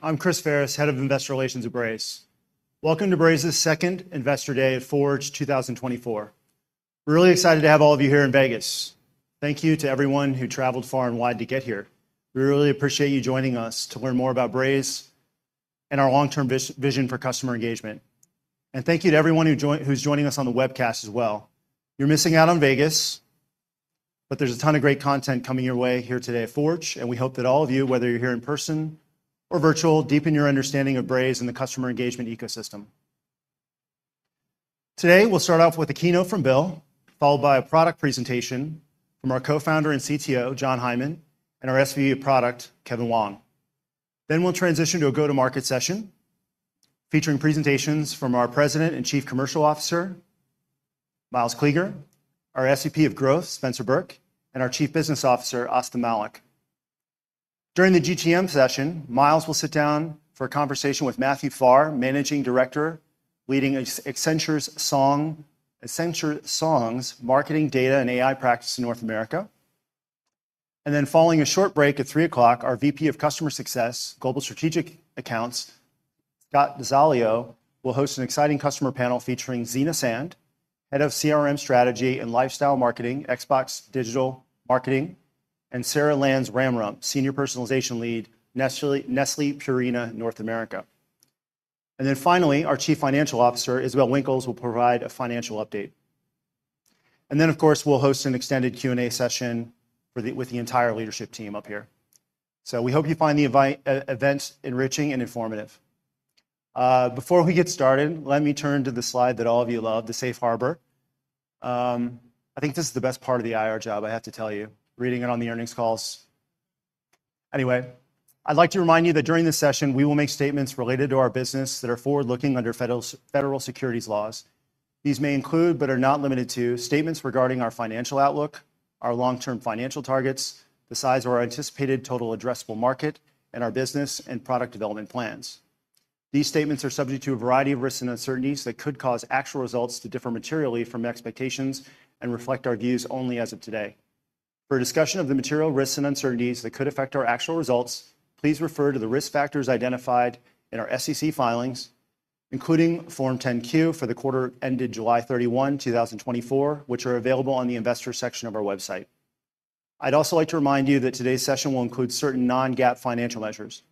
I'm Chris Ferris, Head of Investor Relations at Braze. Welcome to Braze's second Investor Day at Forge 2024. We're really excited to have all of you here in Vegas. Thank you to everyone who traveled far and wide to get here. We really appreciate you joining us to learn more about Braze and our long-term vision for customer engagement. And thank you to everyone who's joining us on the webcast as well. You're missing out on Vegas, but there's a ton of great content coming your way here today at Forge, and we hope that all of you, whether you're here in person or virtual, deepen your understanding of Braze and the customer engagement ecosystem. Today, we'll start off with a keynote from Bill, followed by a product presentation from our co-founder and CTO, Jon Hyman, and our SVP of Product, Kevin Wang. Then we'll transition to a go-to-market session, featuring presentations from our President and Chief Commercial Officer, Myles Kleeger, our SVP of Growth, Spencer Burke, and our Chief Business Officer, Astha Malik. During the GTM session, Myles will sit down for a conversation with Matthew Farr, Managing Director, leading Accenture Song's Marketing, Data, and AI practice in North America. And then following a short break at three o'clock, our VP of Customer Success, Global Strategic Accounts, Scott DeZulo, will host an exciting customer panel featuring Sina Sands, Head of CRM Strategy and Lifecycle Marketing, Xbox, and Sarah Lantz-Ramrup, Senior Personalization Lead, Nestlé Purina, North America. And then finally, our Chief Financial Officer, Isabelle Winkels, will provide a financial update. And then, of course, we'll host an extended Q&A session with the entire leadership team up here. So we hope you find the invite-only event enriching and informative. Before we get started, let me turn to the slide that all of you love, the safe harbor. I think this is the best part of the IR job, I have to tell you, reading it on the earnings calls. Anyway, I'd like to remind you that during this session, we will make statements related to our business that are forward-looking under federal securities laws. These may include, but are not limited to, statements regarding our financial outlook, our long-term financial targets, the size of our anticipated total addressable market, and our business and product development plans. These statements are subject to a variety of risks and uncertainties that could cause actual results to differ materially from expectations and reflect our views only as of today. For a discussion of the material risks and uncertainties that could affect our actual results, please refer to the risk factors identified in our SEC filings, including Form 10-Q for the quarter ended July thirty-one, two thousand and twenty-four, which are available on the investor section of our website. I'd also like to remind you that today's session will include certain non-GAAP financial measures.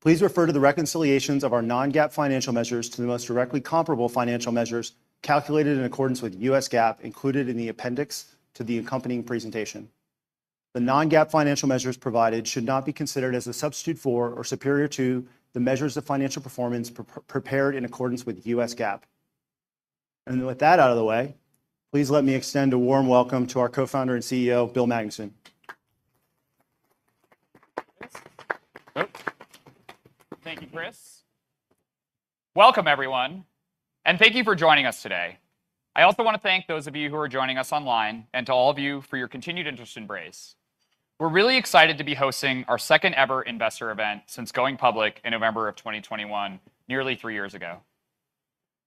Please refer to the reconciliations of our non-GAAP financial measures to the most directly comparable financial measures, calculated in accordance with US GAAP, included in the appendix to the accompanying presentation. The non-GAAP financial measures provided should not be considered as a substitute for or superior to the measures of financial performance prepared in accordance with US GAAP, and with that out of the way, please let me extend a warm welcome to our co-founder and CEO, Bill Magnuson. Thank you, Chris. Welcome, everyone, and thank you for joining us today. I also want to thank those of you who are joining us online and to all of you for your continued interest in Braze. We're really excited to be hosting our second-ever investor event since going public in November of 2021, nearly three years ago.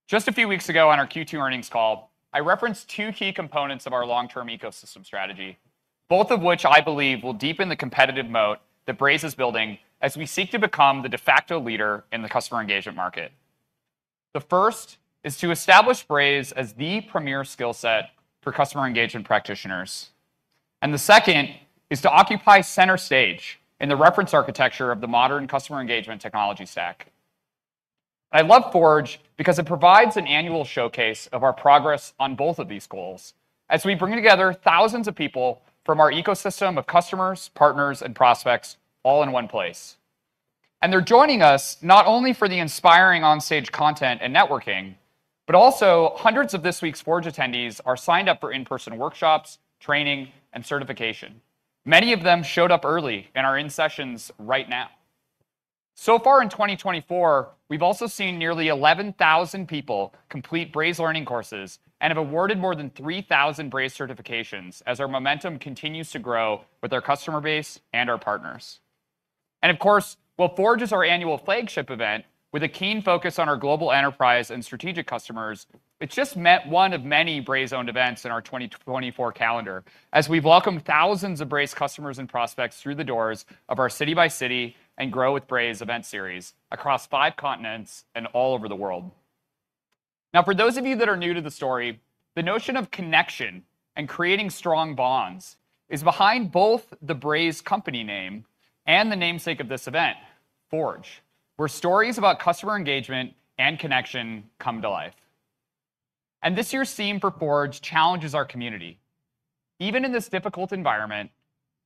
Just a few weeks ago, on our Q2 earnings call, I referenced two key components of our long-term ecosystem strategy, both of which I believe will deepen the competitive moat that Braze is building as we seek to become the de facto leader in the customer engagement market. The first is to establish Braze as the premier skill set for customer engagement practitioners, and the second is to occupy center stage in the reference architecture of the modern customer engagement technology stack. I love Forge because it provides an annual showcase of our progress on both of these goals as we bring together thousands of people from our ecosystem of customers, partners, and prospects all in one place. They're joining us not only for the inspiring on-stage content and networking, but also, hundreds of this week's Forge attendees are signed up for in-person workshops, training, and certification. Many of them showed up early and are in sessions right now. Far in 2024, we've also seen nearly 11,000 people complete Braze Learning courses and have awarded more than 3,000 Braze certifications as our momentum continues to grow with our customer base and our partners. Of course, while Forge is our annual flagship event with a keen focus on our global enterprise and strategic customers, it's just one of many Braze-owned events in our 2024 calendar. As we've welcomed thousands of Braze customers and prospects through the doors of our city by city and Grow with Braze event series across five continents and all over the world. Now, for those of you that are new to the story, the notion of connection and creating strong bonds is behind both the Braze company name and the namesake of this event, Forge, where stories about customer engagement and connection come to life, and this year's theme for Forge challenges our community. Even in this difficult environment,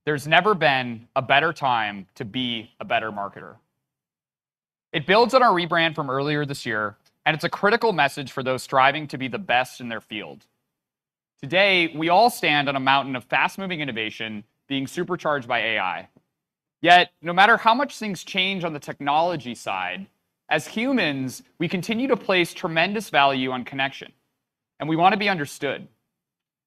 there's never been a better time to be a better marketer. It builds on our rebrand from earlier this year, and it's a critical message for those striving to be the best in their field. Today, we all stand on a mountain of fast-moving innovation being supercharged by AI. Yet, no matter how much things change on the technology side, as humans, we continue to place tremendous value on connection, and we want to be understood.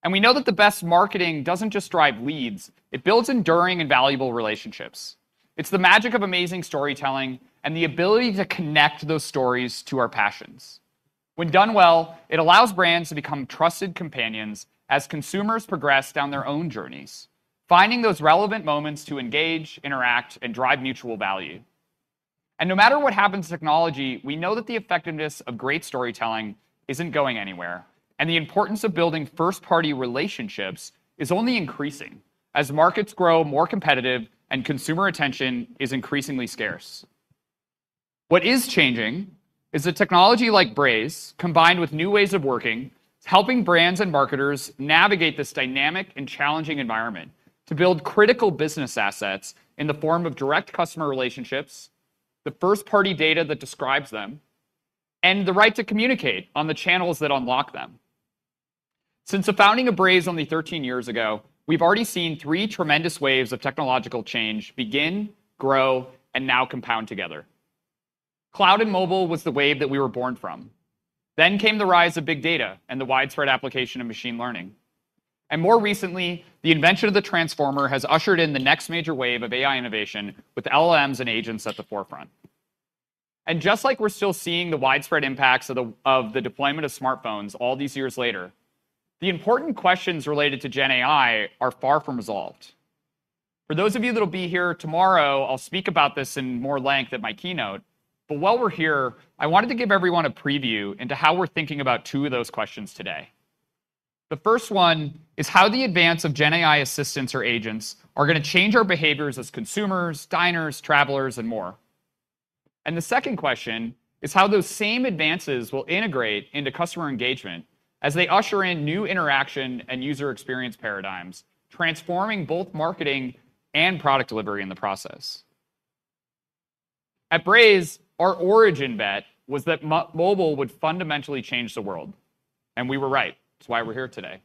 And we know that the best marketing doesn't just drive leads, it builds enduring and valuable relationships. It's the magic of amazing storytelling and the ability to connect those stories to our passions.... When done well, it allows brands to become trusted companions as consumers progress down their own journeys, finding those relevant moments to engage, interact, and drive mutual value. And no matter what happens to technology, we know that the effectiveness of great storytelling isn't going anywhere, and the importance of building first-party relationships is only increasing as markets grow more competitive and consumer attention is increasingly scarce. What is changing is that technology like Braze, combined with new ways of working, is helping brands and marketers navigate this dynamic and challenging environment to build critical business assets in the form of direct customer relationships, the first-party data that describes them, and the right to communicate on the channels that unlock them. Since the founding of Braze only 13 years ago, we've already seen three tremendous waves of technological change begin, grow, and now compound together. Cloud and mobile was the wave that we were born from. Then came the rise of big data and the widespread application of machine learning. And more recently, the invention of the transformer has ushered in the next Mylesor wave of AI innovation, with LLMs and agents at the forefront. And just like we're still seeing the widespread impacts of the deployment of smartphones all these years later, the important questions related to GenAI are far from resolved. For those of you that'll be here tomorrow, I'll speak about this in more length at my keynote, but while we're here, I wanted to give everyone a preview into how we're thinking about two of those questions today. The first one is how the advance of GenAI assistants or agents are gonna change our behaviors as consumers, diners, travelers, and more. And the second question is how those same advances will integrate into customer engagement as they usher in new interaction and user experience paradigms, transforming both marketing and product delivery in the process. At Braze, our origin bet was that mobile would fundamentally change the world, and we were right. It's why we're here today.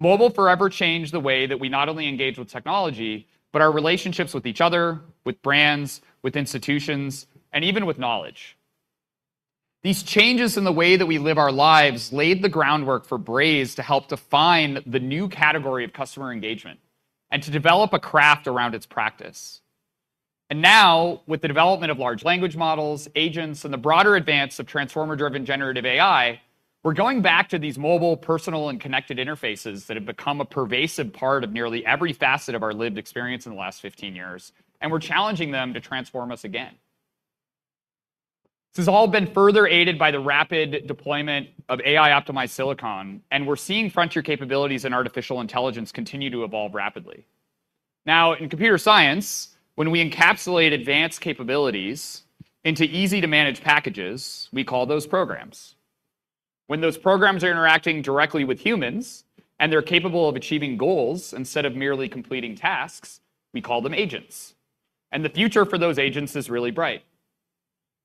Mobile forever changed the way that we not only engage with technology, but our relationships with each other, with brands, with institutions, and even with knowledge. These changes in the way that we live our lives laid the groundwork for Braze to help define the new category of customer engagement and to develop a craft around its practice. And now, with the development of large language models, agents, and the broader advance of transformer-driven generative AI, we're going back to these mobile, personal, and connected interfaces that have become a pervasive part of nearly every facet of our lived experience in the last fifteen years, and we're challenging them to transform us again. This has all been further aided by the rapid deployment of AI-optimized silicon, and we're seeing frontier capabilities in artificial intelligence continue to evolve rapidly. Now, in computer science, when we encapsulate advanced capabilities into easy-to-manage packages, we call those programs. When those programs are interacting directly with humans, and they're capable of achieving goals instead of merely completing tasks, we call them agents, and the future for those agents is really bright.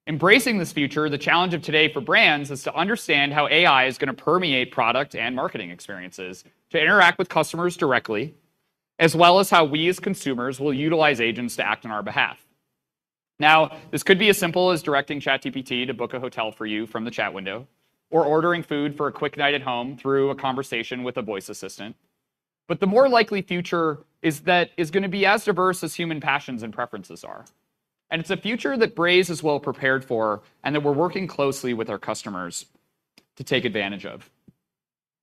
Embracing this future, the challenge of today for brands is to understand how AI is gonna permeate product and marketing experiences, to interact with customers directly, as well as how we, as consumers, will utilize agents to act on our behalf. Now, this could be as simple as directing ChatGPT to book a hotel for you from the chat window or ordering food for a quick night at home through a conversation with a voice assistant. But the more likely future is that it's gonna be as diverse as human passions and preferences are, and it's a future that Braze is well prepared for, and that we're working closely with our customers to take advantage of.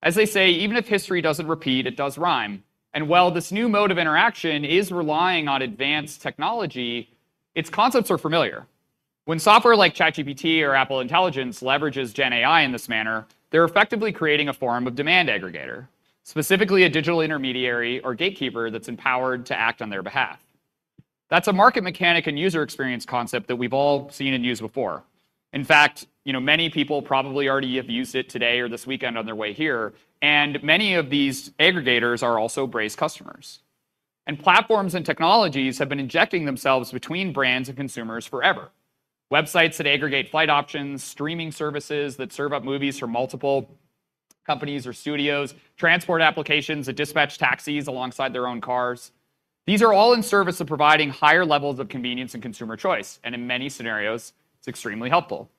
As they say, even if history doesn't repeat, it does rhyme, and while this new mode of interaction is relying on advanced technology, its concepts are familiar. When software like ChatGPT or Apple Intelligence leverages GenAI in this manner, they're effectively creating a form of demand aggregator, specifically a digital intermediary or gatekeeper that's empowered to act on their behalf. That's a market mechanic and user experience concept that we've all seen and used before. In fact, you know, many people probably already have used it today or this weekend on their way here, and many of these aggregators are also Braze customers. And platforms and technologies have been injecting themselves between brands and consumers forever. Websites that aggregate flight options, streaming services that serve up movies for multiple companies or studios, transport applications that dispatch taxis alongside their own cars. These are all in service of providing higher levels of convenience and consumer choice, and in many scenarios, it's extremely helpful.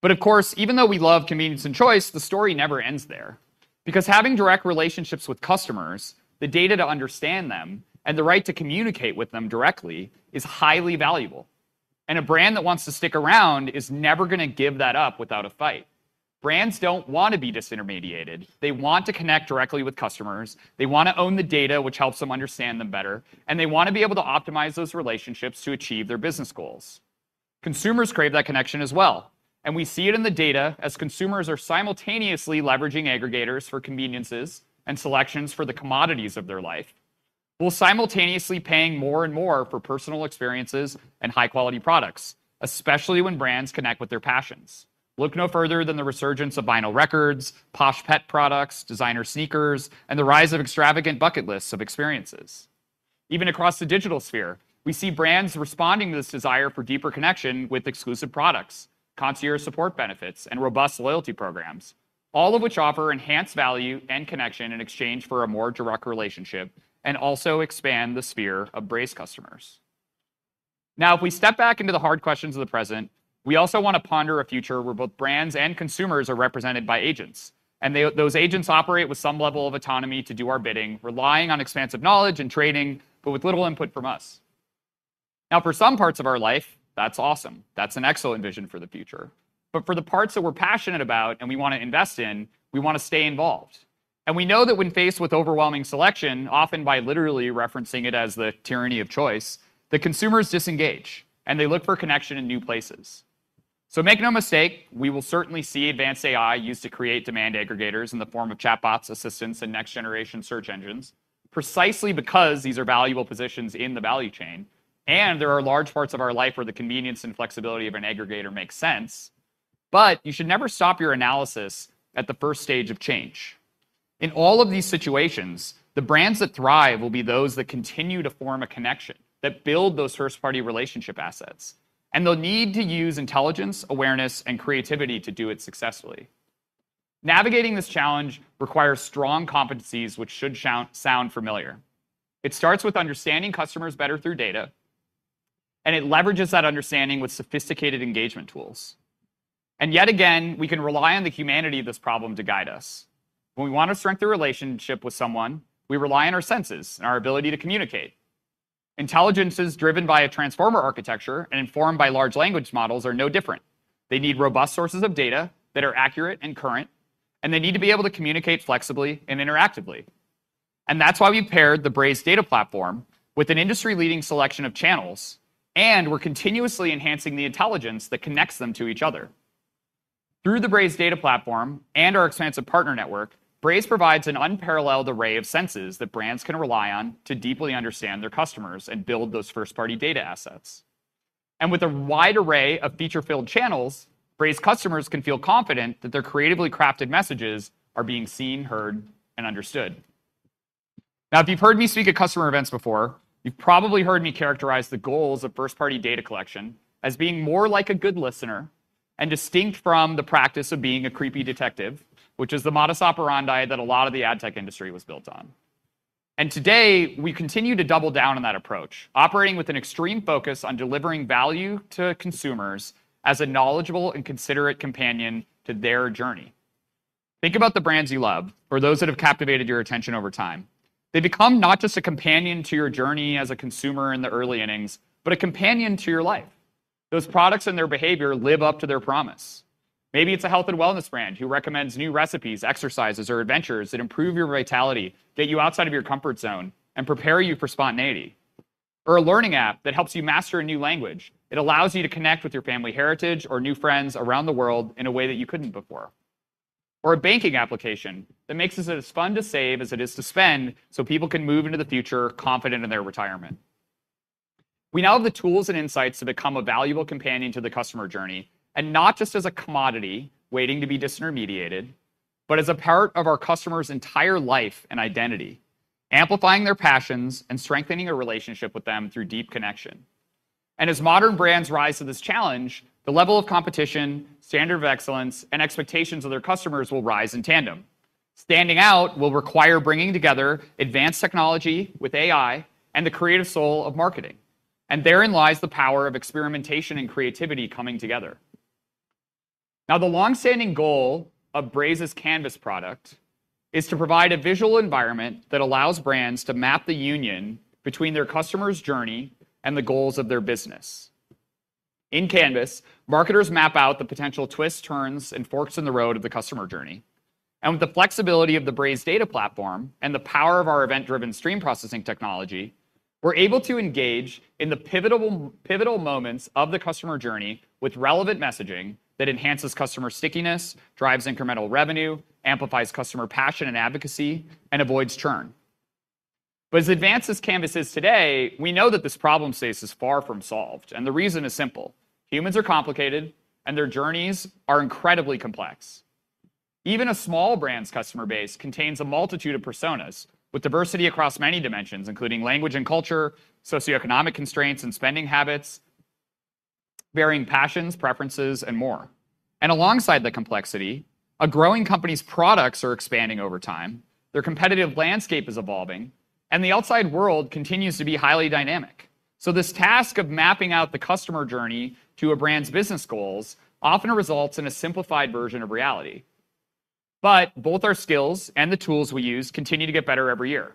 But of course, even though we love convenience and choice, the story never ends there. Because having direct relationships with customers, the data to understand them, and the right to communicate with them directly is highly valuable, and a brand that wants to stick around is never gonna give that up without a fight. Brands don't want to be disintermediated. They want to connect directly with customers, they want to own the data, which helps them understand them better, and they want to be able to optimize those relationships to achieve their business goals. Consumers crave that connection as well, and we see it in the data as consumers are simultaneously leveraging aggregators for conveniences and selections for the commodities of their life, while simultaneously paying more and more for personal experiences and high-quality products, especially when brands connect with their passions. Look no further than the resurgence of vinyl records, posh pet products, designer sneakers, and the rise of extravagant bucket lists of experiences. Even across the digital sphere, we see brands responding to this desire for deeper connection with exclusive products, concierge support benefits, and robust loyalty programs, all of which offer enhanced value and connection in exchange for a more direct relationship, and also expand the sphere of Braze customers. Now, if we step back into the hard questions of the present, we also want to ponder a future where both brands and consumers are represented by agents, and those agents operate with some level of autonomy to do our bidding, relying on expansive knowledge and training, but with little input from us. Now, for some parts of our life, that's awesome. That's an excellent vision for the future. But for the parts that we're passionate about and we wanna invest in, we wanna stay involved. We know that when faced with overwhelming selection, often by literally referencing it as the tyranny of choice, the consumers disengage, and they look for connection in new places. Make no mistake, we will certainly see advanced AI used to create demand aggregators in the form of chatbots, assistants, and next-generation search engines, precisely because these are valuable positions in the value chain, and there are large parts of our life where the convenience and flexibility of an aggregator makes sense. You should never stop your analysis at the first stage of change. In all of these situations, the brands that thrive will be those that continue to form a connection, that build those first-party relationship assets, and they'll need to use intelligence, awareness, and creativity to do it successfully. Navigating this challenge requires strong competencies, which should sound familiar. It starts with understanding customers better through data, and it leverages that understanding with sophisticated engagement tools, and yet again, we can rely on the humanity of this problem to guide us. When we want to strengthen the relationship with someone, we rely on our senses and our ability to communicate. Intelligences driven by a transformer architecture and informed by large language models are no different. They need robust sources of data that are accurate and current, and they need to be able to communicate flexibly and interactively, and that's why we paired the Braze Data Platform with an industry-leading selection of channels, and we're continuously enhancing the intelligence that connects them to each other. Through the Braze Data Platform and our expansive partner network, Braze provides an unparalleled array of senses that brands can rely on to deeply understand their customers and build those first-party data assets. With a wide array of feature-filled channels, Braze customers can feel confident that their creatively crafted messages are being seen, heard, and understood. Now, if you've heard me speak at customer events before, you've probably heard me characterize the goals of first-party data collection as being more like a good listener and distinct from the practice of being a creepy detective, which is the modus operandi that a lot of the ad tech industry was built on. Today, we continue to double down on that approach, operating with an extreme focus on delivering value to consumers as a knowledgeable and considerate companion to their journey. Think about the brands you love or those that have captivated your attention over time. They become not just a companion to your journey as a consumer in the early innings, but a companion to your life. Those products and their behavior live up to their promise. Maybe it's a health and wellness brand who recommends new recipes, exercises, or adventures that improve your vitality, get you outside of your comfort zone, and prepare you for spontaneity. Or a learning app that helps you master a new language. It allows you to connect with your family heritage or new friends around the world in a way that you couldn't before. Or a banking application that makes it as fun to save as it is to spend, so people can move into the future confident in their retirement. We now have the tools and insights to become a valuable companion to the customer journey, and not just as a commodity waiting to be disintermediated, but as a part of our customer's entire life and identity, amplifying their passions and strengthening a relationship with them through deep connection. As modern brands rise to this challenge, the level of competition, standard of excellence, and expectations of their customers will rise in tandem. Standing out will require bringing together advanced technology with AI and the creative soul of marketing, and therein lies the power of experimentation and creativity coming together. Now, the long-standing goal of Braze Canvas product is to provide a visual environment that allows brands to map the union between their customer's journey and the goals of their business. In Canvas, marketers map out the potential twists, turns, and forks in the road of the customer journey. With the flexibility of the Braze Data Platform and the power of our event-driven stream processing technology, we're able to engage in the pivotal, pivotal moments of the customer journey with relevant messaging that enhances customer stickiness, drives incremental revenue, amplifies customer passion and advocacy, and avoids churn. But as advanced as Canvas is today, we know that this problem space is far from solved, and the reason is simple: humans are complicated, and their journeys are incredibly complex. Even a small brand's customer base contains a multitude of personas with diversity across many dimensions, including language and culture, socioeconomic constraints and spending habits, varying passions, preferences, and more. And alongside the complexity, a growing company's products are expanding over time, their competitive landscape is evolving, and the outside world continues to be highly dynamic. So this task of mapping out the customer journey to a brand's business goals often results in a simplified version of reality. But both our skills and the tools we use continue to get better every year.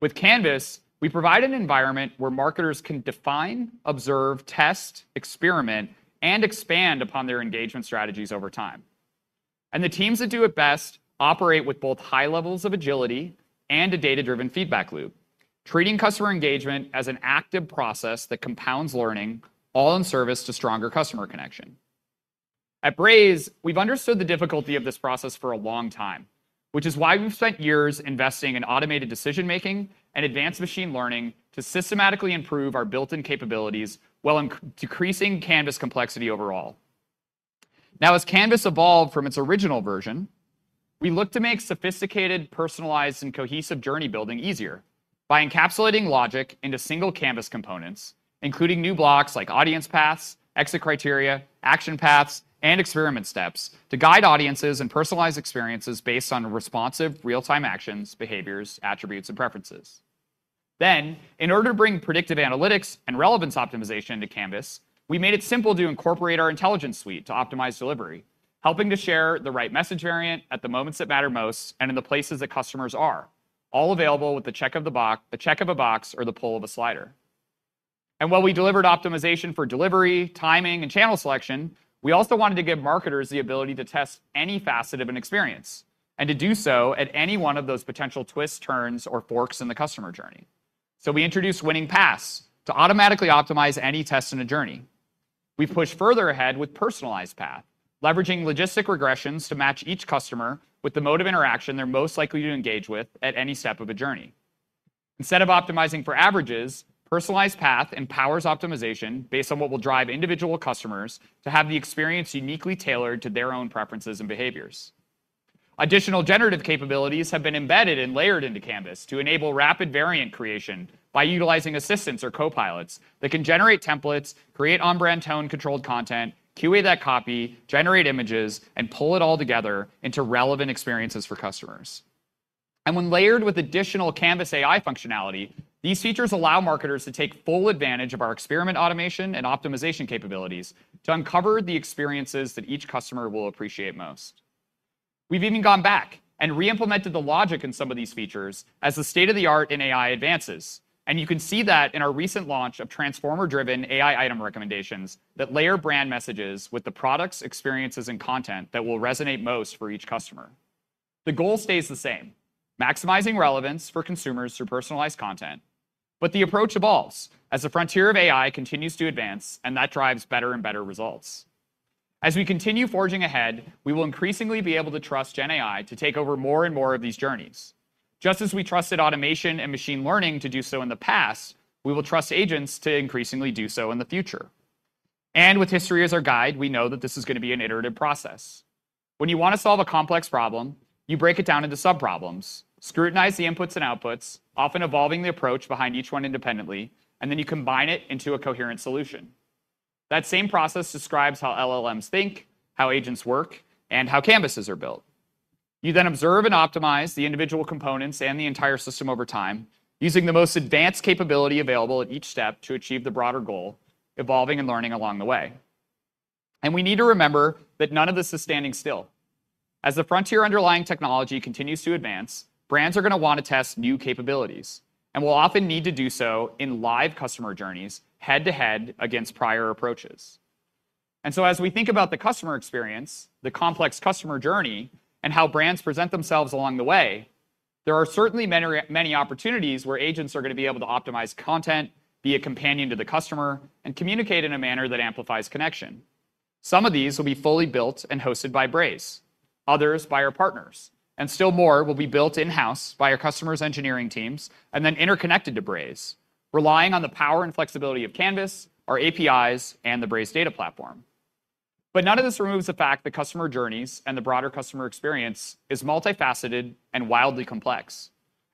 With Canvas, we provide an environment where marketers can define, observe, test, experiment, and expand upon their engagement strategies over time. The teams that do it best operate with both high levels of agility and a data-driven feedback loop, treating customer engagement as an active process that compounds learning, all in service to stronger customer connection. At Braze, we've understood the difficulty of this process for a long time, which is why we've spent years investing in automated decision-making and advanced machine learning to systematically improve our built-in capabilities while decreasing Canvas complexity overall. Now, as Canvas evolved from its original version, we looked to make sophisticated, personalized, and cohesive journey building easier by encapsulating logic into single-canvas components, including new blocks like Audience Paths, exit criteria, Action Paths, and experiment steps, to guide audiences and personalize experiences based on responsive real-time actions, behaviors, attributes, and preferences. Then, in order to bring predictive analytics and relevance optimization into Canvas, we made it simple to incorporate our intelligence suite to optimize delivery, helping to share the right message variant at the moments that matter most and in the places that customers are, all available with the check of the box, the check of a box, or the pull of a slider. And while we delivered optimization for delivery, timing, and channel selection, we also wanted to give marketers the ability to test any facet of an experience and to do so at any one of those potential twists, turns, or forks in the customer journey. So we introduced Winning Paths to automatically optimize any test in a journey. We pushed further ahead with Personalized Path, leveraging logistic regressions to match each customer with the mode of interaction they're most likely to engage with at any step of a journey. Instead of optimizing for averages, Personalized Path empowers optimization based on what will drive individual customers to have the experience uniquely tailored to their own preferences and behaviors. Additional generative capabilities have been embedded and layered into Canvas to enable rapid variant creation by utilizing assistants or copilots that can generate templates, create on-brand tone-controlled content, QA that copy, generate images, and pull it all together into relevant experiences for customers, and when layered with additional Canvas AI functionality, these features allow marketers to take full advantage of our experiment automation and optimization capabilities to uncover the experiences that each customer will appreciate most. We've even gone back and re-implemented the logic in some of these features as the state-of-the-art in AI advances, and you can see that in our recent launch of transformer-driven AI Item Recommendations that layer brand messages with the products, experiences, and content that will resonate most for each customer. The goal stays the same: maximizing relevance for consumers through personalized content. But the approach evolves as the frontier of AI continues to advance, and that drives better and better results. As we continue forging ahead, we will increasingly be able to trust GenAI to take over more and more of these journeys. Just as we trusted automation and machine learning to do so in the past, we will trust agents to increasingly do so in the future. And with history as our guide, we know that this is gonna be an iterative process. When you wanna solve a complex problem, you break it down into subproblems, scrutinize the inputs and outputs, often evolving the approach behind each one independently, and then you combine it into a coherent solution. That same process describes how LLMs think, how agents work, and how Canvases are built. You then observe and optimize the individual components and the entire system over time, using the most advanced capability available at each step to achieve the broader goal, evolving and learning along the way. And we need to remember that none of this is standing still. As the frontier underlying technology continues to advance, brands are gonna wanna test new capabilities and will often need to do so in live customer journeys, head-to-head against prior approaches. So as we think about the customer experience, the complex customer journey, and how brands present themselves along the way, there are certainly many opportunities where agents are gonna be able to optimize content, be a companion to the customer, and communicate in a manner that amplifies connection. Some of these will be fully built and hosted by Braze, others by our partners, and still more will be built in-house by our customers' engineering teams and then interconnected to Braze, relying on the power and flexibility of Canvas, our APIs, and the Braze Data Platform. None of this removes the fact that customer journeys and the broader customer experience is multifaceted and wildly complex,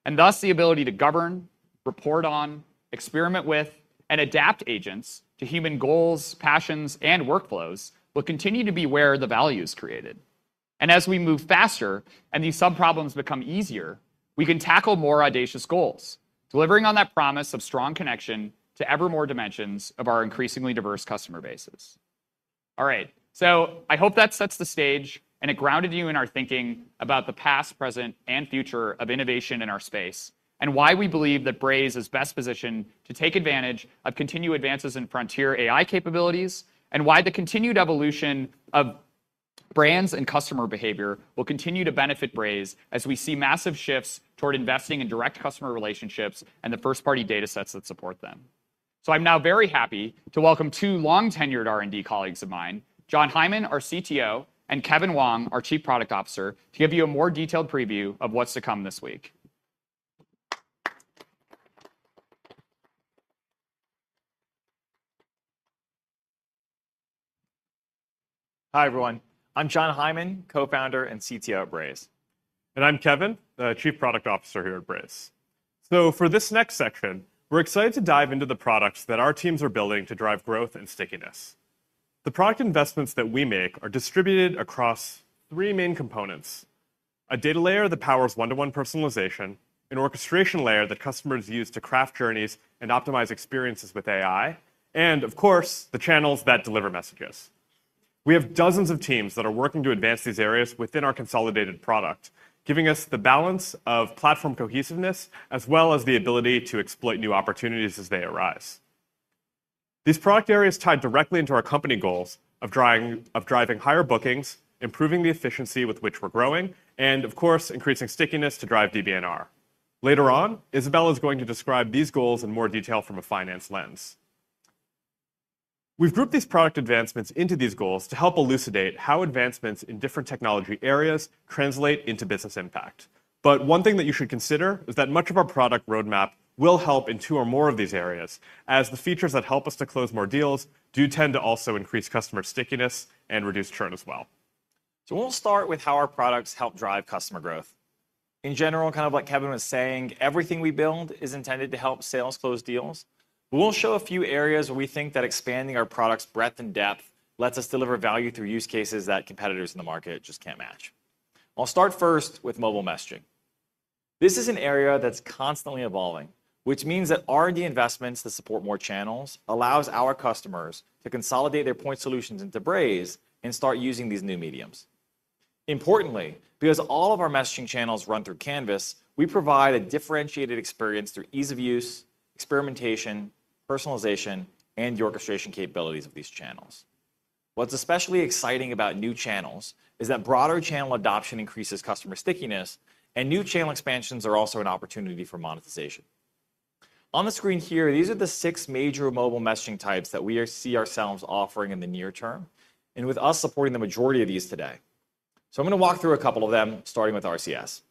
and thus the ability to govern, report on, experiment with, and adapt agents to human goals, passions, and workflows will continue to be where the value is created. And as we move faster and these subproblems become easier, we can tackle more audacious goals, delivering on that promise of strong connection to ever more dimensions of our increasingly diverse customer bases. All right, so I hope that sets the stage and it grounded you in our thinking about the past, present, and future of innovation in our space, and why we believe that Braze is best positioned to take advantage of continued advances in frontier AI capabilities, and why the continued evolution of brands and customer behavior will continue to benefit Braze as we see massive shifts toward investing in direct customer relationships and the first-party data sets that support them. So I'm now very happy to welcome two long-tenured R&D colleagues of mine, Jon Hyman, our CTO, and Kevin Wang, our Chief Product Officer, to give you a more detailed preview of what's to come this week. Hi, everyone. I'm Jon Hyman, Co-founder and CTO at Braze. I'm Kevin, the Chief Product Officer here at Braze. For this next section, we're excited to dive into the products that our teams are building to drive growth and stickiness. The product investments that we make are distributed across three main components: a data layer that powers one-to-one personalization, an orchestration layer that customers use to craft journeys and optimize experiences with AI, and of course, the channels that deliver messages. We have dozens of teams that are working to advance these areas within our consolidated product, giving us the balance of platform cohesiveness, as well as the ability to exploit new opportunities as they arise. These product areas tie directly into our company goals of driving higher bookings, improving the efficiency with which we're growing, and of course, increasing stickiness to drive DBNR. Later on, Isabelle is going to describe these goals in more detail from a finance lens. We've grouped these product advancements into these goals to help elucidate how advancements in different technology areas translate into business impact. But one thing that you should consider is that much of our product roadmap will help in two or more of these areas, as the features that help us to close more deals do tend to also increase customer stickiness and reduce churn as well. So we'll start with how our products help drive customer growth. In general, kind of like Kevin was saying, everything we build is intended to help sales close deals. We'll show a few areas where we think that expanding our product's breadth and depth lets us deliver value through use cases that competitors in the market just can't match. I'll start first with mobile messaging. This is an area that's constantly evolving, which means that R&D investments that support more channels allows our customers to consolidate their point solutions into Braze and start using these new mediums. Importantly, because all of our messaging channels run through Canvas, we provide a differentiated experience through ease of use, experimentation, personalization, and the orchestration capabilities of these channels. What's especially exciting about new channels is that broader channel adoption increases customer stickiness, and new channel expansions are also an opportunity for monetization. On the screen here, these are the six Mylesor mobile messaging types that we see ourselves offering in the near term, and with us supporting the Mylesority of these today. So I'm gonna walk through a couple of them, starting with RCS.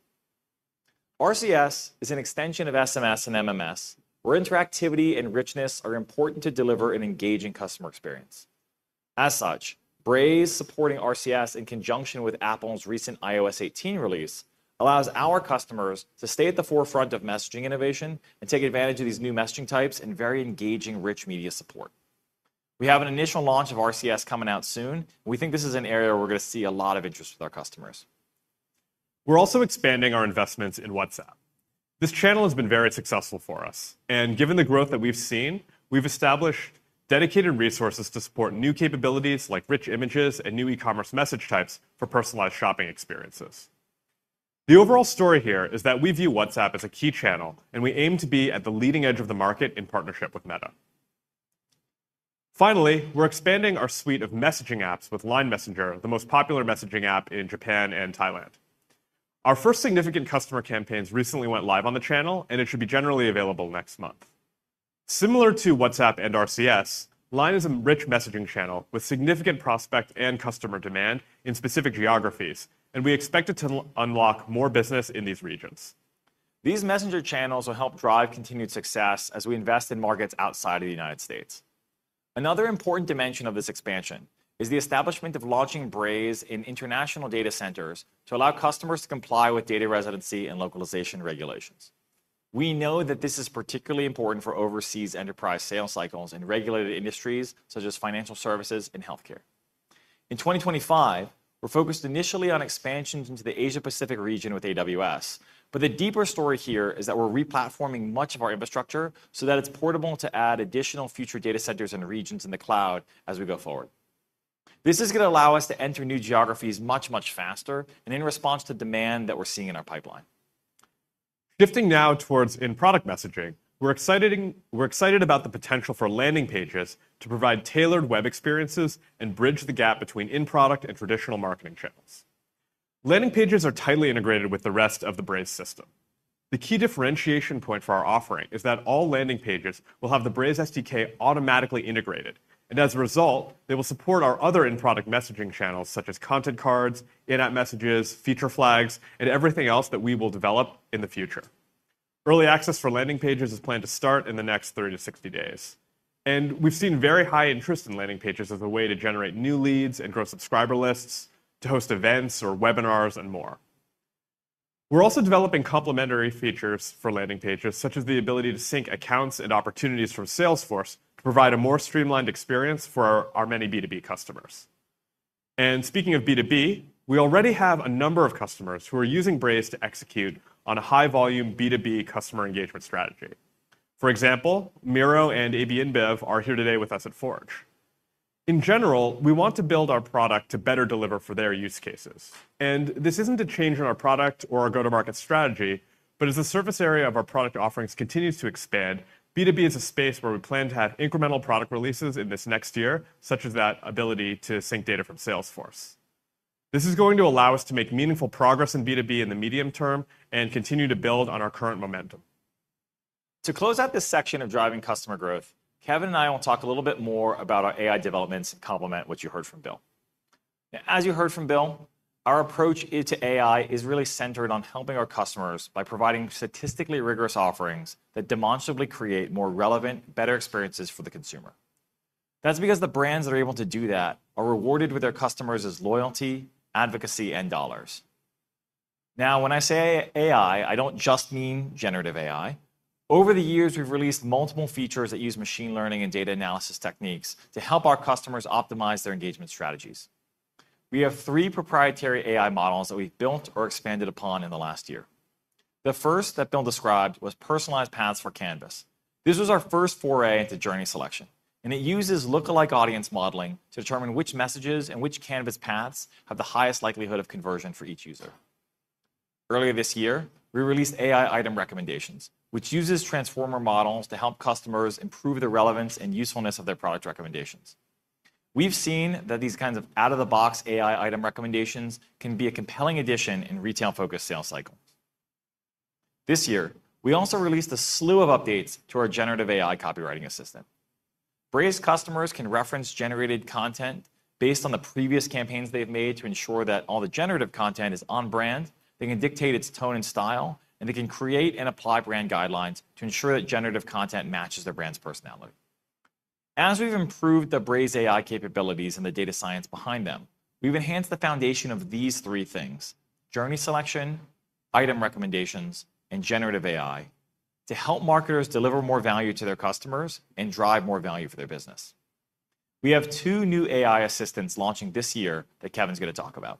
RCS is an extension of SMS and MMS, where interactivity and richness are important to deliver an engaging customer experience. As such, Braze supporting RCS in conjunction with Apple's recent iOS 18 release, allows our customers to stay at the forefront of messaging innovation and take advantage of these new messaging types and very engaging, rich media support. We have an initial launch of RCS coming out soon. We think this is an area where we're gonna see a lot of interest with our customers. We're also expanding our investments in WhatsApp. This channel has been very successful for us, and given the growth that we've seen, we've established dedicated resources to support new capabilities like rich images and new e-commerce message types for personalized shopping experiences. The overall story here is that we view WhatsApp as a key channel, and we aim to be at the leading edge of the market in partnership with Meta. Finally, we're expanding our suite of messaging apps with LINE Messenger, the most popular messaging app in Japan and Thailand. Our first significant customer campaigns recently went live on the channel, and it should be generally available next month. Similar to WhatsApp and RCS, LINE is a rich messaging channel with significant prospect and customer demand in specific geographies, and we expect it to unlock more business in these regions. These messenger channels will help drive continued success as we invest in markets outside of the United States. Another important dimension of this expansion is the establishment of launching Braze in international data centers to allow customers to comply with data residency and localization regulations. We know that this is particularly important for overseas enterprise sales cycles in regulated industries, such as financial services and healthcare. In 2025, we're focused initially on expansions into the Asia-Pacific region with AWS, but the deeper story here is that we're re-platforming much of our infrastructure so that it's portable to add additional future data centers and regions in the cloud as we go forward. This is gonna allow us to enter new geographies much, much faster and in response to demand that we're seeing in our pipeline. Shifting now towards in-product messaging, we're excited about the potential for Landing Pages to provide tailored web experiences and bridge the gap between in-product and traditional marketing channels. Landing Pages are tightly integrated with the rest of the Braze system. The key differentiation point for our offering is that all Landing Pages will have the Braze SDK automatically integrated, and as a result, they will support our other in-product messaging channels, such as Content Cards, In-App Messages, Feature Flags, and everything else that we will develop in the future. Early access for Landing Pages is planned to start in the next 30 to 60 days, and we've seen very high interest in Landing Pages as a way to generate new leads and grow subscriber lists, to host events or webinars, and more. We're also developing complementary features for Landing Pages, such as the ability to sync accounts and opportunities from Salesforce to provide a more streamlined experience for our many B2B customers, and speaking of B2B, we already have a number of customers who are using Braze to execute on a high-volume, B2B customer engagement strategy. For example, Miro and AB InBev are here today with us at Forge. In general, we want to build our product to better deliver for their use cases, and this isn't a change in our product or our go-to-market strategy, but as the surface area of our product offerings continues to expand, B2B is a space where we plan to have incremental product releases in this next year, such as that ability to sync data from Salesforce. This is going to allow us to make meaningful progress in B2B in the medium term and continue to build on our current momentum. To close out this section of driving customer growth, Kevin and I will talk a little bit more about our AI developments to complement what you heard from Bill. As you heard from Bill, our approach into AI is really centered on helping our customers by providing statistically rigorous offerings that demonstrably create more relevant, better experiences for the consumer. That's because the brands that are able to do that are rewarded with their customers' loyalty, advocacy, and dollars. Now, when I say AI, I don't just mean generative AI. Over the years, we've released multiple features that use machine learning and data analysis techniques to help our customers optimize their engagement strategies. We have three proprietary AI models that we've built or expanded upon in the last year. The first that Bill described was personalized paths for Canvas. This was our first foray into journey selection, and it uses look-alike audience modeling to determine which messages and which canvas paths have the highest likelihood of conversion for each user. Earlier this year, we released AI Item Recommendations, which uses transformer models to help customers improve the relevance and usefulness of their product recommendations. We've seen that these kinds of out-of-the-box AI Item Recommendations can be a compelling addition in retail-focused sales cycles. This year, we also released a slew of updates to our generative AI copywriting assistant. Braze customers can reference generated content based on the previous campaigns they've made to ensure that all the generative content is on brand. They can dictate its tone and style, and they can create and apply brand guidelines to ensure that generative content matches their brand's personality. As we've improved the Braze AI capabilities and the data science behind them, we've enhanced the foundation of these three things: journey selection, item recommendations, and generative AI, to help marketers deliver more value to their customers and drive more value for their business. We have two new AI assistants launching this year that Kevin's gonna talk about.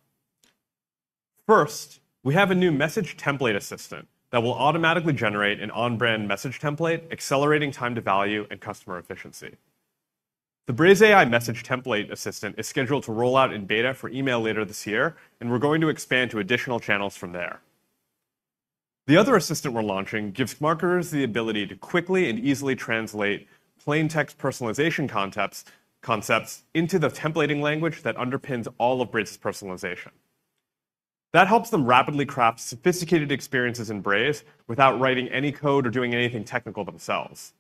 First, we have a new Message Template Assistant that will automatically generate an on-brand message template, accelerating time to value and customer efficiency. The Braze AI Message Template Assistant is scheduled to roll out in beta for email later this year, and we're going to expand to additional channels from there. The other assistant we're launching gives marketers the ability to quickly and easily translate plain text personalization concepts into the templating language that underpins all of Braze's personalization. That helps them rapidly craft sophisticated experiences in Braze without writing any code or doing anything technical themselves.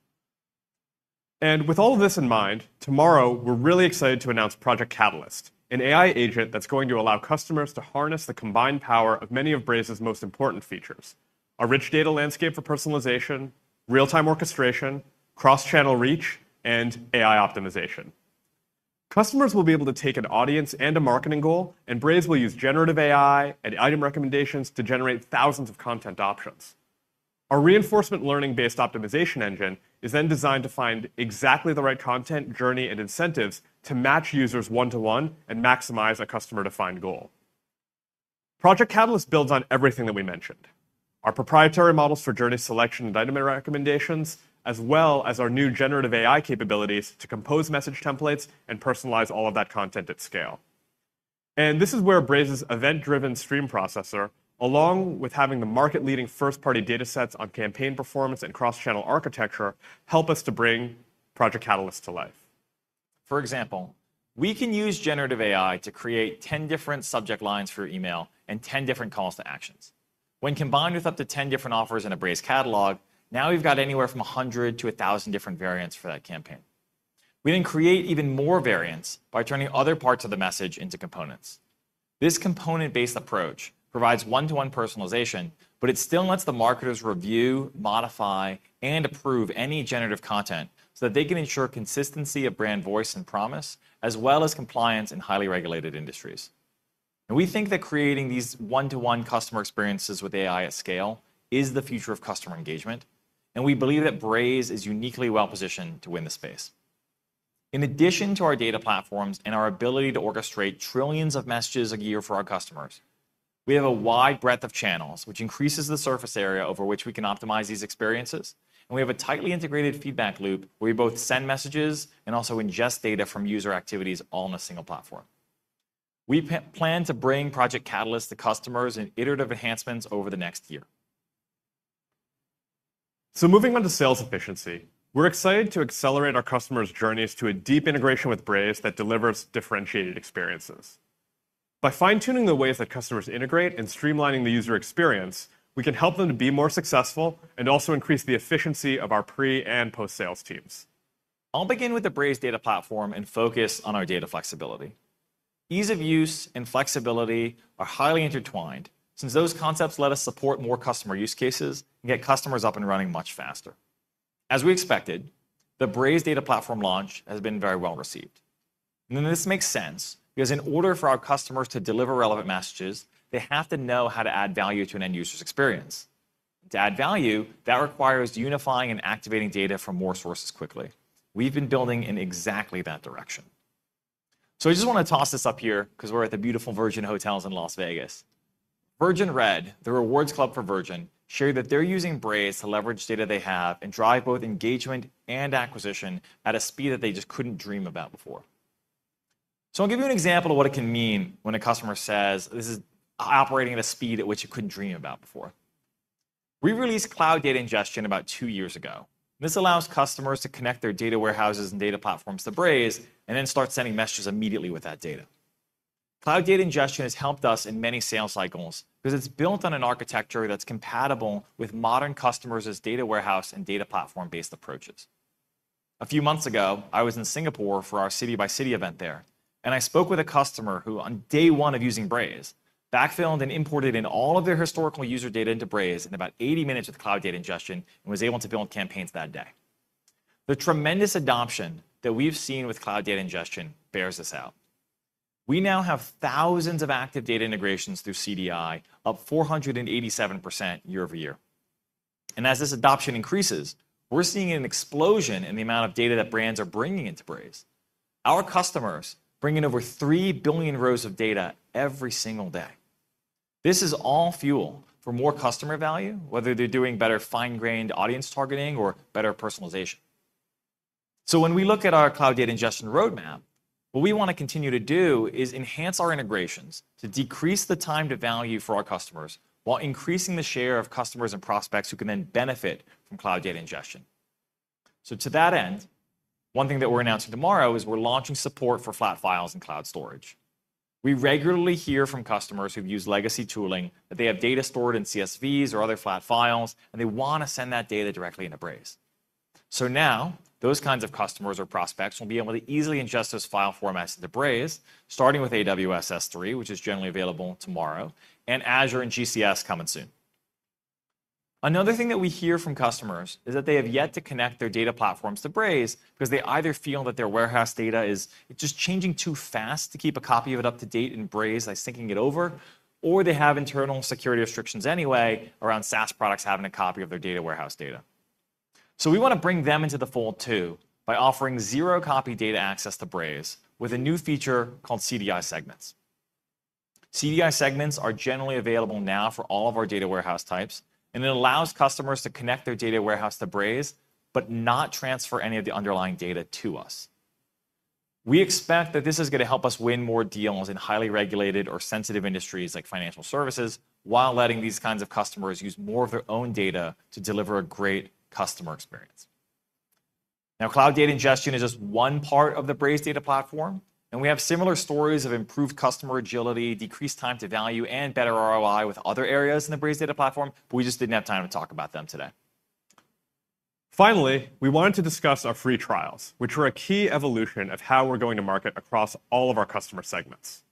With all this in mind, tomorrow, we're really excited to announce Project Catalyst, an AI agent that's going to allow customers to harness the combined power of many of Braze's most important features: a rich data landscape for personalization, real-time orchestration, cross-channel reach, and AI optimization. Customers will be able to take an audience and a marketing goal, and Braze will use generative AI and item recommendations to generate thousands of content options. Our reinforcement learning-based optimization engine is then designed to find exactly the right content, journey, and incentives to match users one to one and maximize a customer-defined goal. Project Catalyst builds on everything that we mentioned. Our proprietary models for journey selection and item recommendations, as well as our new generative AI capabilities to compose message templates and personalize all of that content at scale. And this is where Braze's event-driven stream processor, along with having the market-leading first-party data sets on campaign performance and cross-channel architecture, help us to bring Project Catalyst to life. For example, we can use generative AI to create ten different subject lines for email and ten different calls to actions. When combined with up to ten different offers in a Braze catalog, now we've got anywhere from a hundred to a thousand different variants for that campaign. We then create even more variants by turning other parts of the message into components. This component-based approach provides one-to-one personalization, but it still lets the marketers review, modify, and approve any generative content, so that they can ensure consistency of brand voice and promise, as well as compliance in highly regulated industries. And we think that creating these one-to-one customer experiences with AI at scale is the future of customer engagement, and we believe that Braze is uniquely well-positioned to win the space. In addition to our data platforms and our ability to orchestrate trillions of messages a year for our customers, we have a wide breadth of channels, which increases the surface area over which we can optimize these experiences, and we have a tightly integrated feedback loop, where we both send messages and also ingest data from user activities all on a single platform. We plan to bring Project Catalyst to customers in iterative enhancements over the next year. So moving on to sales efficiency, we're excited to accelerate our customers' journeys to a deep integration with Braze that delivers differentiated experiences. By fine-tuning the ways that customers integrate and streamlining the user experience, we can help them to be more successful and also increase the efficiency of our pre- and post-sales teams. I'll begin with the Braze Data Platform and focus on our data flexibility. Ease of use and flexibility are highly intertwined, since those concepts let us support more customer use cases and get customers up and running much faster. As we expected, the Braze Data Platform launch has been very well received. And this makes sense, because in order for our customers to deliver relevant messages, they have to know how to add value to an end user's experience. To add value, that requires unifying and activating data from more sources quickly. We've been building in exactly that direction. So I just wanna toss this up here 'cause we're at the beautiful Virgin Hotels in Las Vegas. Virgin Red, the rewards club for Virgin, shared that they're using Braze to leverage data they have and drive both engagement and acquisition at a speed that they just couldn't dream about before. I'll give you an example of what it can mean when a customer says, "This is operating at a speed at which you couldn't dream about before." We released Cloud Data Ingestion about two years ago. This allows customers to connect their data warehouses and data platforms to Braze and then start sending messages immediately with that data. Cloud Data Ingestion has helped us in many sales cycles because it's built on an architecture that's compatible with modern customers' data warehouse and data platform-based approaches. A few months ago, I was in Singapore for our city-by-city event there, and I spoke with a customer who, on day one of using Braze, backfilled and imported in all of their historical user data into Braze in about 80 minutes with Cloud Data Ingestion and was able to build campaigns that day. The tremendous adoption that we've seen with Cloud Data Ingestion bears this out. We now have thousands of active data integrations through CDI, up 487% year over year, and as this adoption increases, we're seeing an explosion in the amount of data that brands are bringing into Braze. Our customers bring in over three billion rows of data every single day. This is all fuel for more customer value, whether they're doing better fine-grained audience targeting or better personalization. So when we look at our Cloud Data Ingestion roadmap, what we wanna continue to do is enhance our integrations to decrease the time to value for our customers, while increasing the share of customers and prospects who can then benefit from Cloud Data Ingestion, so to that end, one thing that we're announcing tomorrow is we're launching support for flat files and cloud storage. We regularly hear from customers who've used legacy tooling, that they have data stored in CSVs or other flat files, and they wanna send that data directly into Braze. So now, those kinds of customers or prospects will be able to easily ingest those file formats into Braze, starting with AWS S3, which is generally available tomorrow, and Azure and GCS coming soon. Another thing that we hear from customers is that they have yet to connect their data platforms to Braze because they either feel that their warehouse data is just changing too fast to keep a copy of it up to date in Braze by syncing it over, or they have internal security restrictions anyway around SaaS products having a copy of their data warehouse data. We wanna bring them into the fold, too, by offering zero-copy data access to Braze with a new feature called CDI Segments. CDI Segments are generally available now for all of our data warehouse types, and it allows customers to connect their data warehouse to Braze, but not transfer any of the underlying data to us. We expect that this is gonna help us win more deals in highly regulated or sensitive industries like financial services, while letting these kinds of customers use more of their own data to deliver a great customer experience. Now, Cloud Data Ingestion is just one part of the Braze Data Platform, and we have similar stories of improved customer agility, decreased time to value, and better ROI with other areas in the Braze Data Platform, but we just didn't have time to talk about them today. Finally, we wanted to discuss our free trials, which were a key evolution of how we're going to market across all of our customer segments.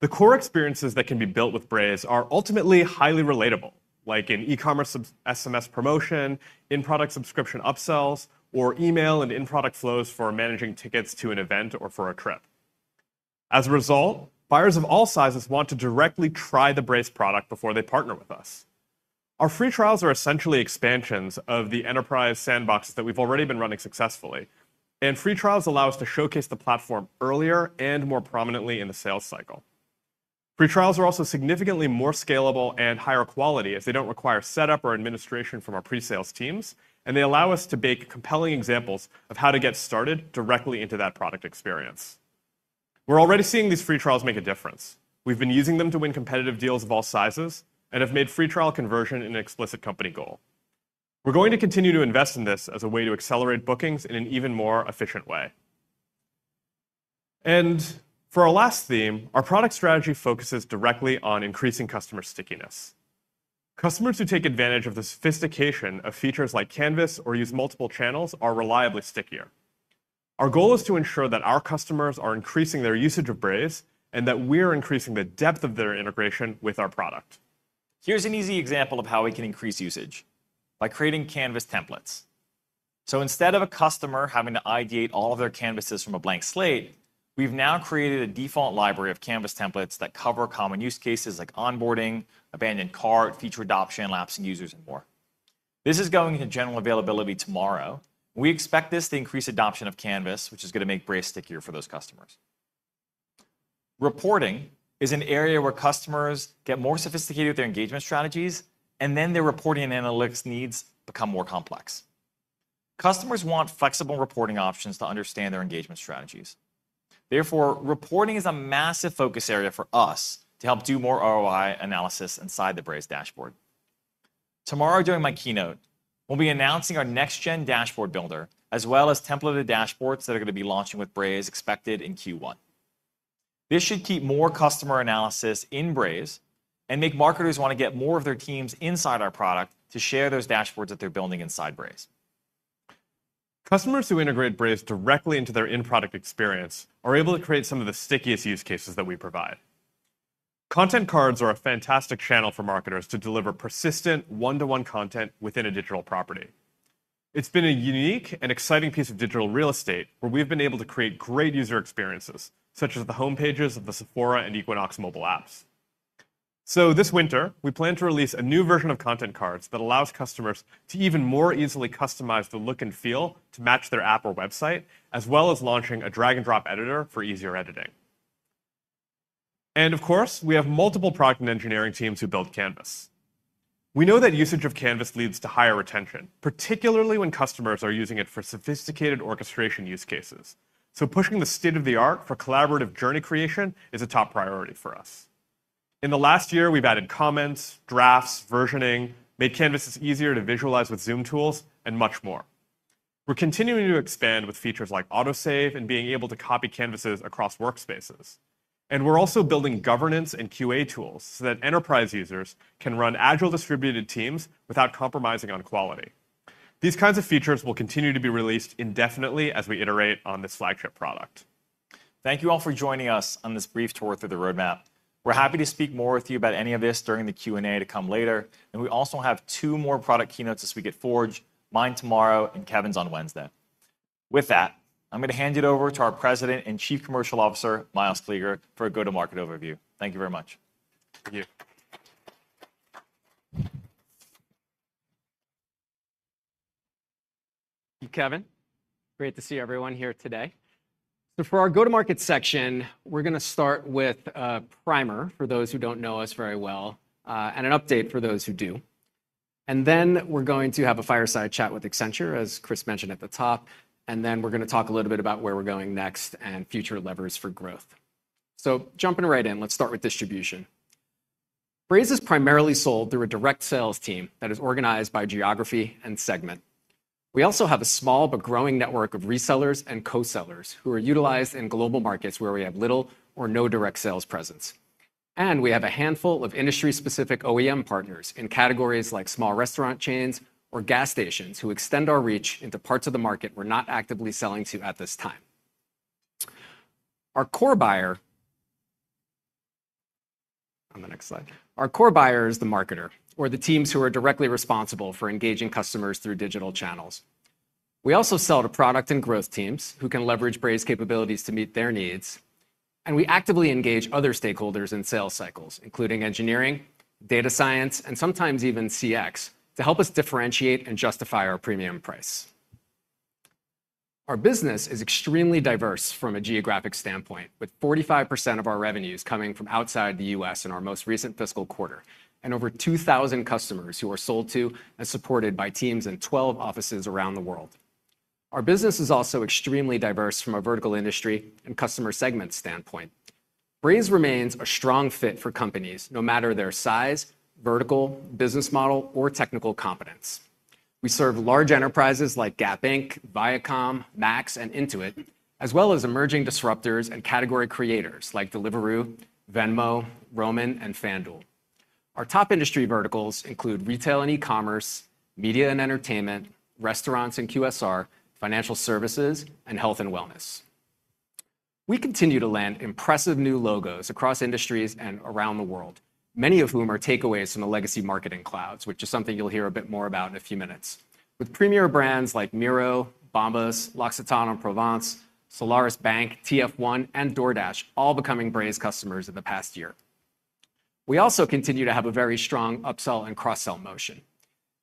The core experiences that can be built with Braze are ultimately highly relatable, like an e-commerce sub, SMS promotion, in-product subscription upsells, or email and in-product flows for managing tickets to an event or for a trip. As a result, buyers of all sizes want to directly try the Braze product before they partner with us. Our free trials are essentially expansions of the enterprise sandboxes that we've already been running successfully, and free trials allow us to showcase the platform earlier and more prominently in the sales cycle. Free trials are also significantly more scalable and higher quality, as they don't require setup or administration from our pre-sales teams, and they allow us to bake compelling examples of how to get started directly into that product experience. We're already seeing these free trials make a difference. We've been using them to win competitive deals of all sizes and have made free trial conversion an explicit company goal. We're going to continue to invest in this as a way to accelerate bookings in an even more efficient way, and for our last theme, our product strategy focuses directly on increasing customer stickiness. Customers who take advantage of the sophistication of features like Canvas or use multiple channels are reliably stickier. Our goal is to ensure that our customers are increasing their usage of Braze, and that we're increasing the depth of their integration with our product. Here's an easy example of how we can increase usage, by creating Canvas templates. So instead of a customer having to ideate all of their Canvases from a blank slate, we've now created a default library of Canvas templates that cover common use cases like onboarding, abandoned cart, feature adoption, lapsing users, and more. This is going into general availability tomorrow. We expect this to increase adoption of Canvas, which is gonna make Braze stickier for those customers. Reporting is an area where customers get more sophisticated with their engagement strategies, and then their reporting and analytics needs become more complex. Customers want flexible reporting options to understand their engagement strategies. Therefore, reporting is a massive focus area for us to help do more ROI analysis inside the Braze dashboard. Tomorrow, during my keynote, we'll be announcing our next-gen dashboard builder, as well as templated dashboards that are gonna be launching with Braze, expected in Q1. This should keep more customer analysis in Braze and make marketers wanna get more of their teams inside our product to share those dashboards that they're building inside Braze. Customers who integrate Braze directly into their in-product experience are able to create some of the stickiest use cases that we provide. Content Cards are a fantastic channel for marketers to deliver persistent one-to-one content within a digital property. It's been a unique and exciting piece of digital real estate, where we've been able to create great user experiences, such as the homepages of the Sephora and Equinox mobile apps. So this winter, we plan to release a new version of Content Cards that allows customers to even more easily customize the look and feel to match their app or website, as well as launching a drag-and-drop editor for easier editing. And of course, we have multiple product and engineering teams who build Canvas. We know that usage of Canvas leads to higher retention, particularly when customers are using it for sophisticated orchestration use cases. So pushing the state-of-the-art for collaborative journey creation is a top priority for us. In the last year, we've added comments, drafts, versioning, made canvases easier to visualize with zoom tools, and much more. We're continuing to expand with features like autosave and being able to copy canvases across workspaces. And we're also building governance and QA tools so that enterprise users can run agile, distributed teams without compromising on quality. These kinds of features will continue to be released indefinitely as we iterate on this flagship product. Thank you all for joining us on this brief tour through the roadmap. We're happy to speak more with you about any of this during the Q&A to come later, and we also have two more product keynotes this week at Forge, mine tomorrow and Kevin's on Wednesday. With that, I'm gonna hand it over to our President and Chief Commercial Officer, Myles Kleeger, for a go-to-market overview. Thank you very much. Thank you. Thank you, Kevin. Great to see everyone here today. So for our go-to-market section, we're gonna start with a primer for those who don't know us very well, and an update for those who do. And then we're going to have a fireside chat with Accenture, as Chris mentioned at the top, and then we're gonna talk a little bit about where we're going next and future levers for growth. So jumping right in, let's start with distribution. Braze is primarily sold through a direct sales team that is organized by geography and segment. We also have a small but growing network of resellers and co-sellers who are utilized in global markets where we have little or no direct sales presence. We have a handful of industry-specific OEM partners in categories like small restaurant chains or gas stations, who extend our reach into parts of the market we're not actively selling to at this time. Our core buyer... On the next slide. Our core buyer is the marketer or the teams who are directly responsible for engaging customers through digital channels.... We also sell to product and growth teams who can leverage Braze capabilities to meet their needs, and we actively engage other stakeholders in sales cycles, including engineering, data science, and sometimes even CX, to help us differentiate and justify our premium price. Our business is extremely diverse from a geographic standpoint, with 45% of our revenues coming from outside the U.S. in our most recent fiscal quarter, and over 2,000 customers who are sold to and supported by teams in 12 offices around the world. Our business is also extremely diverse from a vertical industry and customer segment standpoint. Braze remains a strong fit for companies, no matter their size, vertical, business model, or technical competence. We serve large enterprises like Gap Inc., Viacom, Max, and Intuit, as well as emerging disruptors and category creators like Deliveroo, Venmo, Roman, and FanDuel. Our top industry verticals include retail and e-commerce, media and entertainment, restaurants and QSR, financial services, and health and wellness. We continue to land impressive new logos across industries and around the world, many of whom are takeaways from the legacy marketing clouds, which is something you'll hear a bit more about in a few minutes. With premier brands like Miro, Bombas, L'Occitane en Provence, Solarisbank, TF1, and DoorDash, all becoming Braze customers in the past year. We also continue to have a very strong upsell and cross-sell motion.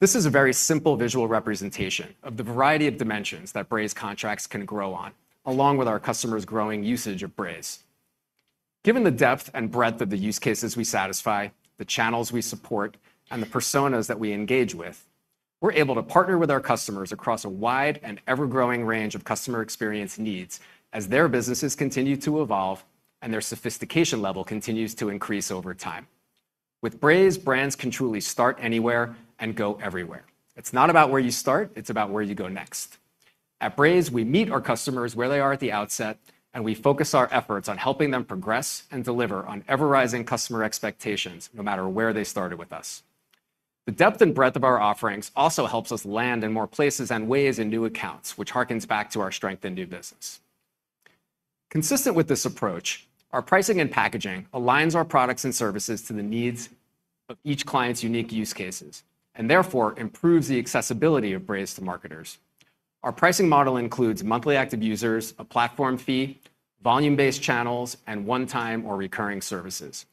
This is a very simple visual representation of the variety of dimensions that Braze contracts can grow on, along with our customers' growing usage of Braze. Given the depth and breadth of the use cases we satisfy, the channels we support, and the personas that we engage with, we're able to partner with our customers across a wide and ever-growing range of customer experience needs as their businesses continue to evolve and their sophistication level continues to increase over time. With Braze, brands can truly start anywhere and go everywhere. It's not about where you start, it's about where you go next. At Braze, we meet our customers where they are at the outset, and we focus our efforts on helping them progress and deliver on ever-rising customer expectations, no matter where they started with us. The depth and breadth of our offerings also helps us land in more places and ways in new accounts, which harkens back to our strength in new business. Consistent with this approach, our pricing and packaging aligns our products and services to the needs of each client's unique use cases, and therefore improves the accessibility of Braze to marketers. Our pricing model includes monthly active users, a platform fee, volume-based channels, and one-time or recurring services.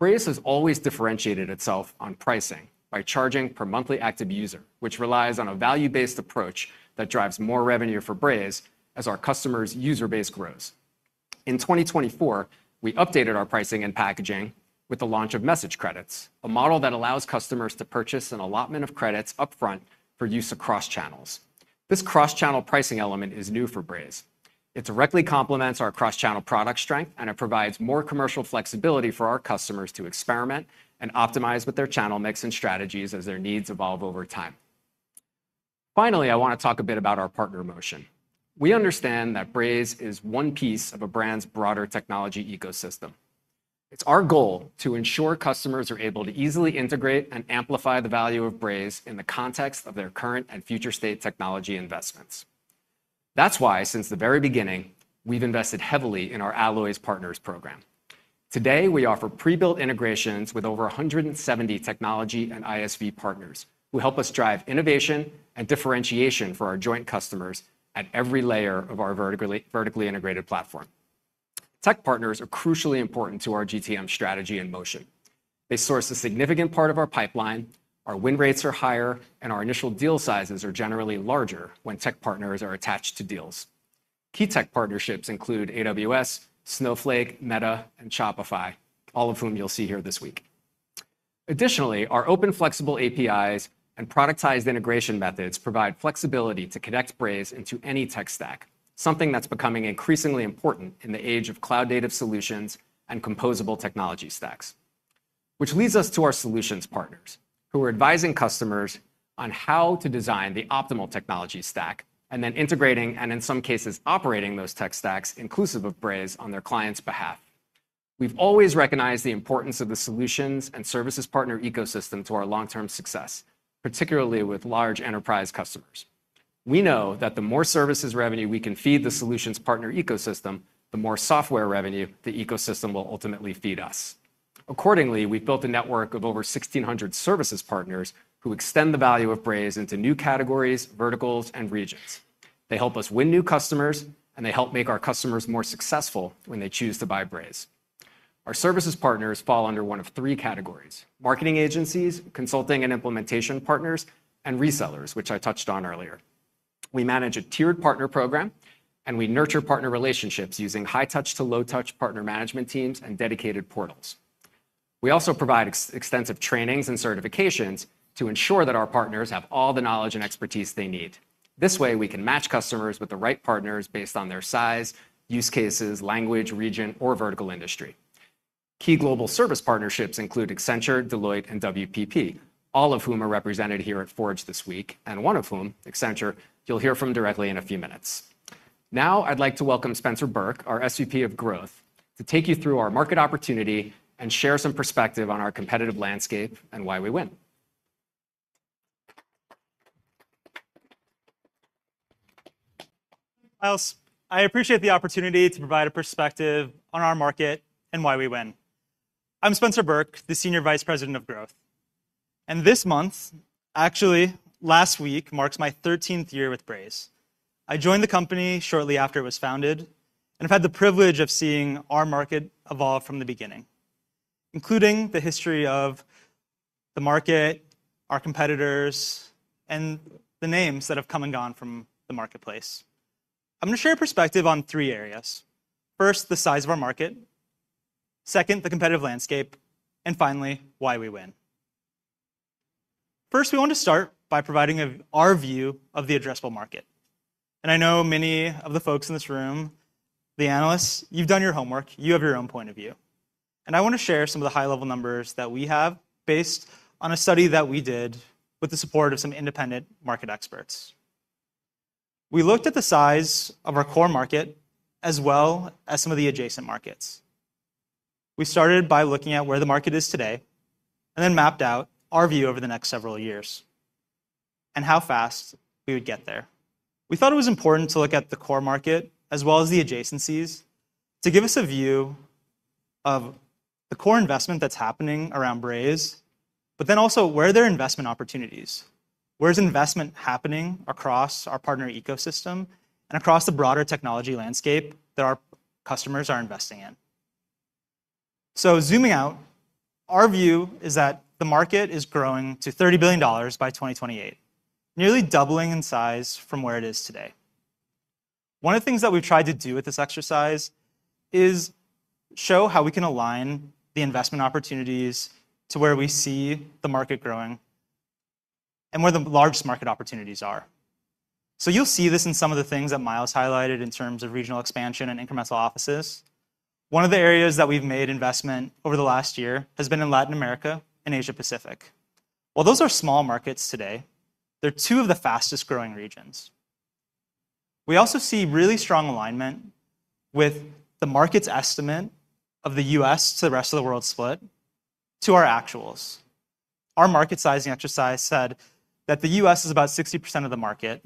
Braze has always differentiated itse.l.f. on pricing by charging per monthly active user, which relies on a value-based approach that drives more revenue for Braze as our customers' user base grows. In 2024, we updated our pricing and packaging with the launch of message credits, a model that allows customers to purchase an allotment of credits upfront for use across channels. This cross-channel pricing element is new for Braze. It directly complements our cross-channel product strength, and it provides more commercial flexibility for our customers to experiment and optimize with their channel mix and strategies as their needs evolve over time. Finally, I want to talk a bit about our partner motion. We understand that Braze is one piece of a brand's broader technology ecosystem. It's our goal to ensure customers are able to easily integrate and amplify the value of Braze in the context of their current and future state technology investments. That's why, since the very beginning, we've invested heavily in our Alloy Partners program. Today, we offer pre-built integrations with over 170 technology and ISV partners, who help us drive innovation and differentiation for our joint customers at every layer of our vertically integrated platform. Tech partners are crucially important to our GTM strategy in motion. They source a significant part of our pipeline, our win rates are higher, and our initial deal sizes are generally larger when tech partners are attached to deals. Key tech partnerships include AWS, Snowflake, Meta, and Shopify, all of whom you'll see here this week. Additionally, our open, flexible APIs and productized integration methods provide flexibility to connect Braze into any tech stack, something that's becoming increasingly important in the age of cloud-native solutions and composable technology stacks. Which leads us to our solutions partners, who are advising customers on how to design the optimal technology stack and then integrating, and in some cases, operating those tech stacks, inclusive of Braze, on their client's behalf. We've always recognized the importance of the solutions and services partner ecosystem to our long-term success, particularly with large enterprise customers. We know that the more services revenue we can feed the solutions partner ecosystem, the more software revenue the ecosystem will ultimately feed us. Accordingly, we've built a network of over 1,600 services partners who extend the value of Braze into new categories, verticals, and regions. They help us win new customers, and they help make our customers more successful when they choose to buy Braze. Our services partners fall under one of three categories: marketing agencies, consulting and implementation partners, and resellers, which I touched on earlier. We manage a tiered partner program, and we nurture partner relationships using high-touch to low-touch partner management teams and dedicated portals. We also provide extensive trainings and certifications to ensure that our partners have all the knowledge and expertise they need. This way, we can match customers with the right partners based on their size, use cases, language, region, or vertical industry. Key global service partnerships include Accenture, Deloitte, and WPP, all of whom are represented here at Forge this week, and one of whom, Accenture, you'll hear from directly in a few minutes. Now, I'd like to welcome Spencer Burke, our SVP of Growth, to take you through our market opportunity and share some perspective on our competitive landscape and why we win. Miles, I appreciate the opportunity to provide a perspective on our market and why we win. I'm Spencer Burke, the Senior Vice President of Growth, and this month, actually, last week, marks my thirteenth year with Braze. I joined the company shortly after it was founded, and I've had the privilege of seeing our market evolve from the beginning, including the history of the market, our competitors, and the names that have come and gone from the marketplace. I'm going to share a perspective on three areas. First, the size of our market. Second, the competitive landscape, and finally, why we win. First, we want to start by providing our view of the addressable market, and I know many of the folks in this room, the analysts, you've done your homework, you have your own point of view, and I want to share some of the high-level numbers that we have based on a study that we did with the support of some independent market experts. We looked at the size of our core market, as well as some of the adjacent markets. We started by looking at where the market is today, and then mapped out our view over the next several years and how fast we would get there. We thought it was important to look at the core market, as well as the adjacencies, to give us a view of the core investment that's happening around Braze, but then also, where are there investment opportunities? Where is investment happening across our partner ecosystem and across the broader technology landscape that our customers are investing in? So zooming out, our view is that the market is growing to $30 billion by 2028, nearly doubling in size from where it is today. One of the things that we've tried to do with this exercise is show how we can align the investment opportunities to where we see the market growing and where the largest market opportunities are. So you'll see this in some of the things that Myles highlighted in terms of regional expansion and incremental offices. One of the areas that we've made investment over the last year has been in Latin America and Asia Pacific. While those are small markets today, they're two of the fastest-growing regions. We also see really strong alignment with the market's estimate of the U.S. to the rest of the world split to our actuals. Our market sizing exercise said that the U.S. is about 60% of the market.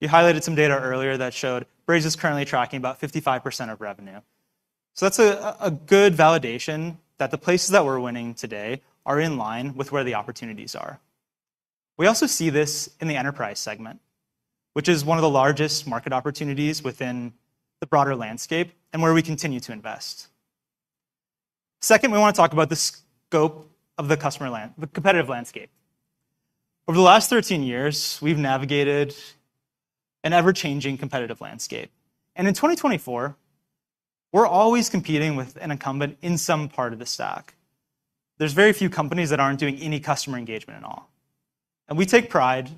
You highlighted some data earlier that showed Braze is currently tracking about 55% of revenue. So that's a good validation that the places that we're winning today are in line with where the opportunities are. We also see this in the enterprise segment, which is one of the largest market opportunities within the broader landscape and where we continue to invest. Second, we want to talk about the scope of the customer land, the competitive landscape. Over the last 13 years, we've navigated an ever-changing competitive landscape, and in 2024, we're always competing with an incumbent in some part of the stack. There's very few companies that aren't doing any customer engagement at all, and we take pride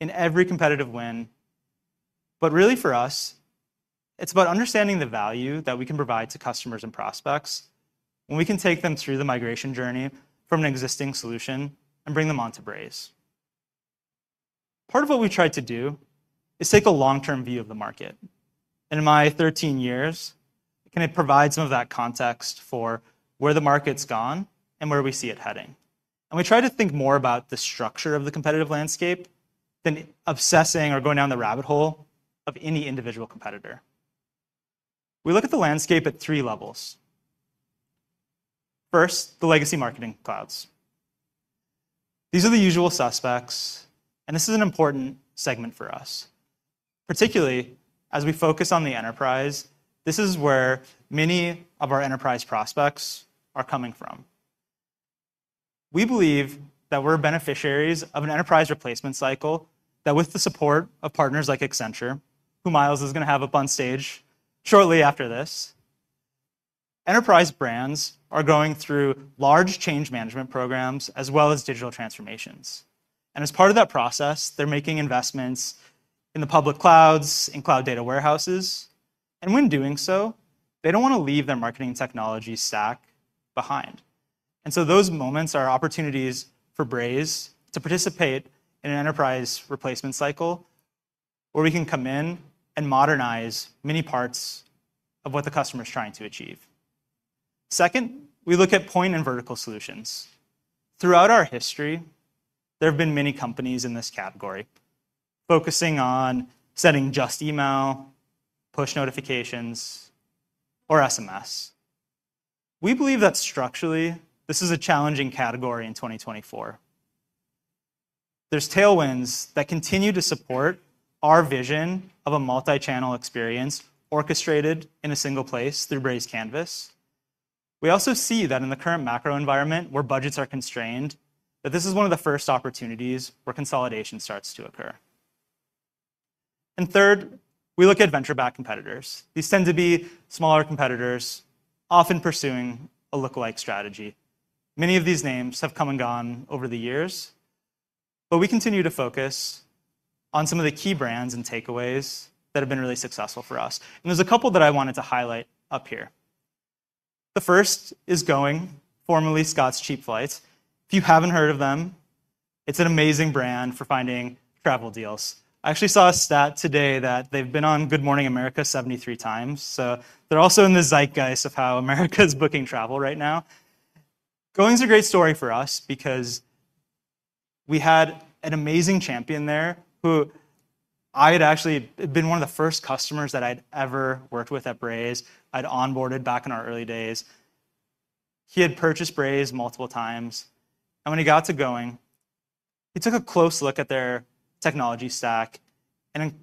in every competitive win. But really, for us, it's about understanding the value that we can provide to customers and prospects when we can take them through the migration journey from an existing solution and bring them onto Braze. Part of what we try to do is take a long-term view of the market, and in my thirteen years, kind of provide some of that context for where the market's gone and where we see it heading, and we try to think more about the structure of the competitive landscape than obsessing or going down the rabbit hole of any individual competitor. We look at the landscape at three levels. First, the legacy marketing clouds. These are the usual suspects, and this is an important segment for us. Particularly as we focus on the enterprise, this is where many of our enterprise prospects are coming from. We believe that we're beneficiaries of an enterprise replacement cycle, that with the support of partners like Accenture, who Myles is going to have up on stage shortly after this, enterprise brands are going through large change management programs, as well as digital transformations. And as part of that process, they're making investments in the public clouds and cloud data warehouses, and when doing so, they don't want to leave their marketing technology stack behind. And so those moments are opportunities for Braze to participate in an enterprise replacement cycle, where we can come in and modernize many parts of what the customer is trying to achieve. Second, we look at point and vertical solutions. Throughout our history, there have been many companies in this category, focusing on sending just email, push notifications, or SMS. We believe that structurally, this is a challenging category in 2024. There's tailwinds that continue to support our vision of a multi-channel experience orchestrated in a single place through Braze Canvas. We also see that in the current macro environment, where budgets are constrained, that this is one of the first opportunities where consolidation starts to occur. And third, we look at venture-backed competitors. These tend to be smaller competitors, often pursuing a lookalike strategy. Many of these names have come and gone over the years, but we continue to focus on some of the key brands and takeaways that have been really successful for us, and there's a couple that I wanted to highlight up here. The first is Going, formerly Scott's Cheap Flights. If you haven't heard of them, it's an amazing brand for finding travel deals. I actually saw a stat today that they've been on Good Morning America 73 times, so they're also in the zeitgeist of how America's booking travel right now. Going's a great story for us because... We had an amazing champion there, who I had actually been one of the first customers that I'd ever worked with at Braze. I'd onboarded back in our early days. He had purchased Braze multiple times, and when he got to Going, he took a close look at their technology stack, and in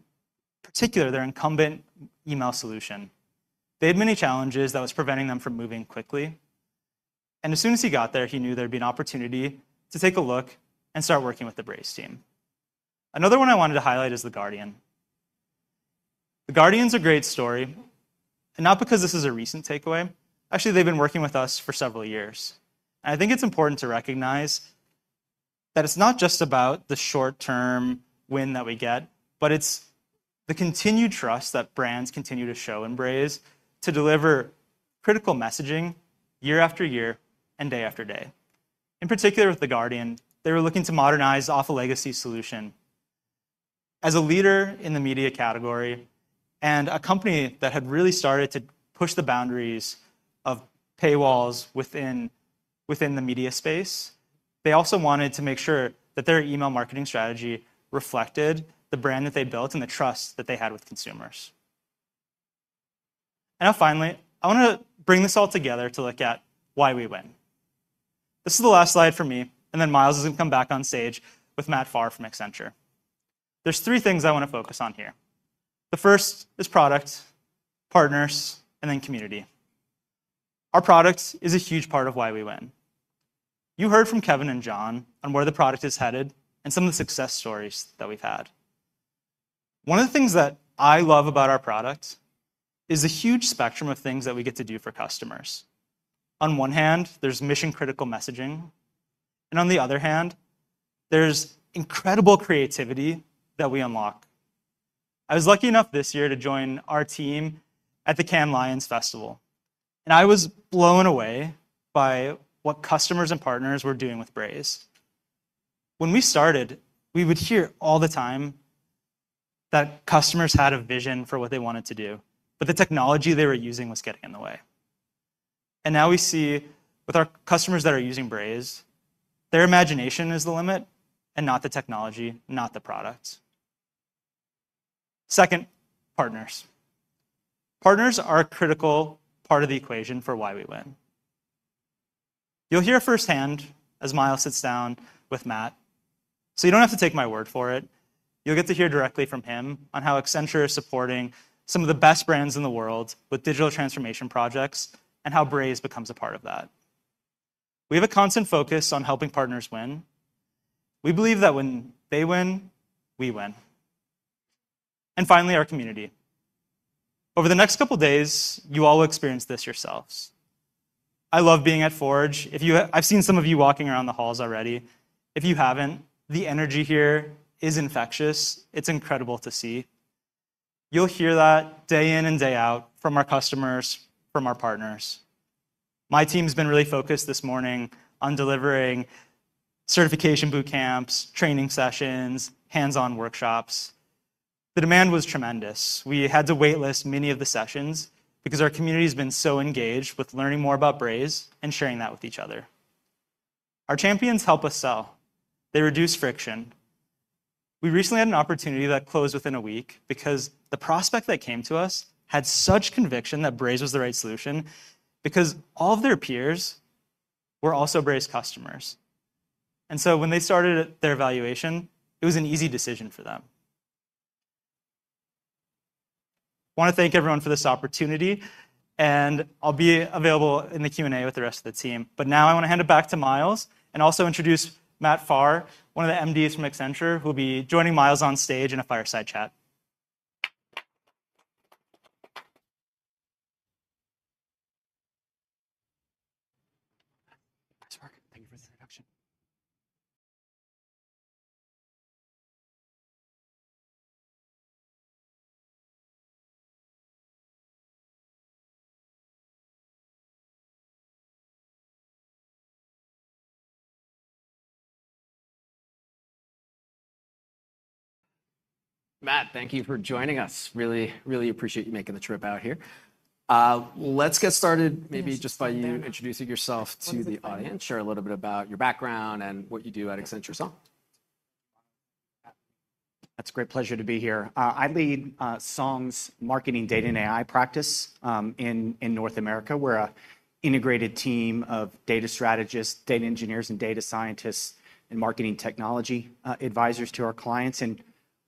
particular, their incumbent email solution. They had many challenges that was preventing them from moving quickly, and as soon as he got there, he knew there'd be an opportunity to take a look and start working with the Braze team. Another one I wanted to highlight is The Guardian. The Guardian's a great story, and not because this is a recent takeaway. Actually, they've been working with us for several years, and I think it's important to recognize that it's not just about the short-term win that we get, but it's the continued trust that brands continue to show in Braze to deliver critical messaging year after year and day after day. In particular, with The Guardian, they were looking to modernize off a legacy solution. As a leader in the media category and a company that had really started to push the boundaries of paywalls within the media space, they also wanted to make sure that their email marketing strategy reflected the brand that they built and the trust that they had with consumers. Now, finally, I wanna bring this all together to look at why we win. This is the last slide for me, and then Myles is gonna come back on stage with Matt Farr from Accenture. There's three things I wanna focus on here. The first is product, partners, and then community. Our product is a huge part of why we win. You heard from Kevin and Jon on where the product is headed and some of the success stories that we've had. One of the things that I love about our product is the huge spectrum of things that we get to do for customers. On one hand, there's mission-critical messaging, and on the other hand, there's incredible creativity that we unlock. I was lucky enough this year to join our team at the Cannes Lions Festival, and I was blown away by what customers and partners were doing with Braze. When we started, we would hear all the time that customers had a vision for what they wanted to do, but the technology they were using was getting in the way. And now we see, with our customers that are using Braze, their imagination is the limit, and not the technology, not the product. Second, partners. Partners are a critical part of the equation for why we win. You'll hear firsthand as Myles sits down with Matt, so you don't have to take my word for it. You'll get to hear directly from him on how Accenture is supporting some of the best brands in the world with digital transformation projects and how Braze becomes a part of that. We have a constant focus on helping partners win. We believe that when they win, we win. And finally, our community. Over the next couple of days, you all will experience this yourselves. I love being at Forge. I've seen some of you walking around the halls already. If you haven't, the energy here is infectious. It's incredible to see. You'll hear that day in and day out from our customers, from our partners. My team's been really focused this morning on delivering certification boot camps, training sessions, hands-on workshops. The demand was tremendous. We had to waitlist many of the sessions because our community's been so engaged with learning more about Braze and sharing that with each other. Our champions help us sell. They reduce friction. We recently had an opportunity that closed within a week because the prospect that came to us had such conviction that Braze was the right solution because all of their peers were also Braze customers, and so when they started their evaluation, it was an easy decision for them. Wanna thank everyone for this opportunity, and I'll be available in the Q&A with the rest of the team, but now I wanna hand it back to Myles and also introduce Matt Farr, one of the MDs from Accenture, who'll be joining Myles on stage in a fireside chat. Thanks, Mark. Thank you for the introduction. Matt, thank you for joining us. Really, really appreciate you making the trip out here. Let's get started maybe just by you introducing yourse.l.f. to the audience. Share a little bit about your background and what you do at Accenture Song. It's a great pleasure to be here. I lead Song's marketing data and AI practice in North America. We're an integrated team of data strategists, data engineers, and data scientists, and marketing technology advisors to our clients,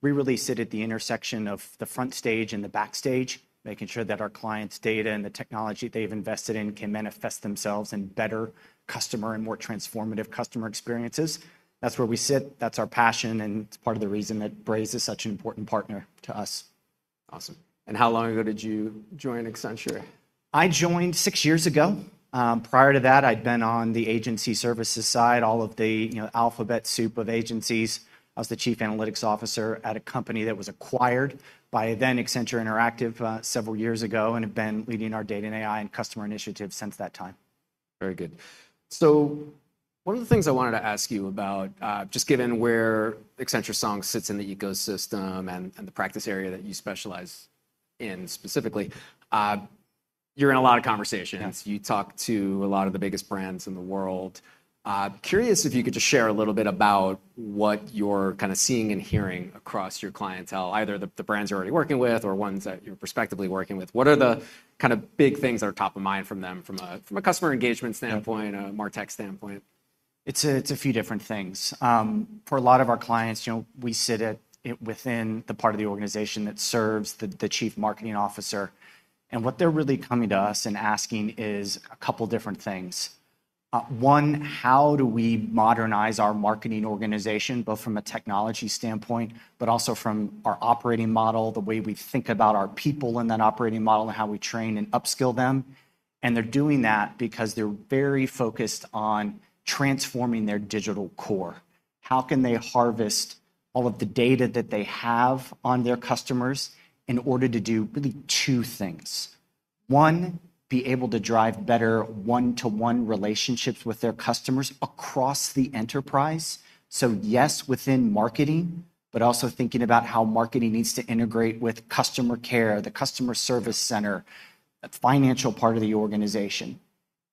and we really sit at the intersection of the front stage and the backstage, making sure that our clients' data and the technology they've invested in can manifest themselves in better customer and more transformative customer experiences. That's where we sit, that's our passion, and it's part of the reason that Braze is such an important partner to us. Awesome. And how long ago did you join Accenture? I joined six years ago. Prior to that, I'd been on the agency services side, all of the, you know, alphabet soup of agencies. I was the chief analytics officer at a company that was acquired by then Accenture Interactive, several years ago, and have been leading our data and AI and customer initiatives since that time. Very good. So one of the things I wanted to ask you about, just given where Accenture Song sits in the ecosystem and the practice area that you specialize in specifically. You're in a lot of conversations. Yeah. You talk to a lot of the biggest brands in the world. Curious if you could just share a little bit about what you're kind of seeing and hearing across your clientele, either the brands you're already working with or ones that you're prospectively working with. What are the kind of big things that are top of mind from them from a customer engagement standpoint? Yeah a martech standpoint? It's a few different things. For a lot of our clients, you know, we sit within the part of the organization that serves the Chief Marketing Officer, and what they're really coming to us and asking is a couple different things. One, how do we modernize our marketing organization, both from a technology standpoint, but also from our operating model, the way we think about our people in that operating model, and how we train and upskill them? They're doing that because they're very focused on transforming their digital core. How can they harvest all of the data that they have on their customers in order to do really two things? One, be able to drive better one-to-one relationships with their customers across the enterprise. So yes, within marketing, but also thinking about how marketing needs to integrate with customer care, the customer service center, the financial part of the organization.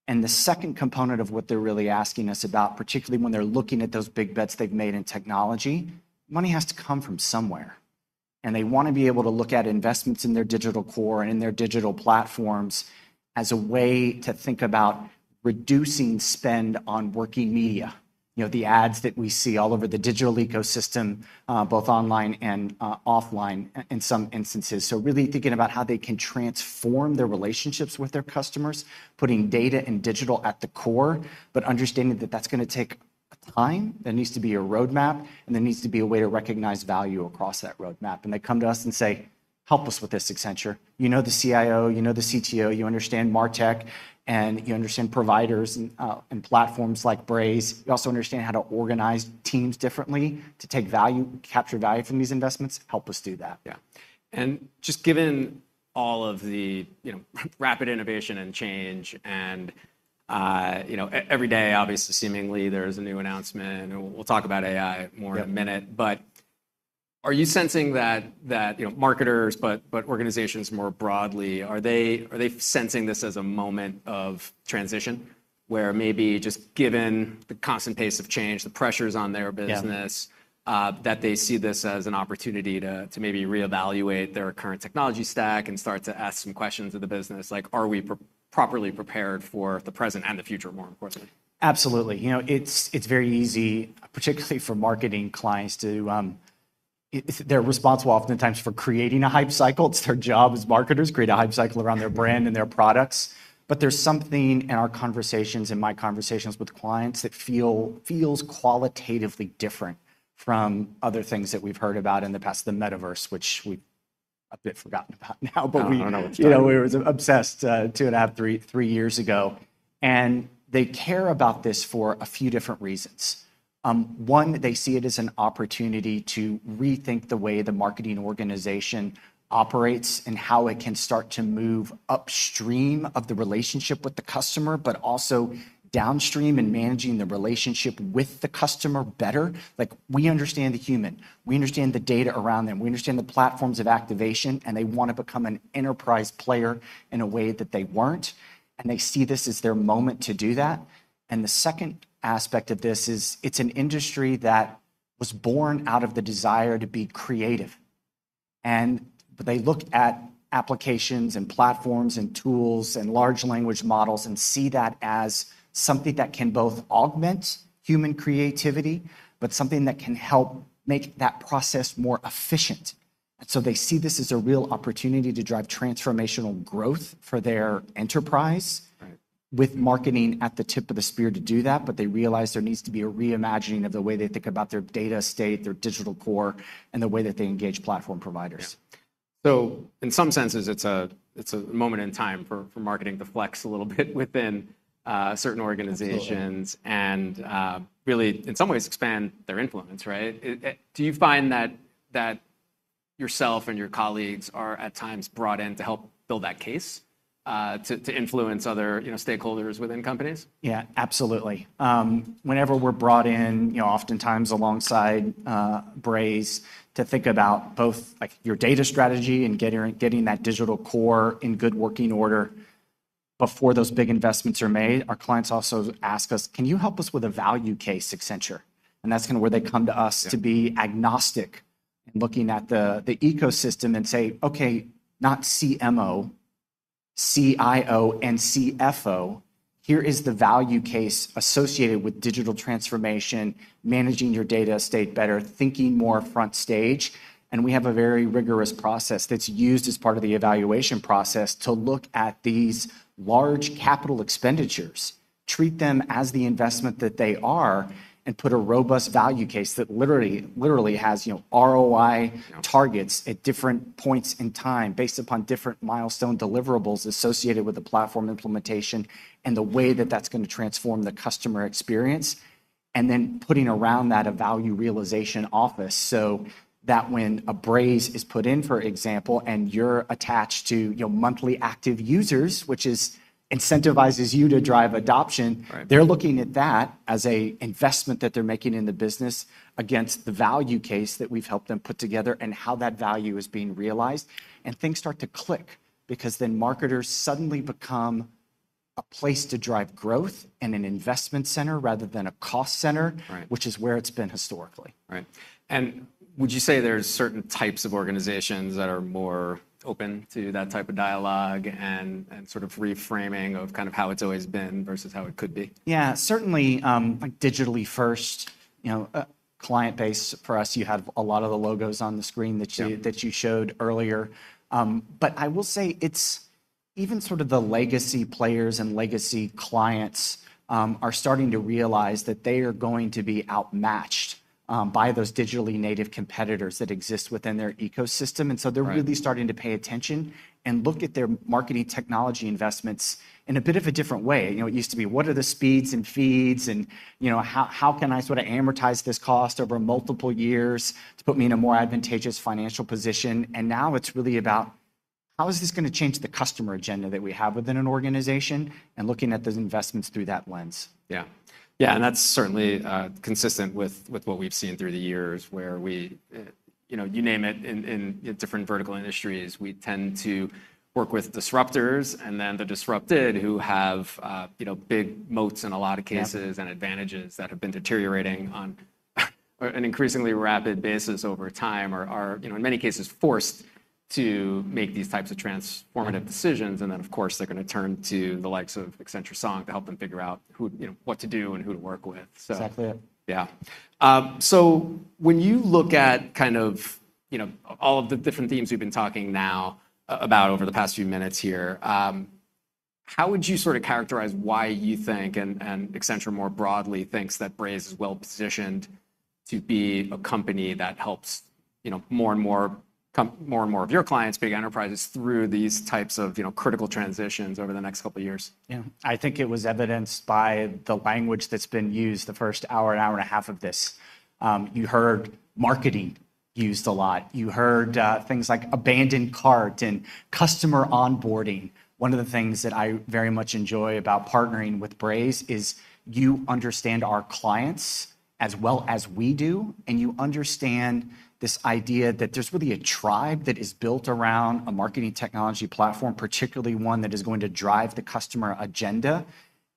And the second component of what they're really asking us about, particularly when they're looking at those big bets they've made in technology, money has to come from somewhere, and they want to be able to look at investments in their digital core and in their digital platforms as a way to think about reducing spend on working media. You know, the ads that we see all over the digital ecosystem, both online and, offline, in some instances. So really thinking about how they can transform their relationships with their customers, putting data and digital at the core, but understanding that that's gonna take time, there needs to be a roadmap, and there needs to be a way to recognize value across that roadmap. And they come to us and say: "Help us with this, Accenture. You know the CIO, you know the CTO, you understand martech, and you understand providers and platforms like Braze. You also understand how to organize teams differently to take value, capture value from these investments. Help us do that. Yeah, and just given all of the, you know, rapid innovation and change and, you know, every day, obviously, seemingly there's a new announcement, and we'll, we'll talk about AI more- Yeah in a minute. But are you sensing that, you know, marketers, but organizations more broadly, are they sensing this as a moment of transition? Where maybe just given the constant pace of change, the pressures on their business- Yeah that they see this as an opportunity to maybe re-evaluate their current technology stack and start to ask some questions of the business, like, "Are we properly prepared for the present and the future more importantly? Absolutely. You know, it's very easy, particularly for marketing clients to. They're responsible oftentimes for creating a hype cycle. It's their job as marketers to create a hype cycle around their brand and their products. But there's something in our conversations and my conversations with clients that feel, feels qualitatively different from other things that we've heard about in the past. The metaverse, which we've a bit forgotten about now, but we- I don't know what that is. you know, we were obsessed two and a half, three years ago. They care about this for a few different reasons. One, they see it as an opportunity to rethink the way the marketing organization operates and how it can start to move upstream of the relationship with the customer, but also downstream in managing the relationship with the customer better. Like, we understand the human, we understand the data around them, we understand the platforms of activation, and they want to become an enterprise player in a way that they weren't, and they see this as their moment to do that. And the second aspect of this is, it's an industry that was born out of the desire to be creative, and but they look at applications, and platforms, and tools, and large language models, and see that as something that can both augment human creativity, but something that can help make that process more efficient. And so they see this as a real opportunity to drive transformational growth for their enterprise. Right with marketing at the tip of the spear to do that, but they realize there needs to be a reimagining of the way they think about their data state, their digital core, and the way that they engage platform providers. Yeah. In some senses, it's a moment in time for marketing to flex a little bit within certain organizations. Absolutely and, really, in some ways, expand their influence, right? Do you find that yourse.l.f. and your colleagues are at times brought in to help build that case, to influence other, you know, stakeholders within companies? Yeah, absolutely. Whenever we're brought in, you know, oftentimes alongside Braze, to think about both, like, your data strategy and getting that digital core in good working order before those big investments are made, our clients also ask us: "Can you help us with a value case, Accenture?" And that's kind of where they come to us- Yeah to be agnostic in looking at the ecosystem and say, "Okay, not CMO, CIO, and CFO, here is the value case associated with digital transformation, managing your data estate better, thinking more front stage." And we have a very rigorous process that's used as part of the evaluation process to look at these large capital expenditures, treat them as the investment that they are, and put a robust value case that literally has, you know, ROI- Yeah targets at different points in time based upon different milestone deliverables associated with the platform implementation and the way that that's gonna transform the customer experience. And then putting around that a value realization office, so that when a Braze is put in, for example, and you're attached to your monthly active users, which incentivizes you to drive adoption. Right. They're looking at that as an investment that they're making in the business against the value case that we've helped them put together, and how that value is being realized, and things start to click, because then marketers suddenly become a place to drive growth and an investment center rather than a cost center- Right which is where it's been historically. Right. And would you say there's certain types of organizations that are more open to that type of dialogue and sort of reframing of kind of how it's always been versus how it could be? Yeah, certainly, like digitally first, you know, client base for us, you have a lot of the logos on the screen that you- Yeah that you showed earlier. But I will say, it's even sort of the legacy players and legacy clients are starting to realize that they are going to be outmatched by those digitally native competitors that exist within their ecosystem. Right. And so they're really starting to pay attention and look at their marketing technology investments in a bit of a different way. You know, it used to be, what are the speeds and feeds? And, you know, how can I sort of amortize this cost over multiple years to put me in a more advantageous financial position? And now it's really about: how is this gonna change the customer agenda that we have within an organization? And looking at those investments through that lens. Yeah. Yeah, and that's certainly consistent with what we've seen through the years, where we you know you name it in different vertical industries, we tend to work with disruptors, and then the disrupted who have you know big moats in a lot of cases- Yeah and advantages that have been deteriorating on an increasingly rapid basis over time, or are, you know, in many cases, forced to make these types of transformative decisions, and then, of course, they're gonna turn to the likes of Accenture Song to help them figure out who, you know, what to do and who to work with. So- Exactly. Yeah. So when you look at kind of, you know, all of the different themes we've been talking now about over the past few minutes here, how would you sort of characterize why you think, and Accenture more broadly thinks, that Braze is well-positioned to be a company that helps, you know, more and more of your clients, big enterprises, through these types of, you know, critical transitions over the next couple of years? Yeah. I think it was evidenced by the language that's been used the first hour, hour and a half of this. You heard "marketing" used a lot. You heard things like, "abandoned cart" and, "customer onboarding." One of the things that I very much enjoy about partnering with Braze is, you understand our clients as well as we do, and you understand this idea that there's really a tribe that is built around a marketing technology platform, particularly one that is going to drive the customer agenda.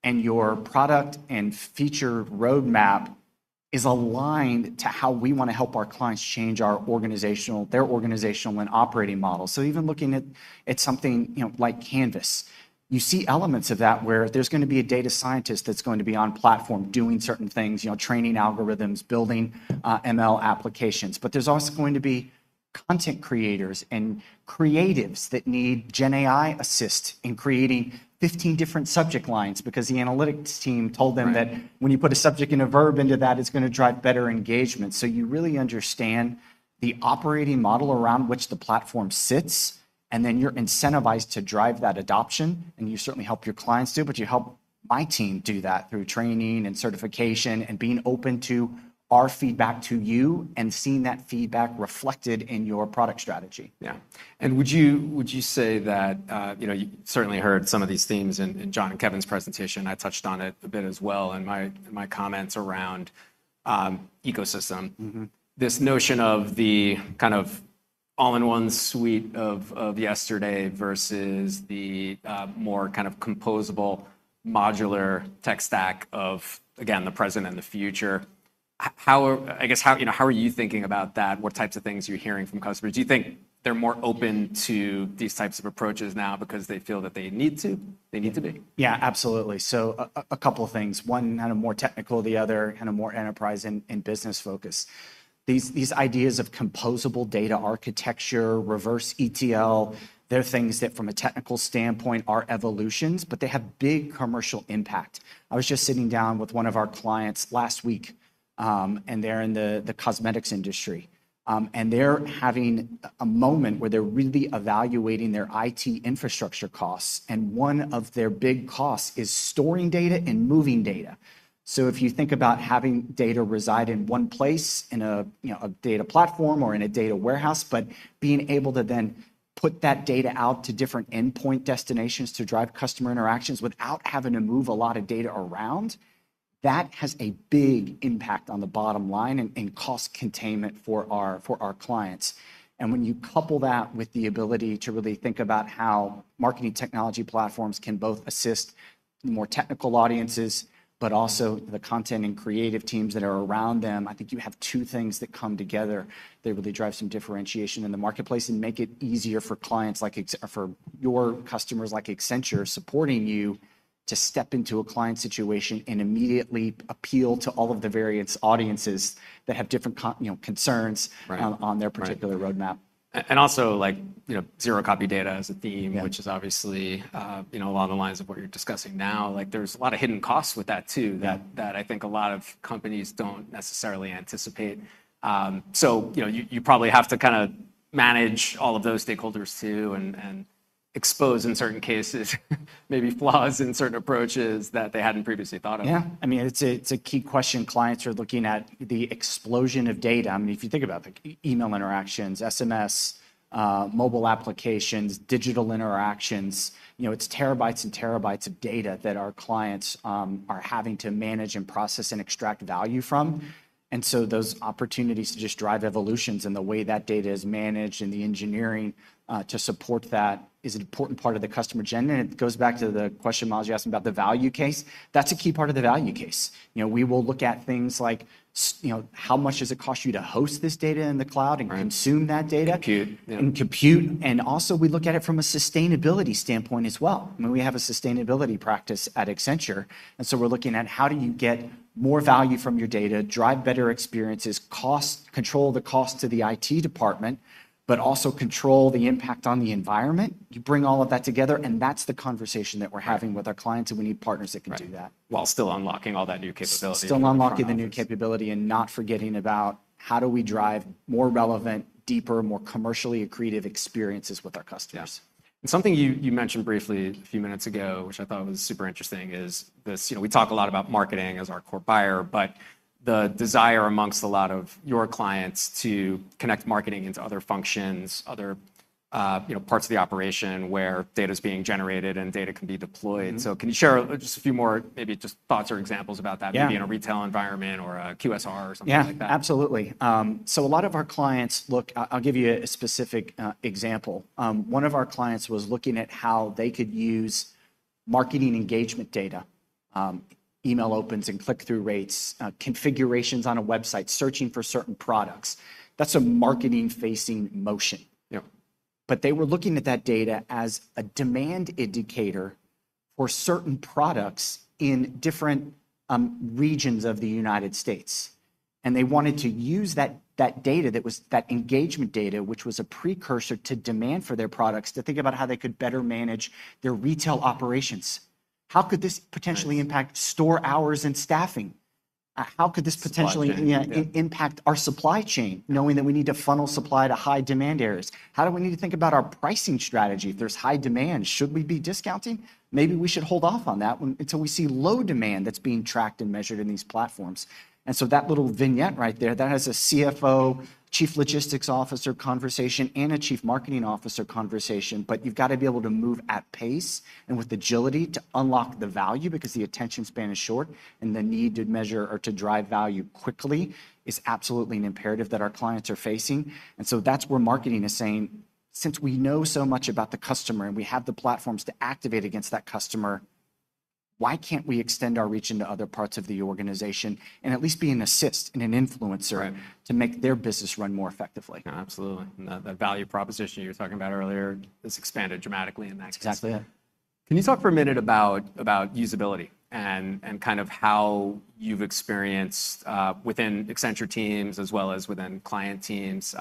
And your product and feature roadmap is aligned to how we wanna help our clients change our organizational, their organizational and operating models. Even looking at something, you know, like Canvas, you see elements of that, where there's gonna be a data scientist that's going to be on platform doing certain things, you know, training algorithms, building ML applications. But there's also going to be content creators and creatives that need gen AI assist in creating 15 different subject lines, because the analytics team told them that- Right when you put a subject and a verb into that, it's gonna drive better engagement. So you really understand the operating model around which the platform sits, and then you're incentivized to drive that adoption, and you certainly help your clients do, but you help my team do that through training and certification, and being open to our feedback to you, and seeing that feedback reflected in your product strategy. Yeah. Would you say that, you know, you certainly heard some of these themes in Jon and Kevin's presentation? I touched on it a bit as well in my comments around ecosystem. This notion of the kind of all-in-one suite of, of yesterday versus the, more kind of composable, modular tech stack of, again, the present and the future. How... I guess, how, you know, how are you thinking about that? What types of things are you hearing from customers? Do you think they're more open to these types of approaches now because they feel that they need to, they need to be? Yeah, absolutely. So a couple of things, one, kind of more technical, the other, kind of more enterprise and business focused. These ideas of composable data architecture, reverse ETL, they're things that, from a technical standpoint, are evolutions, but they have big commercial impact. I was just sitting down with one of our clients last week, and they're in the cosmetics industry. And they're having a moment where they're really evaluating their IT infrastructure costs, and one of their big costs is storing data and moving data. So if you think about having data reside in one place, in, you know, a data platform or in a data warehouse, but being able to then put that data out to different endpoint destinations to drive customer interactions without having to move a lot of data around, that has a big impact on the bottom line and cost containment for our clients. And when you couple that with the ability to really think about how marketing technology platforms can both assist the more technical audiences, but also the content and creative teams that are around them, I think you have two things that come together that really drive some differentiation in the marketplace, and make it easier for clients like Ex- or for your customers, like Accenture, supporting you, to step into a client situation and immediately appeal to all of the various audiences that have different con- you know, concerns- Right on their particular- Right roadmap. And also, like, you know, zero-copy data is a theme- Yeah which is obviously, you know, along the lines of what you're discussing now. Like, there's a lot of hidden costs with that too- Yeah that I think a lot of companies don't necessarily anticipate. So you know, you probably have to kind of manage all of those stakeholders too, and expose in certain cases, maybe flaws in certain approaches that they hadn't previously thought of? Yeah, I mean, it's a, it's a key question. Clients are looking at the explosion of data. I mean, if you think about like email interactions, SMS, mobile applications, digital interactions, you know, it's terabytes and terabytes of data that our clients are having to manage and process and extract value from. And so those opportunities to just drive evolutions in the way that data is managed and the engineering to support that is an important part of the customer agenda, and it goes back to the question, Myles, you asked about the value case. That's a key part of the value case. You know, we will look at things like you know, how much does it cost you to host this data in the cloud. Right and consume that data? Compute. Yeah. Compute, and also we look at it from a sustainability standpoint as well. I mean, we have a sustainability practice at Accenture, and so we're looking at how do you get more value from your data, drive better experiences, cost control the cost to the IT department, but also control the impact on the environment? You bring all of that together, and that's the conversation that we're having- Right with our clients, and we need partners that can do that. Right. While still unlocking all that new capability for our clients. Still unlocking the new capability and not forgetting about, how do we drive more relevant, deeper, more commercially creative experiences with our customers? Yeah. And something you mentioned briefly a few minutes ago, which I thought was super interesting, is this. You know, we talk a lot about marketing as our core buyer, but the desire amongst a lot of your clients to connect marketing into other functions, other, you know, parts of the operation where data's being generated and data can be deployed. So, can you share just a few more, maybe just thoughts or examples about that? Yeah. Maybe in a retail environment or a QSR or something like that. Yeah, absolutely. So a lot of our clients... Look, I'll give you a specific example. One of our clients was looking at how they could use marketing engagement data, email opens and click-through rates, configurations on a website, searching for certain products. That's a marketing-facing motion. Yeah. But they were looking at that data as a demand indicator for certain products in different regions of the United States, and they wanted to use that data that was engagement data, which was a precursor to demand for their products, to think about how they could better manage their retail operations. How could this potentially? Nice impact store hours and staffing? How could this potentially- Supply chain. Yeah.. ..impact our supply chain- Yeah knowing that we need to funnel supply to high-demand areas? How do we need to think about our pricing strategy? If there's high demand, should we be discounting? Maybe we should hold off on that until we see low demand that's being tracked and measured in these platforms. And so that little vignette right there, that has a CFO, Chief Logistics Officer conversation, and a Chief Marketing Officer conversation. But you've gotta be able to move at pace and with agility to unlock the value because the attention span is short, and the need to measure or to drive value quickly is absolutely an imperative that our clients are facing. That's where marketing is saying, "Since we know so much about the customer, and we have the platforms to activate against that customer, why can't we extend our reach into other parts of the organization and at least be an assist and an influencer? Right to make their business run more effectively? Absolutely. And that value proposition you were talking about earlier is expanded dramatically, and that's- Exactly, yeah. Can you talk for a minute about usability and kind of how you've experienced within Accenture teams as well as within client teams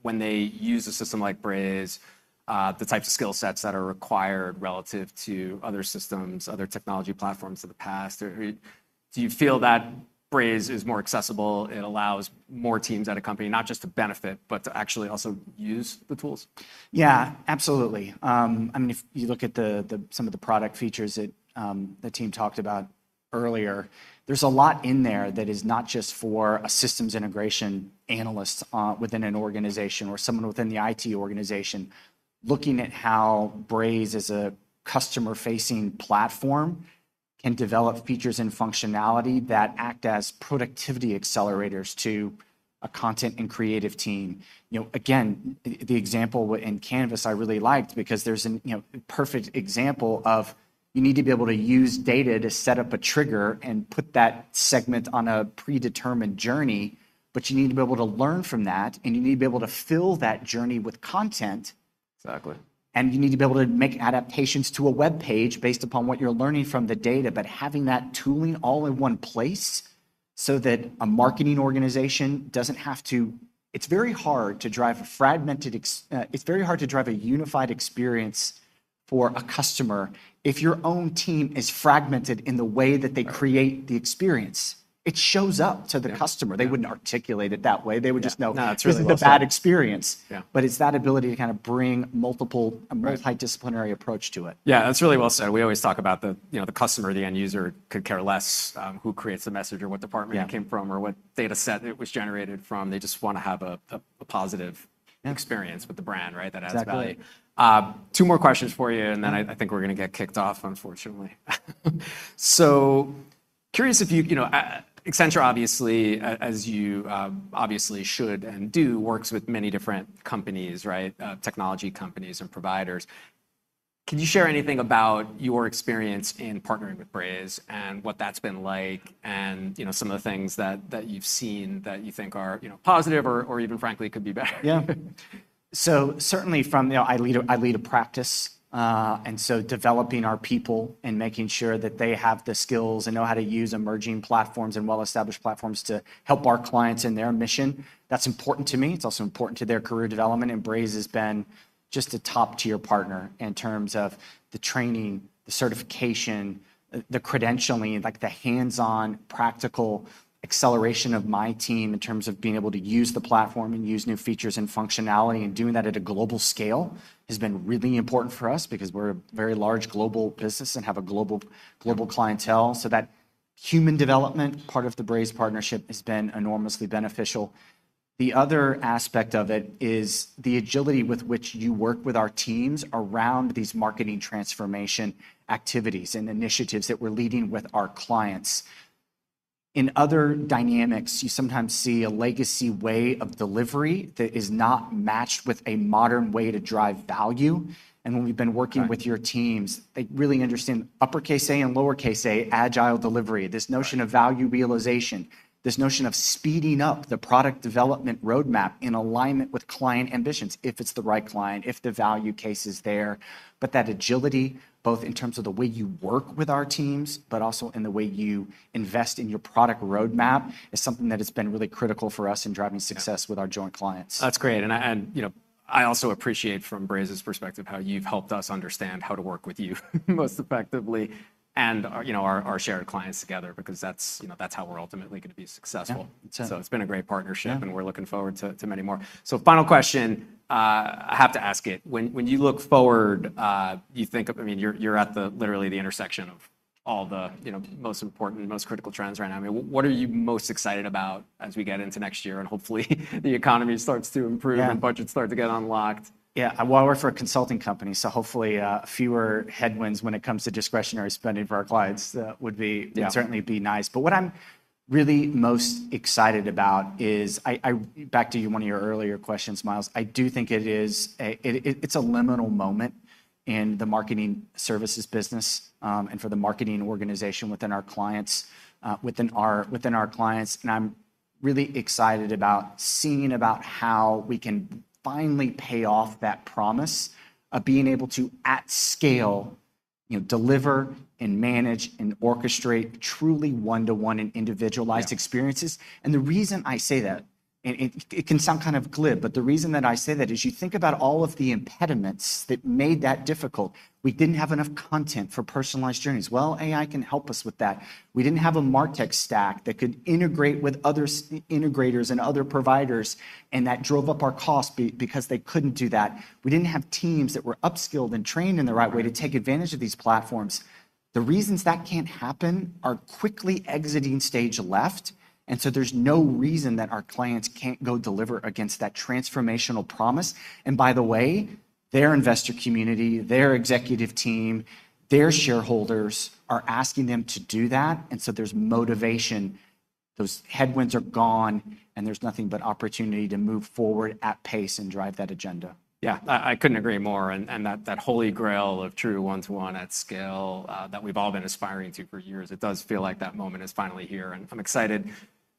when they use a system like Braze, the types of skill sets that are required relative to other systems, other technology platforms of the past? Or, do you feel that Braze is more accessible, it allows more teams at a company not just to benefit, but to actually also use the tools? Yeah, absolutely. I mean, if you look at some of the product features that the team talked about earlier, there's a lot in there that is not just for a systems integration analyst within an organization or someone within the IT organization. Looking at how Braze, as a customer-facing platform, can develop features and functionality that act as productivity accelerators to a content and creative team. You know, again, the example in Canvas I really liked because there's, you know, a perfect example of you need to be able to use data to set up a trigger and put that segment on a predetermined journey, but you need to be able to learn from that, and you need to be able to fill that journey with content. Exactly. You need to be able to make adaptations to a web page based upon what you're learning from the data, but having that tooling all in one place so that a marketing organization doesn't have to... It's very hard to drive a unified experience for a customer if your own team is fragmented in the way that they- Right create the experience. It shows up to the customer. Yeah, yeah. They wouldn't articulate it that way. Yeah. They would just know- No, it's really... this is a bad experience. Yeah. But it's that ability to kind of bring multiple- Right a multidisciplinary approach to it. Yeah, that's really well said. We always talk about the, you know, the customer, the end user could care less, who creates the message or what department- Yeah it came from or what data set it was generated from. They just wanna have a positive- Yeah experience with the brand, right, that adds value. Exactly. Two more questions for you, and then I think we're gonna get kicked off, unfortunately. So curious if you, you know, Accenture, obviously, as you obviously should and do, works with many different companies, right, technology companies and providers. Can you share anything about your experience in partnering with Braze and what that's been like, and, you know, some of the things that you've seen that you think are, you know, positive or even frankly, could be better? Yeah. So certainly from, you know, I lead a practice, and so developing our people and making sure that they have the skills and know how to use emerging platforms and well-established platforms to help our clients in their mission, that's important to me. It's also important to their career development, and Braze has been just a top-tier partner in terms of the training, the certification, the credentialing, and, like, the hands-on, practical acceleration of my team in terms of being able to use the platform and use new features and functionality. And doing that at a global scale has been really important for us because we're a very large global business and have a global- Yeah global clientele, so human development, part of the Braze partnership has been enormously beneficial. The other aspect of it is the agility with which you work with our teams around these marketing transformation activities and initiatives that we're leading with our clients. In other dynamics, you sometimes see a legacy way of delivery that is not matched with a modern way to drive value, and when we've been working. Right with your teams, they really understand uppercase A and lowercase a agile delivery. Right. This notion of value realization, this notion of speeding up the product development roadmap in alignment with client ambitions, if it's the right client, if the value case is there. But that agility, both in terms of the way you work with our teams, but also in the way you invest in your product roadmap, is something that has been really critical for us in driving success- Yeah with our joint clients. That's great, and I also appreciate from Braze's perspective how you've helped us understand how to work with you most effectively, and you know, our shared clients together, because that's you know, that's how we're ultimately gonna be successful. Yeah. Sure. It's been a great partnership. Yeah and we're looking forward to many more. So final question, I have to ask it. When you look forward, you think of. I mean, you're at literally the intersection of all the, you know, most important and most critical trends right now. I mean, what are you most excited about as we get into next year, and hopefully, the economy starts to improve? Yeah and budgets start to get unlocked? Yeah. Well, I work for a consulting company, so hopefully, fewer headwinds when it comes to discretionary spending for our clients, would be- Yeah would certainly be nice. But what I'm really most excited about is. Back to you, one of your earlier questions, Miles. I do think it is it's a liminal moment in the marketing services business, and for the marketing organization within our clients, and I'm really excited about seeing about how we can finally pay off that promise of being able to, at scale, you know, deliver and manage and orchestrate truly one-to-one and individualized experiences. Yeah. And the reason I say that, and it can sound kind of glib, but the reason that I say that is, you think about all of the impediments that made that difficult. We didn't have enough content for personalized journeys. Well, AI can help us with that. We didn't have a martech stack that could integrate with other integrators and other providers, and that drove up our costs because they couldn't do that. We didn't have teams that were upskilled and trained in the right way- Right to take advantage of these platforms. The reasons that can't happen are quickly exiting stage left, and so there's no reason that our clients can't go deliver against that transformational promise. And by the way, their investor community, their executive team, their shareholders are asking them to do that, and so there's motivation. Those headwinds are gone, and there's nothing but opportunity to move forward at pace and drive that agenda. Yeah. I couldn't agree more, and that holy grail of true one-to-one at scale that we've all been aspiring to for years, it does feel like that moment is finally here, and I'm excited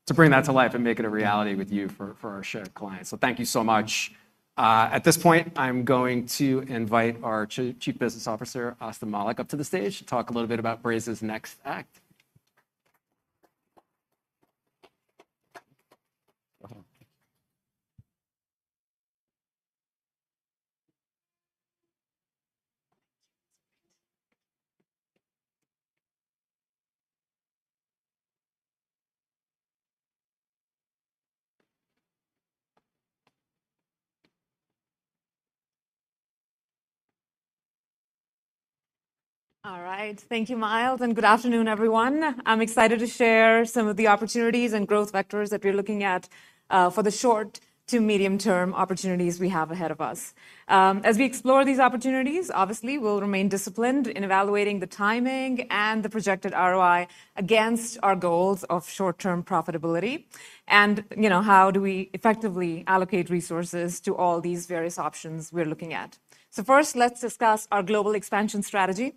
to bring that to life and make it a reality with you for our shared clients. So thank you so much. At this point, I'm going to invite our Chief Business Officer, Astha Malik, up to the stage to talk a little bit about Braze's next act. All right. Thank you, Myles, and good afternoon, everyone. I'm excited to share some of the opportunities and growth vectors that we're looking at for the short to medium-term opportunities we have ahead of us. As we explore these opportunities, obviously, we'll remain disciplined in evaluating the timing and the projected ROI against our goals of short-term profitability, and, you know, how do we effectively allocate resources to all these various options we're looking at? So first, let's discuss our global expansion strategy.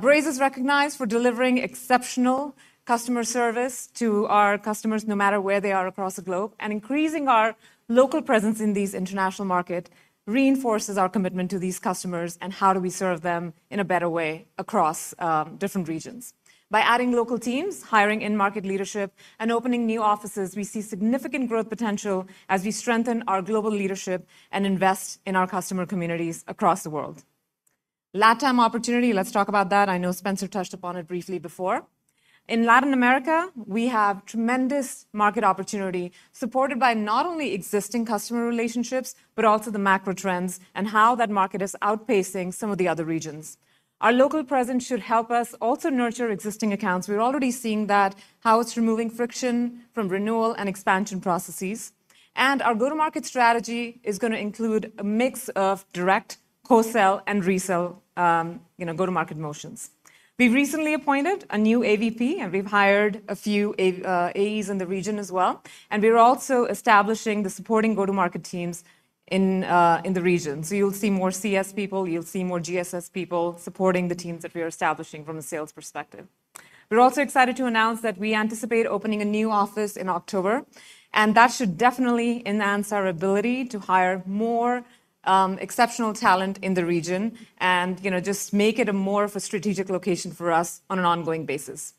Braze is recognized for delivering exceptional customer service to our customers, no matter where they are across the globe, and increasing our local presence in these international markets reinforces our commitment to these customers and how do we serve them in a better way across different regions. By adding local teams, hiring in-market leadership, and opening new offices, we see significant growth potential as we strengthen our global leadership and invest in our customer communities across the world. LatAm opportunity, let's talk about that. I know Spencer touched upon it briefly before. In Latin America, we have tremendous market opportunity, supported by not only existing customer relationships, but also the macro trends and how that market is outpacing some of the other regions. Our local presence should help us also nurture existing accounts. We're already seeing that, how it's removing friction from renewal and expansion processes, and our go-to-market strategy is gonna include a mix of direct, wholesale, and resale, you know, go-to-market motions. We've recently appointed a new AVP, and we've hired a few AEs in the region as well, and we're also establishing the supporting go-to-market teams in the region. You'll see more CS people, you'll see more GSS people supporting the teams that we are establishing from a sales perspective. We're also excited to announce that we anticipate opening a new office in October, and that should definitely enhance our ability to hire more exceptional talent in the region and, you know, just make it more of a strategic location for us on an ongoing basis.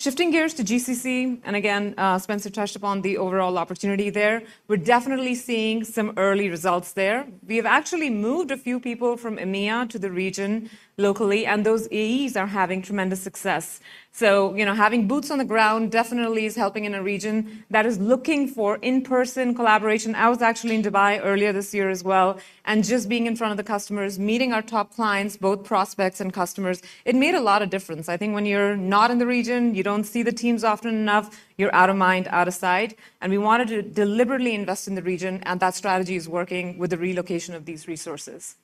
Shifting gears to GCC, and again, Spencer touched upon the overall opportunity there. We're definitely seeing some early results there. We have actually moved a few people from EMEA to the region locally, and those AEs are having tremendous success. You know, having boots on the ground definitely is helping in a region that is looking for in-person collaboration. I was actually in Dubai earlier this year as well, and just being in front of the customers, meeting our top clients, both prospects and customers, it made a lot of difference. I think when you're not in the region, you don't see the teams often enough, you're out of mind, out of sight, and we wanted to deliberately invest in the region, and that strategy is working with the relocation of these resources.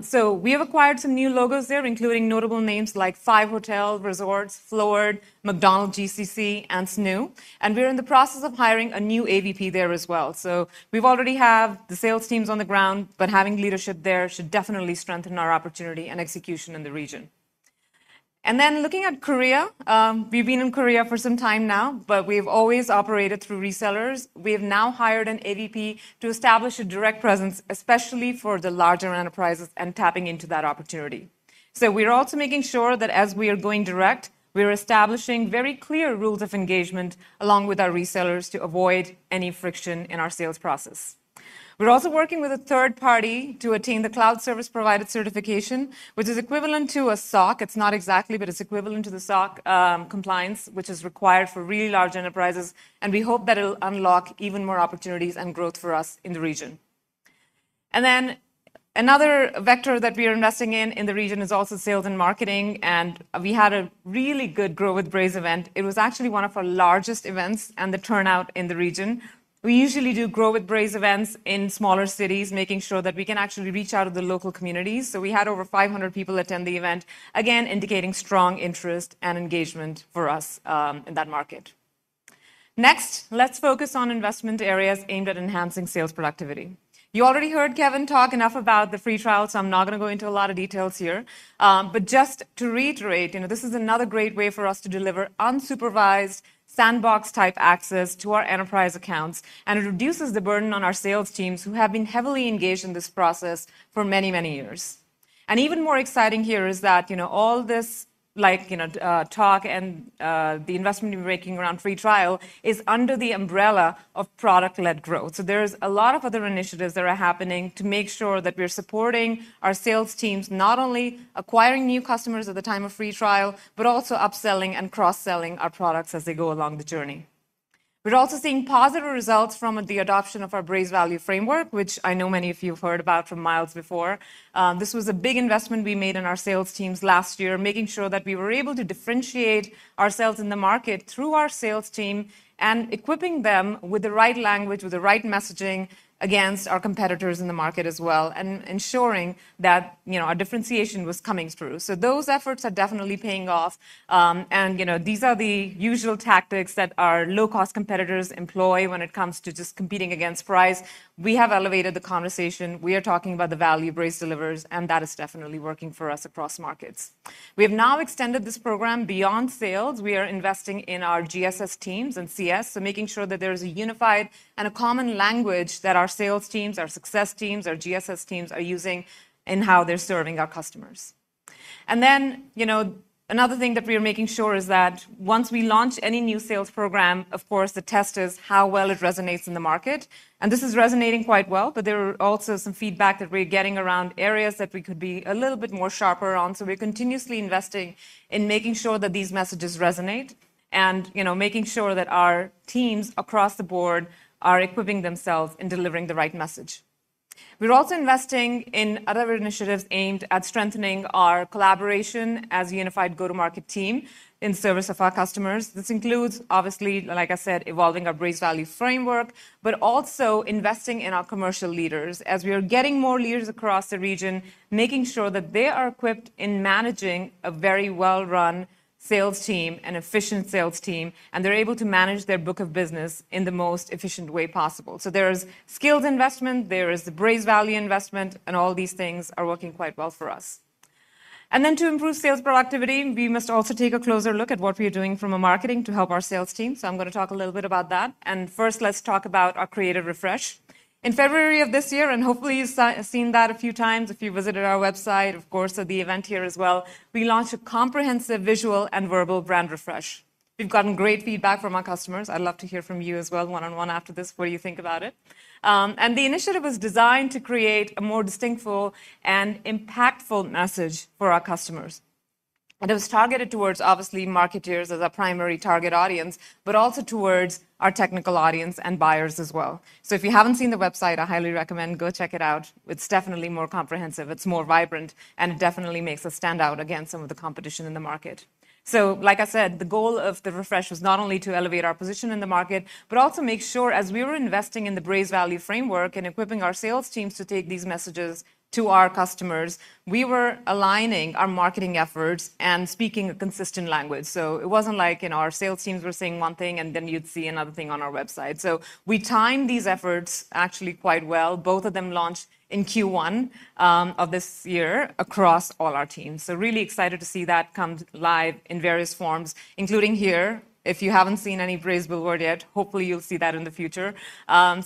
So we have acquired some new logos there, including notable names like FIVE Hotels and Resorts, Floward, McDonald's GCC, and Snoonu, and we're in the process of hiring a new AVP there as well. So we already have the sales teams on the ground, but having leadership there should definitely strengthen our opportunity and execution in the region. And then, looking at Korea, we've been in Korea for some time now, but we've always operated through resellers. We have now hired an AVP to establish a direct presence, especially for the larger enterprises and tapping into that opportunity. So we're also making sure that as we are going direct, we are establishing very clear rules of engagement along with our resellers to avoid any friction in our sales process. We're also working with a third party to attain the cloud service provider certification, which is equivalent to a SOC. It's not exactly, but it's equivalent to the SOC, compliance, which is required for really large enterprises, and we hope that it'll unlock even more opportunities and growth for us in the region. And then, another vector that we are investing in in the region is also sales and marketing, and we had a really good Grow with Braze event. It was actually one of our largest events, and the turnout in the region. We usually do Grow with Braze events in smaller cities, making sure that we can actually reach out to the local communities. So we had over five hundred people attend the event, again, indicating strong interest and engagement for us, in that market. Next, let's focus on investment areas aimed at enhancing sales productivity. You already heard Kevin talk enough about the free trial, so I'm not gonna go into a lot of details here, but just to reiterate, you know, this is another great way for us to deliver unsupervised, sandbox-type access to our enterprise accounts, and it reduces the burden on our sales teams, who have been heavily engaged in this process for many, many years, and even more exciting here is that, you know, all this, like, you know, talk and the investment we're making around free trial is under the umbrella of product-led growth, so there's a lot of other initiatives that are happening to make sure that we're supporting our sales teams, not only acquiring new customers at the time of free trial, but also upselling and cross-selling our products as they go along the journey. We're also seeing positive results from the adoption of our Braze value framework, which I know many of you have heard about from Myles before. This was a big investment we made in our sales teams last year, making sure that we were able to differentiate ourselves in the market through our sales team and equipping them with the right language, with the right messaging against our competitors in the market as well, and ensuring that, you know, our differentiation was coming through, so those efforts are definitely paying off, and, you know, these are the usual tactics that our low-cost competitors employ when it comes to just competing against price. We have elevated the conversation. We are talking about the value Braze delivers, and that is definitely working for us across markets. We have now extended this program beyond sales. We are investing in our GSS teams and CS, so making sure that there is a unified and a common language that our sales teams, our success teams, our GSS teams are using in how they're serving our customers. And then, you know, another thing that we are making sure is that once we launch any new sales program, of course, the test is how well it resonates in the market, and this is resonating quite well, but there are also some feedback that we're getting around areas that we could be a little bit more sharper on. So we're continuously investing in making sure that these messages resonate and, you know, making sure that our teams across the board are equipping themselves in delivering the right message. We're also investing in other initiatives aimed at strengthening our collaboration as a unified go-to-market team in service of our customers. This includes, obviously, like I said, evolving our Braze value framework, but also investing in our commercial leaders. As we are getting more leaders across the region, making sure that they are equipped in managing a very well-run sales team, an efficient sales team, and they're able to manage their book of business in the most efficient way possible. So there is skills investment, there is the Braze value investment, and all these things are working quite well for us. And then, to improve sales productivity, we must also take a closer look at what we are doing from a marketing to help our sales team. So I'm gonna talk a little bit about that, and first, let's talk about our creative refresh. In February of this year, and hopefully, you've seen that a few times if you visited our website, of course, at the event here as well, we launched a comprehensive visual and verbal brand refresh. We've gotten great feedback from our customers. I'd love to hear from you as well, one-on-one after this, what you think about it, and the initiative was designed to create a more distinctive and impactful message for our customers, and it was targeted towards, obviously, marketers as our primary target audience, but also towards our technical audience and buyers as well. So if you haven't seen the website, I highly recommend go check it out. It's definitely more comprehensive, it's more vibrant, and it definitely makes us stand out against some of the competition in the market. So, like I said, the goal of the refresh was not only to elevate our position in the market, but also make sure as we were investing in the Braze value framework and equipping our sales teams to take these messages to our customers, we were aligning our marketing efforts and speaking a consistent language. So it wasn't like, you know, our sales teams were saying one thing, and then you'd see another thing on our website. So we timed these efforts actually quite well. Both of them launched in Q1 of this year across all our teams. So really excited to see that come live in various forms, including here. If you haven't seen any Braze billboard yet, hopefully, you'll see that in the future.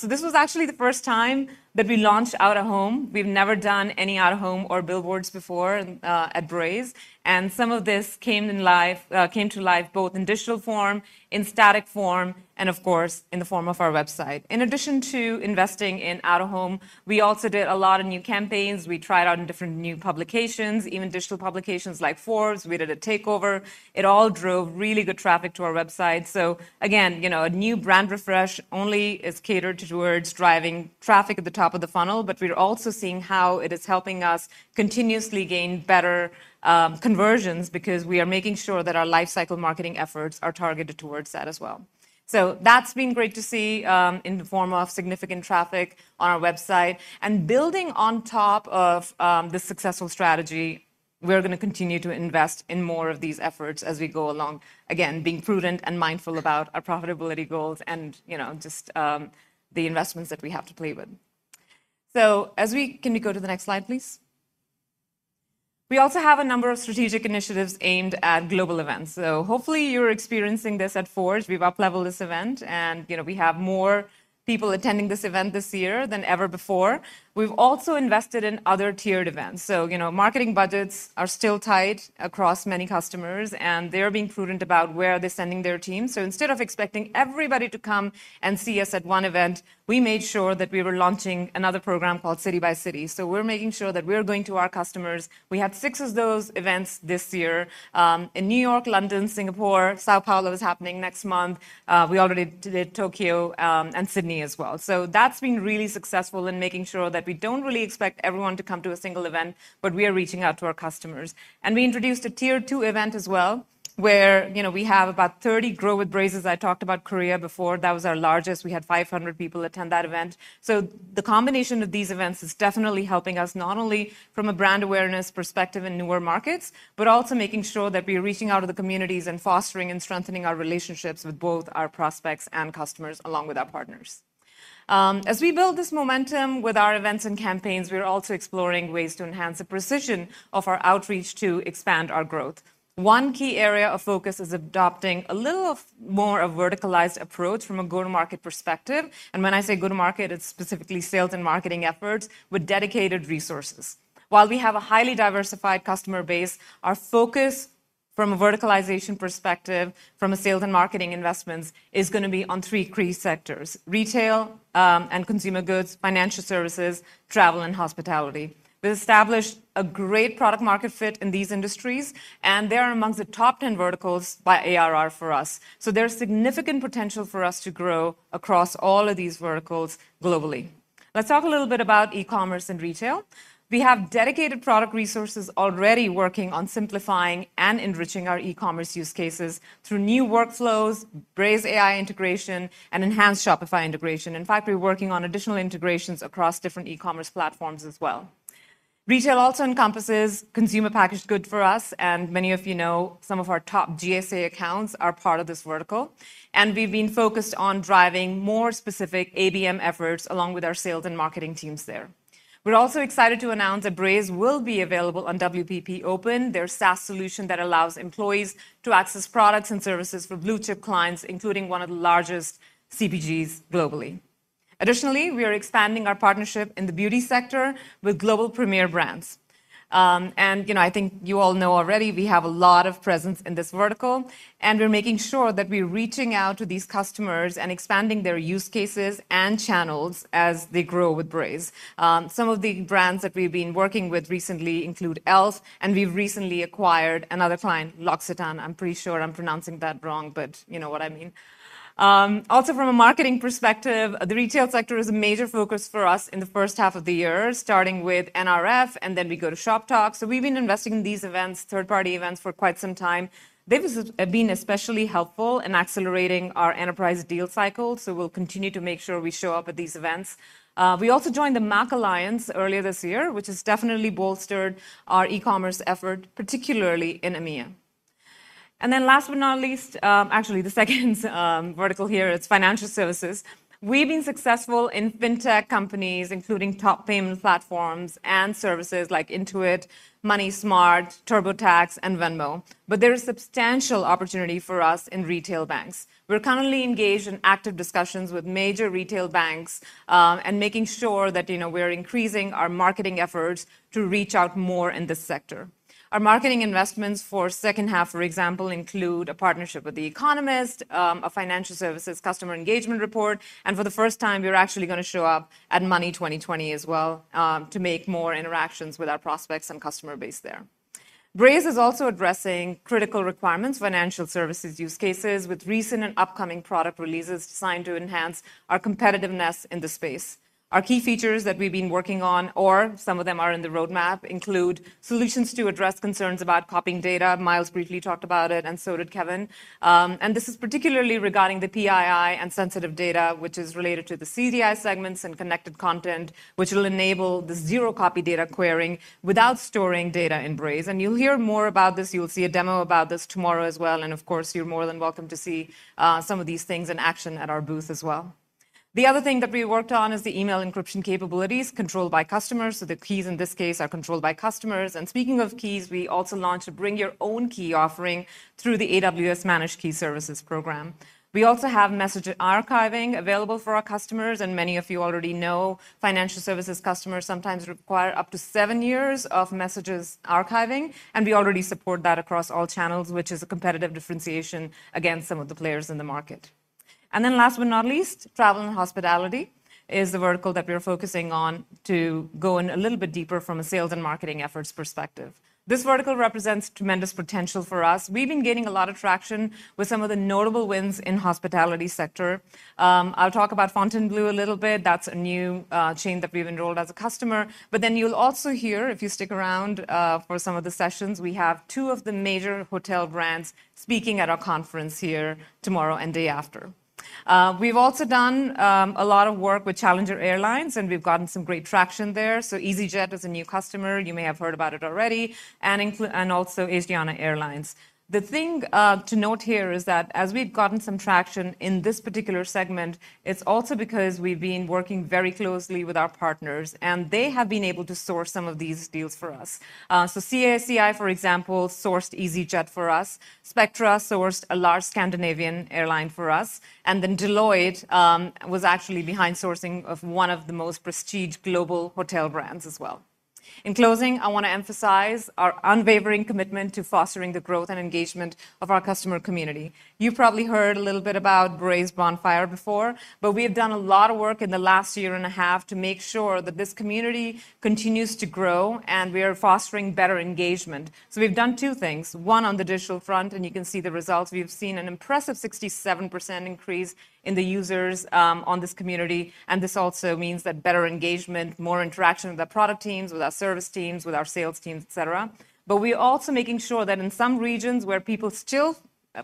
So this was actually the first time that we launched out-of-home. We've never done any out-of-home or billboards before at Braze, and some of this came in live, came to life both in digital form, in static form, and of course, in the form of our website. In addition to investing in out-of-home, we also did a lot of new campaigns. We tried out in different new publications, even digital publications like Forbes. We did a takeover. It all drove really good traffic to our website. So again, you know, a new brand refresh only is catered towards driving traffic at the top of the funnel, but we're also seeing how it is helping us continuously gain better conversions because we are making sure that our life cycle marketing efforts are targeted towards that as well. So that's been great to see in the form of significant traffic on our website. And building on top of this successful strategy, we're gonna continue to invest in more of these efforts as we go along. Again, being prudent and mindful about our profitability goals and, you know, just the investments that we have to play with. So can we go to the next slide, please? We also have a number of strategic initiatives aimed at global events. So hopefully, you're experiencing this at Forge. We've upleveled this event, and, you know, we have more people attending this event this year than ever before. We've also invested in other tiered events. So, you know, marketing budgets are still tight across many customers, and they're being prudent about where they're sending their teams. So instead of expecting everybody to come and see us at one event, we made sure that we were launching another program called City by City. We're making sure that we're going to our customers. We had six of those events this year in New York, London, Singapore. São Paulo is happening next month. We already did Tokyo and Sydney as well. So that's been really successful in making sure that we don't really expect everyone to come to a single event, but we are reaching out to our customers. And we introduced a Tier Two event as well, where, you know, we have about 30 Grow with Braze. I talked about Korea before. That was our largest. We had 500 people attend that event. The combination of these events is definitely helping us, not only from a brand awareness perspective in newer markets, but also making sure that we are reaching out to the communities and fostering and strengthening our relationships with both our prospects and customers, along with our partners. As we build this momentum with our events and campaigns, we are also exploring ways to enhance the precision of our outreach to expand our growth. One key area of focus is adopting a little of more of verticalized approach from a go-to-market perspective. And when I say go-to-market, it's specifically sales and marketing efforts with dedicated resources. While we have a highly diversified customer base, our focus from a verticalization perspective, from a sales and marketing investments, is gonna be on three key sectors: retail, and consumer goods, financial services, travel and hospitality. We've established a great product market fit in these industries, and they are among the top ten verticals by ARR for us. So there's significant potential for us to grow across all of these verticals globally. Let's talk a little bit about e-commerce and retail. We have dedicated product resources already working on simplifying and enriching our e-commerce use cases through new workflows, Braze AI integration, and enhanced Shopify integration. In fact, we're working on additional integrations across different e-commerce platforms as well. Retail also encompasses consumer packaged goods for us, and many of you know, some of our top GSA accounts are part of this vertical, and we've been focused on driving more specific ABM efforts, along with our sales and marketing teams there. We're also excited to announce that Braze will be available on WPP Open, their SaaS solution that allows employees to access products and services for blue-chip clients, including one of the largest CPGs globally. Additionally, we are expanding our partnership in the beauty sector with global premier brands. You know, I think you all know already, we have a lot of presence in this vertical, and we're making sure that we're reaching out to these customers and expanding their use cases and channels as they grow with Braze. Some of the brands that we've been working with recently include e.l.f., and we've recently acquired another client, L'Occitane. I'm pretty sure I'm pronouncing that wrong, but you know what I mean. Also, from a marketing perspective, the retail sector is a Mylesor focus for us in the first half of the year, starting with NRF, and then we go to Shoptalk. We've been investing in these events, third-party events, for quite some time. They've been especially helpful in accelerating our enterprise deal cycle, so we'll continue to make sure we show up at these events. We also joined the MACH Alliance earlier this year, which has definitely bolstered our e-commerce effort, particularly in EMEA. Last but not least, actually, the second vertical here is financial services. We've been successful in fintech companies, including top payment platforms and services like Intuit, MoneySmart, TurboTax, and Venmo. But there is substantial opportunity for us in retail banks. We're currently engaged in active discussions with Mylesor retail banks, and making sure that, you know, we're increasing our marketing efforts to reach out more in this sector. Our marketing investments for second half, for example, include a partnership with The Economist, a financial services customer engagement report, and for the first time, we're actually gonna show up at Money20/20 as well, to make more interactions with our prospects and customer base there. Braze is also addressing critical requirements, financial services use cases, with recent and upcoming product releases designed to enhance our competitiveness in this space. Our key features that we've been working on, or some of them are in the roadmap, include solutions to address concerns about copying data. Myles briefly talked about it, and so did Kevin. And this is particularly regarding the PII and sensitive data, which is related to the CDI segments and connected content, which will enable the zero-copy data querying without storing data in Braze, and you'll hear more about this. You'll see a demo about this tomorrow as well, and of course, you're more than welcome to see some of these things in action at our booth as well. The other thing that we worked on is the email encryption capabilities controlled by customers, so the keys in this case are controlled by customers. And speaking of keys, we also launched a Bring Your Own Key offering through the AWS Key Management Service program. We also have message archiving available for our customers, and many of you already know financial services customers sometimes require up to seven years of messages archiving, and we already support that across all channels, which is a competitive differentiation against some of the players in the market. And then, last but not least, travel and hospitality is the vertical that we're focusing on to go in a little bit deeper from a sales and marketing efforts perspective. This vertical represents tremendous potential for us. We've been gaining a lot of traction with some of the notable wins in hospitality sector. I'll talk about Fontainebleau a little bit. That's a new chain that we've enrolled as a customer. But then you'll also hear, if you stick around, for some of the sessions, we have two of the Mylesor hotel brands speaking at our conference here tomorrow and day after. We've also done a lot of work with Challenger Airlines, and we've gotten some great traction there, so EasyJet is a new customer, you may have heard about it already, and also Asiana Airlines. The thing to note here is that as we've gotten some traction in this particular segment, it's also because we've been working very closely with our partners, and they have been able to source some of these deals for us, so CACI, for example, sourced EasyJet for us. Spectrm sourced a large Scandinavian airline for us, and then Deloitte was actually behind sourcing of one of the most prestigious global hotel brands as well. In closing, I want to emphasize our unwavering commitment to fostering the growth and engagement of our customer community. You've probably heard a little bit about Braze Bonfire before, but we have done a lot of work in the last year and a half to make sure that this community continues to grow, and we are fostering better engagement. So we've done two things, one, on the digital front, and you can see the results. We've seen an impressive 67% increase in the users on this community, and this also means that better engagement, more interaction with our product teams, with our service teams, with our sales teams, et cetera. But we're also making sure that in some regions where people still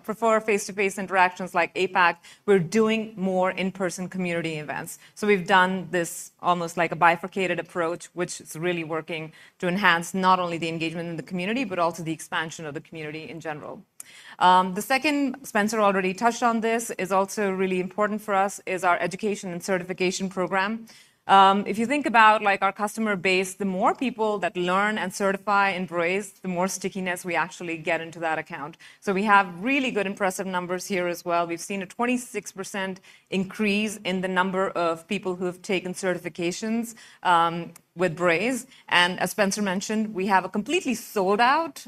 prefer face-to-face interactions, like APAC, we're doing more in-person community events. So we've done this almost like a bifurcated approach, which is really working to enhance not only the engagement in the community, but also the expansion of the community in general. The second, Spencer already touched on this, is also really important for us, is our education and certification program. If you think about, like, our customer base, the more people that learn and certify in Braze, the more stickiness we actually get into that account. So we have really good, impressive numbers here as well. We've seen a 26% increase in the number of people who have taken certifications with Braze, and as Spencer mentioned, we have a completely sold out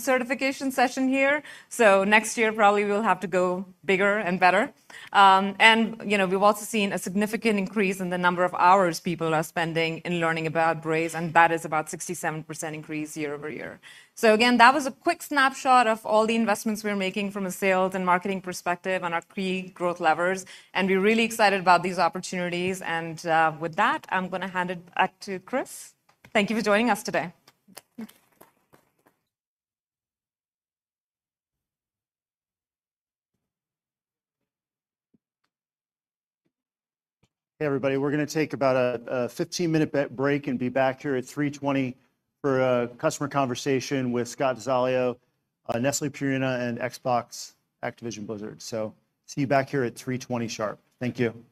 certification session here. So next year, probably we'll have to go bigger and better. You know, we've also seen a significant increase in the number of hours people are spending in learning about Braze, and that is about 67% increase year over year. Again, that was a quick snapshot of all the investments we're making from a sales and marketing perspective on our key growth levers, and we're really excited about these opportunities. With that, I'm gonna hand it back to Chris. Thank you for joining us today. Hey, everybody, we're gonna take a 15-minute break and be back here at 3:20 P.M. for a customer conversation with Scott DeZulo, Nestlé Purina, and Xbox Activision Blizzard. So see you back here at 3:20 P.M. sharp. Thank you.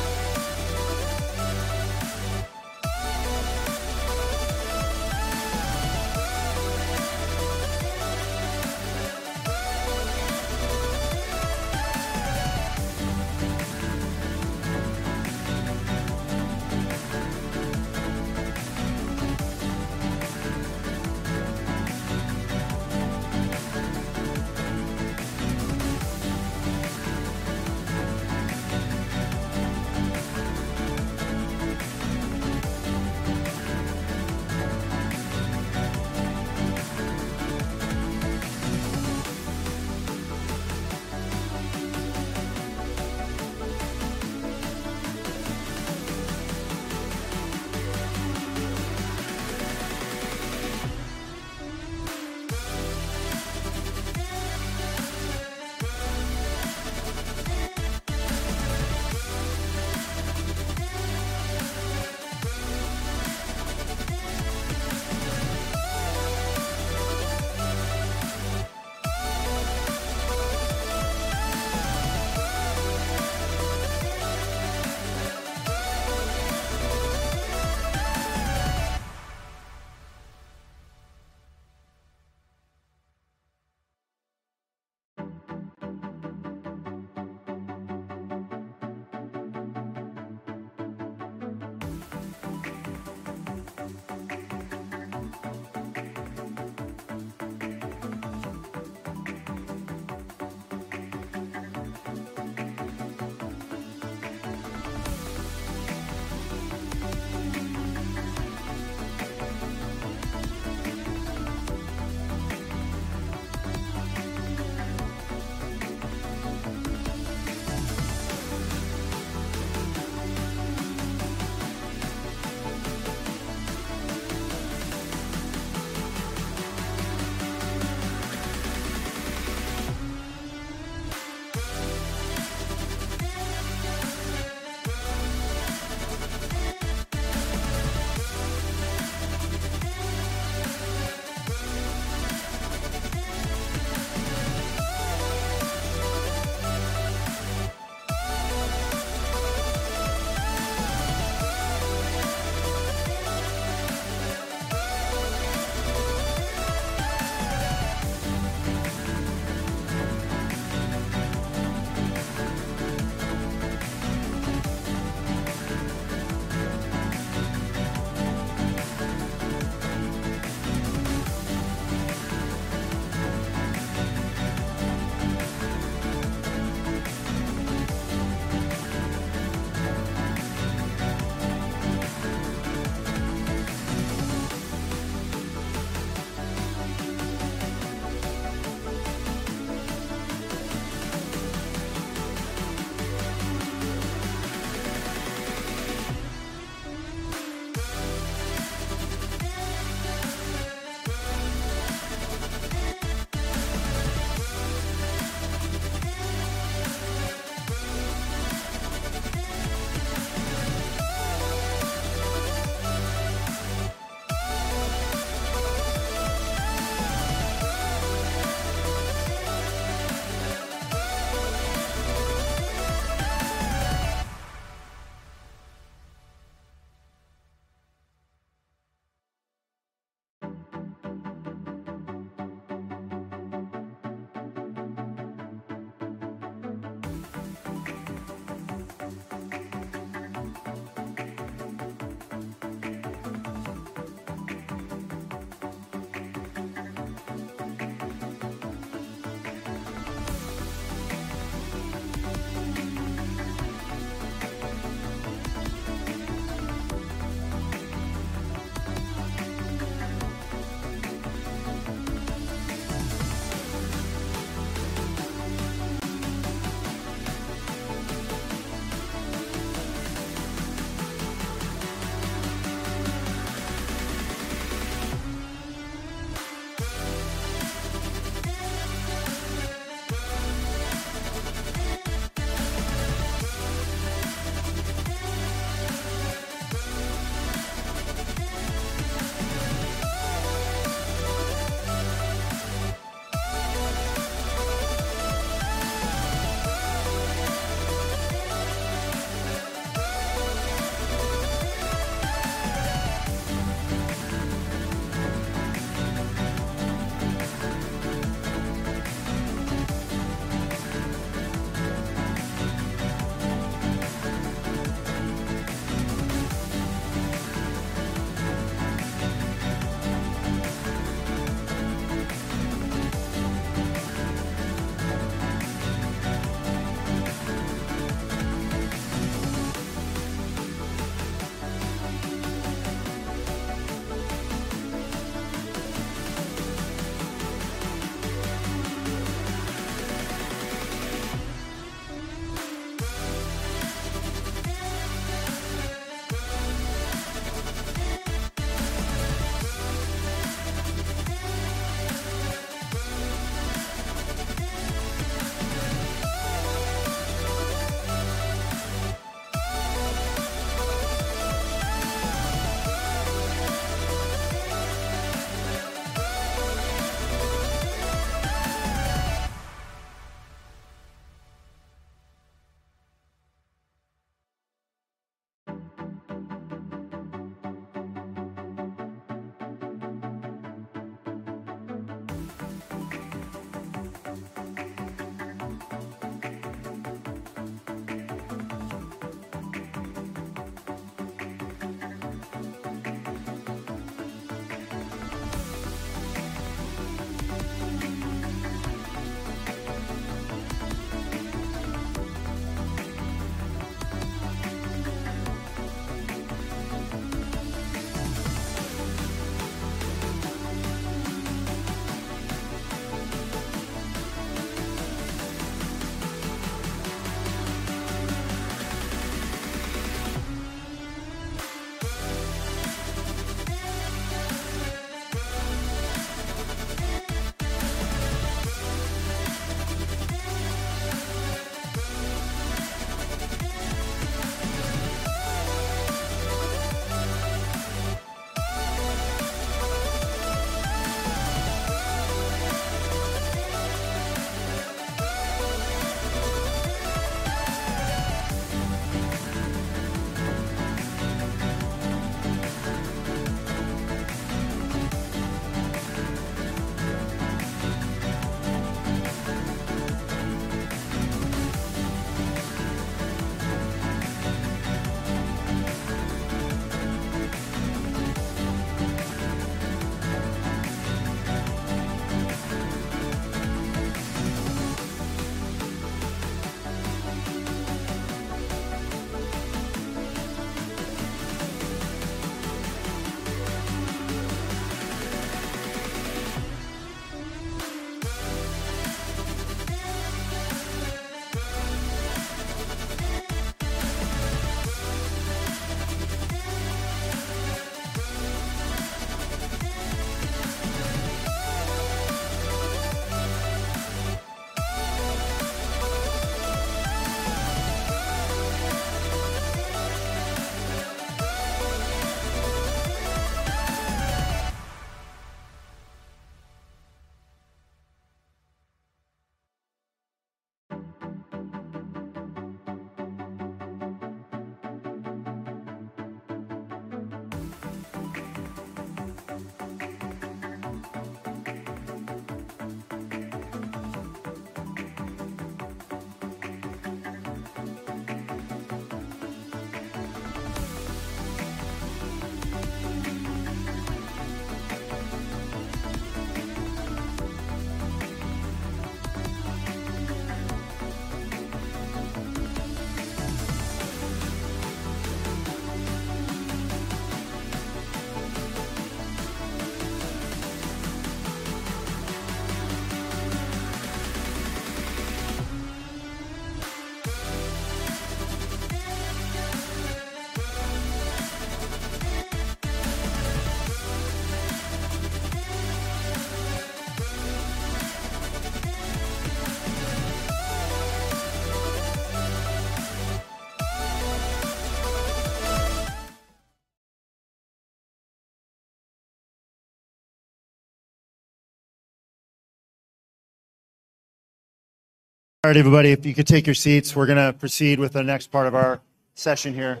All right, everybody, if you could take your seats, we're gonna proceed with the next part of our session here.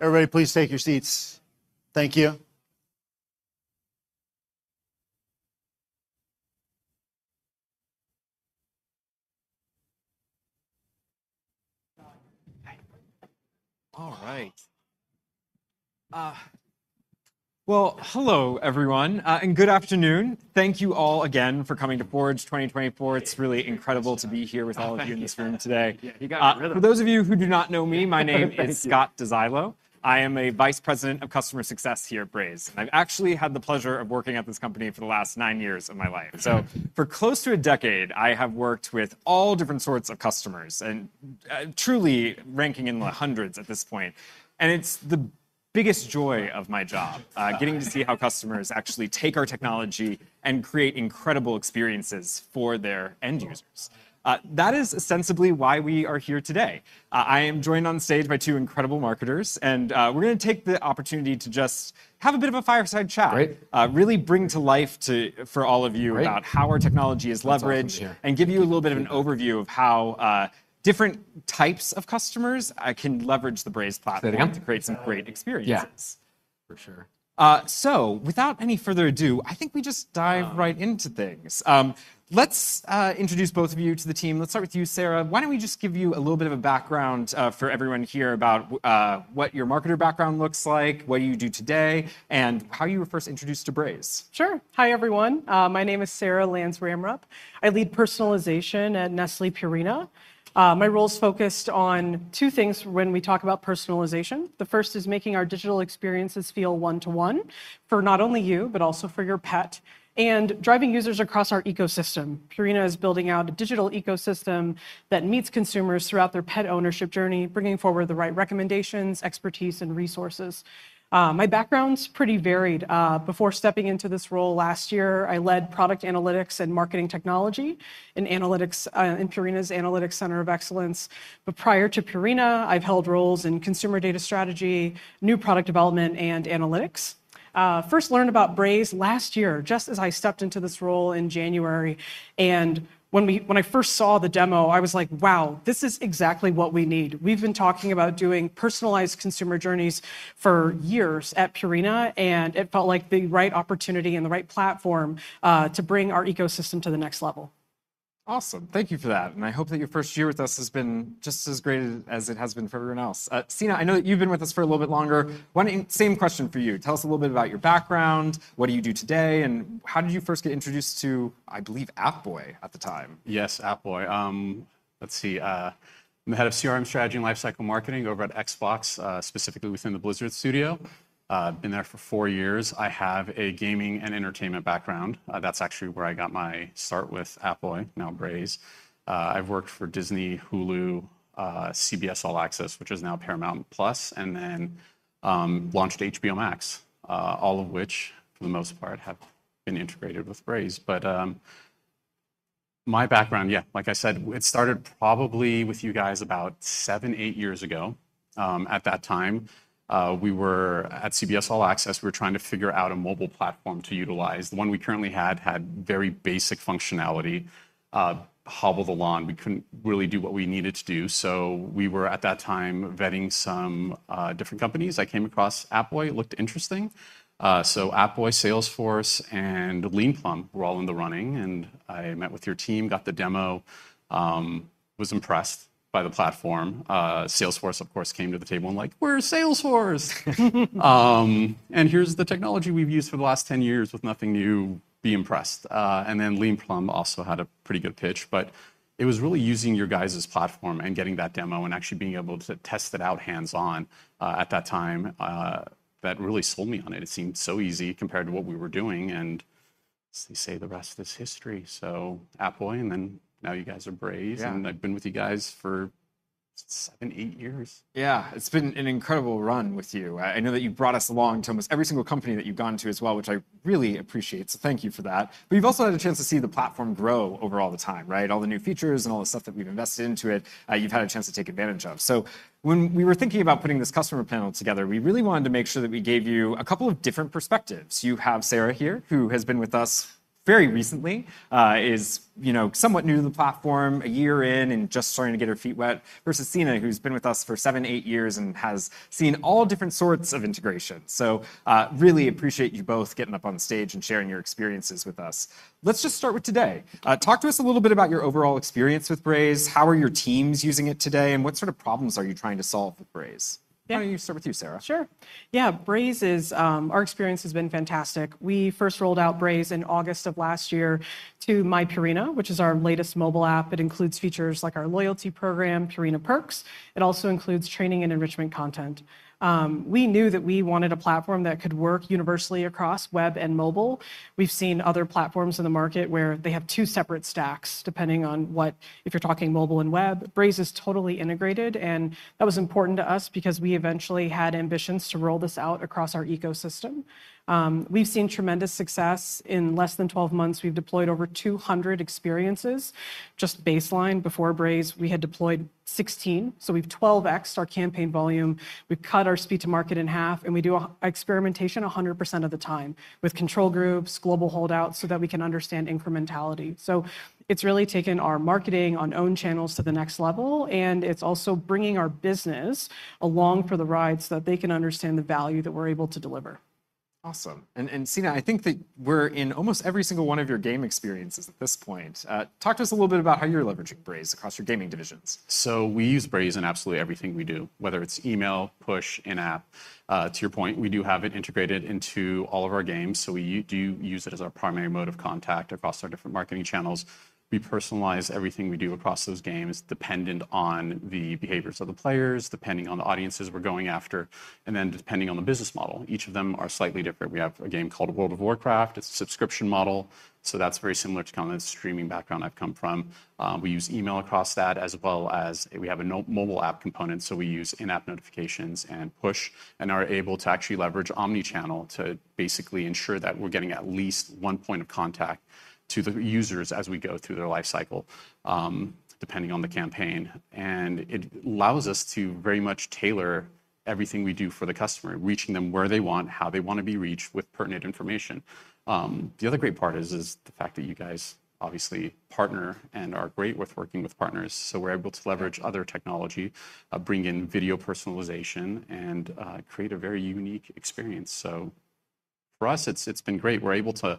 Everybody, please take your seats. Thank you. Hey. All right. Well, hello, everyone, and good afternoon. Thank you all again for coming to Forge 2024. It's really incredible to be here with all of you in this room today. Yeah, you got- For those of you who do not know me, my name is Scott DeZulo. I am a Vice President of customer success here at Braze. I've actually had the pleasure of working at this company for the last nine years of my life. So for close to a decade, I have worked with all different sorts of customers, and, truly ranking in the hundreds at this point, and it's the biggest joy of my job, getting to see how customers actually take our technology and create incredible experiences for their end users. That is ostensibly why we are here today. I am joined on stage by two incredible marketers, and, we're gonna take the opportunity to just have a bit of a fireside chat- Great really bring to life, for all of you- Great about how our technology is leveraged- That's awesome, yeah. and give you a little bit of an overview of how different types of customers can leverage the Braze platform. Say it again? To create some great experiences. Yeah, for sure. Without any further ado, I think we just dive right- into things. Let's introduce both of you to the team. Let's start with you, Sarah. Why don't we just give you a little bit of a background for everyone here about what your marketer background looks like, what you do today, and how you were first introduced to Braze? Sure. Hi, everyone. My name is Sarah Lantz-Ramrup. I lead personalization at Nestlé Purina. My role is focused on two things when we talk about personalization. The first is making our digital experiences feel one-to-one for not only you but also for your pet, and driving users across our ecosystem. Purina is building out a digital ecosystem that meets consumers throughout their pet ownership journey, bringing forward the right recommendations, expertise, and resources. My background's pretty varied. Before stepping into this role last year, I led product analytics and marketing technology in analytics in Purina's Analytics Center of Excellence. But prior to Purina, I've held roles in consumer data strategy, new product development, and analytics. First learned about Braze last year, just as I stepped into this role in January, and when I first saw the demo, I was like: Wow, this is exactly what we need. We've been talking about doing personalized consumer journeys for years at Purina, and it felt like the right opportunity and the right platform to bring our ecosystem to the next level. Awesome. Thank you for that, and I hope that your first year with us has been just as great as it has been for everyone else. Sina, I know that you've been with us for a little bit longer. Same question for you. Tell us a little bit about your background, what do you do today, and how did you first get introduced to, I believe, Appboy at the time? Yes, Appboy. I'm the head of CRM strategy and lifecycle marketing over at Xbox, specifically within the Blizzard Studio. I've been there for four years. I have a gaming and entertainment background. That's actually where I got my start with Appboy, now Braze. I've worked for Disney, Hulu, CBS All Access, which is now Paramount Plus, and then launched HBO Max, all of which, for the most part, have been integrated with Braze. But my background, yeah, like I said, it started probably with you guys about seven, eight years ago. At that time, at CBS All Access, we were trying to figure out a mobile platform to utilize. The one we currently had had very basic functionality, hobble along. We couldn't really do what we needed to do, so we were, at that time, vetting some different companies. I came across Appboy. It looked interesting. So Appboy, Salesforce, and Leanplum were all in the running, and I met with your team, got the demo, was impressed by the platform. Salesforce, of course, came to the table and like: "We're Salesforce!" "And here's the technology we've used for the last ten years with nothing new. Be impressed." And then Leanplum also had a pretty good pitch, but it was really using your guys' platform and getting that demo and actually being able to test it out hands-on, at that time, that really sold me on it. It seemed so easy compared to what we were doing, and as they say, the rest is history. Appboy, and then now you guys are Braze. Yeah. And I've been with you guys for- Seven, eight years. Yeah, it's been an incredible run with you. I, I know that you've brought us along to almost every single company that you've gone to as well, which I really appreciate, so thank you for that. But you've also had a chance to see the platform grow over all the time, right? All the new features and all the stuff that we've invested into it, you've had a chance to take advantage of. So when we were thinking about putting this customer panel together, we really wanted to make sure that we gave you a couple of different perspectives. You have Sarah here, who has been with us very recently, is, you know, somewhat new to the platform, a year in and just starting to get her feet wet, versus Sina, who's been with us for seven, eight years and has seen all different sorts of integration. So, really appreciate you both getting up on the stage and sharing your experiences with us. Let's just start with today. Talk to us a little bit about your overall experience with Braze. How are your teams using it today, and what sort of problems are you trying to solve with Braze? Yeah. Why don't we start with you, Sarah? Sure. Yeah, Braze is. Our experience has been fantastic. We first rolled out Braze in August of last year to myPurina, which is our latest mobile app. It includes features like our loyalty program, Purina Perks. It also includes training and enrichment content. We knew that we wanted a platform that could work universally across web and mobile. We've seen other platforms in the market where they have two separate stacks, depending on what if you're talking mobile and web. Braze is totally integrated, and that was important to us because we eventually had ambitions to roll this out across our ecosystem. We've seen tremendous success. In less than 12 months, we've deployed over 200 experiences. Just baseline, before Braze, we had deployed 16, so we've 12X'd our campaign volume. We've cut our speed to market in half, and we do experimentation 100% of the time, with control groups, global holdouts, so that we can understand incrementality, so it's really taken our marketing on owned channels to the next level, and it's also bringing our business along for the ride so that they can understand the value that we're able to deliver. Awesome. And, Sina, I think that we're in almost every single one of your game experiences at this point. Talk to us a little bit about how you're leveraging Braze across your gaming divisions. So we use Braze in absolutely everything we do, whether it's email, push, in-app. To your point, we do have it integrated into all of our games, so we do use it as our primary mode of contact across our different marketing channels. We personalize everything we do across those games, dependent on the behaviors of the players, depending on the audiences we're going after, and then depending on the business model. Each of them are slightly different. We have a game called World of Warcraft. It's a subscription model, so that's very similar to kind of the streaming background I've come from. We use email across that, as well as we have a non-mobile app component, so we use in-app notifications and push, and are able to actually leverage omni-channel to basically ensure that we're getting at least one point of contact to the users as we go through their life cycle, depending on the campaign. It allows us to very much tailor everything we do for the customer, reaching them where they want, how they want to be reached, with pertinent information. The other great part is the fact that you guys obviously partner and are great with working with partners, so we're able to leverage other technology, bring in video personalization, and create a very unique experience. So for us, it's been great. We're able to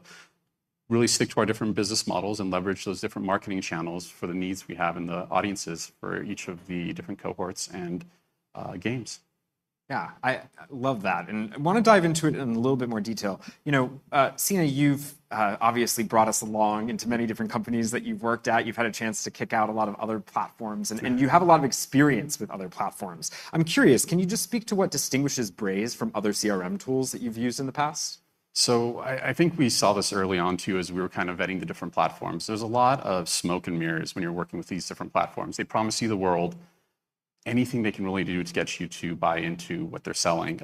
really stick to our different business models and leverage those different marketing channels for the needs we have and the audiences for each of the different cohorts and games. Yeah, I love that, and I want to dive into it in a little bit more detail. You know, Sina, you've obviously brought us along into many different companies that you've worked at. You've had a chance to kick out a lot of other platforms- Sure and you have a lot of experience with other platforms. I'm curious, can you just speak to what distinguishes Braze from other CRM tools that you've used in the past? I think we saw this early on, too, as we were kind of vetting the different platforms. There's a lot of smoke and mirrors when you're working with these different platforms. They promise you the world, anything they can really do to get you to buy into what they're selling.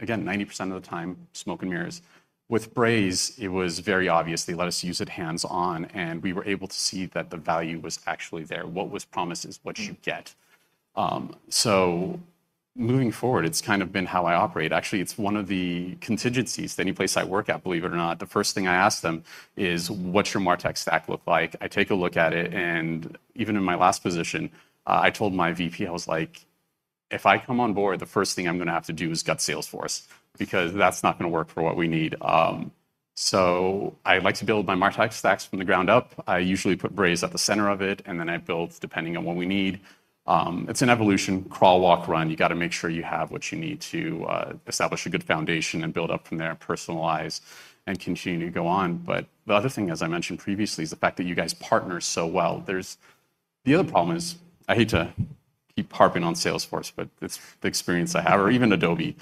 Again, 90% of the time, smoke and mirrors. With Braze, it was very obvious. They let us use it hands-on, and we were able to see that the value was actually there. What was promised is what you get. So moving forward, it's kind of been how I operate. Actually, it's one of the contingencies to any place I work at, believe it or not. The first thing I ask them is: What's your martech stack look like? I take a look at it, and even in my last position, I told my VP, I was like: If I come on board, the first thing I'm gonna have to do is gut Salesforce, because that's not gonna work for what we need. So I like to build my martech stacks from the ground up. I usually put Braze at the center of it, and then I build, depending on what we need. It's an evolution, crawl, walk, run. You've got to make sure you have what you need to establish a good foundation and build up from there, personalize, and continue to go on. But the other thing, as I mentioned previously, is the fact that you guys partner so well. The other problem is, I hate to keep harping on Salesforce, but it's the experience I have, or even Adobe.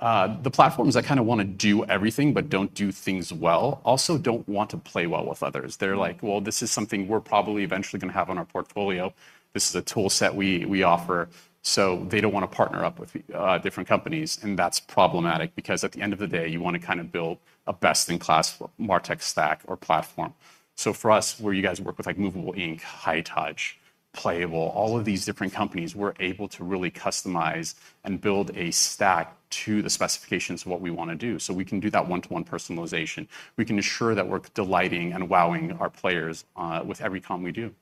The platforms that kind of want to do everything but don't do things well also don't want to play well with others. They're like, "Well, this is something we're probably eventually gonna have on our portfolio. This is a tool set we offer," so they don't want to partner up with different companies, and that's problematic, because at the end of the day, you want to kind of build a best-in-class martech stack or platform. So for us, where you guys work with, like, Movable Ink, Hightouch, Playable, all of these different companies, we're able to really customize and build a stack to the specifications of what we want to do. So we can do that one-to-one personalization. We can ensure that we're delighting and wowing our players with every comm we do.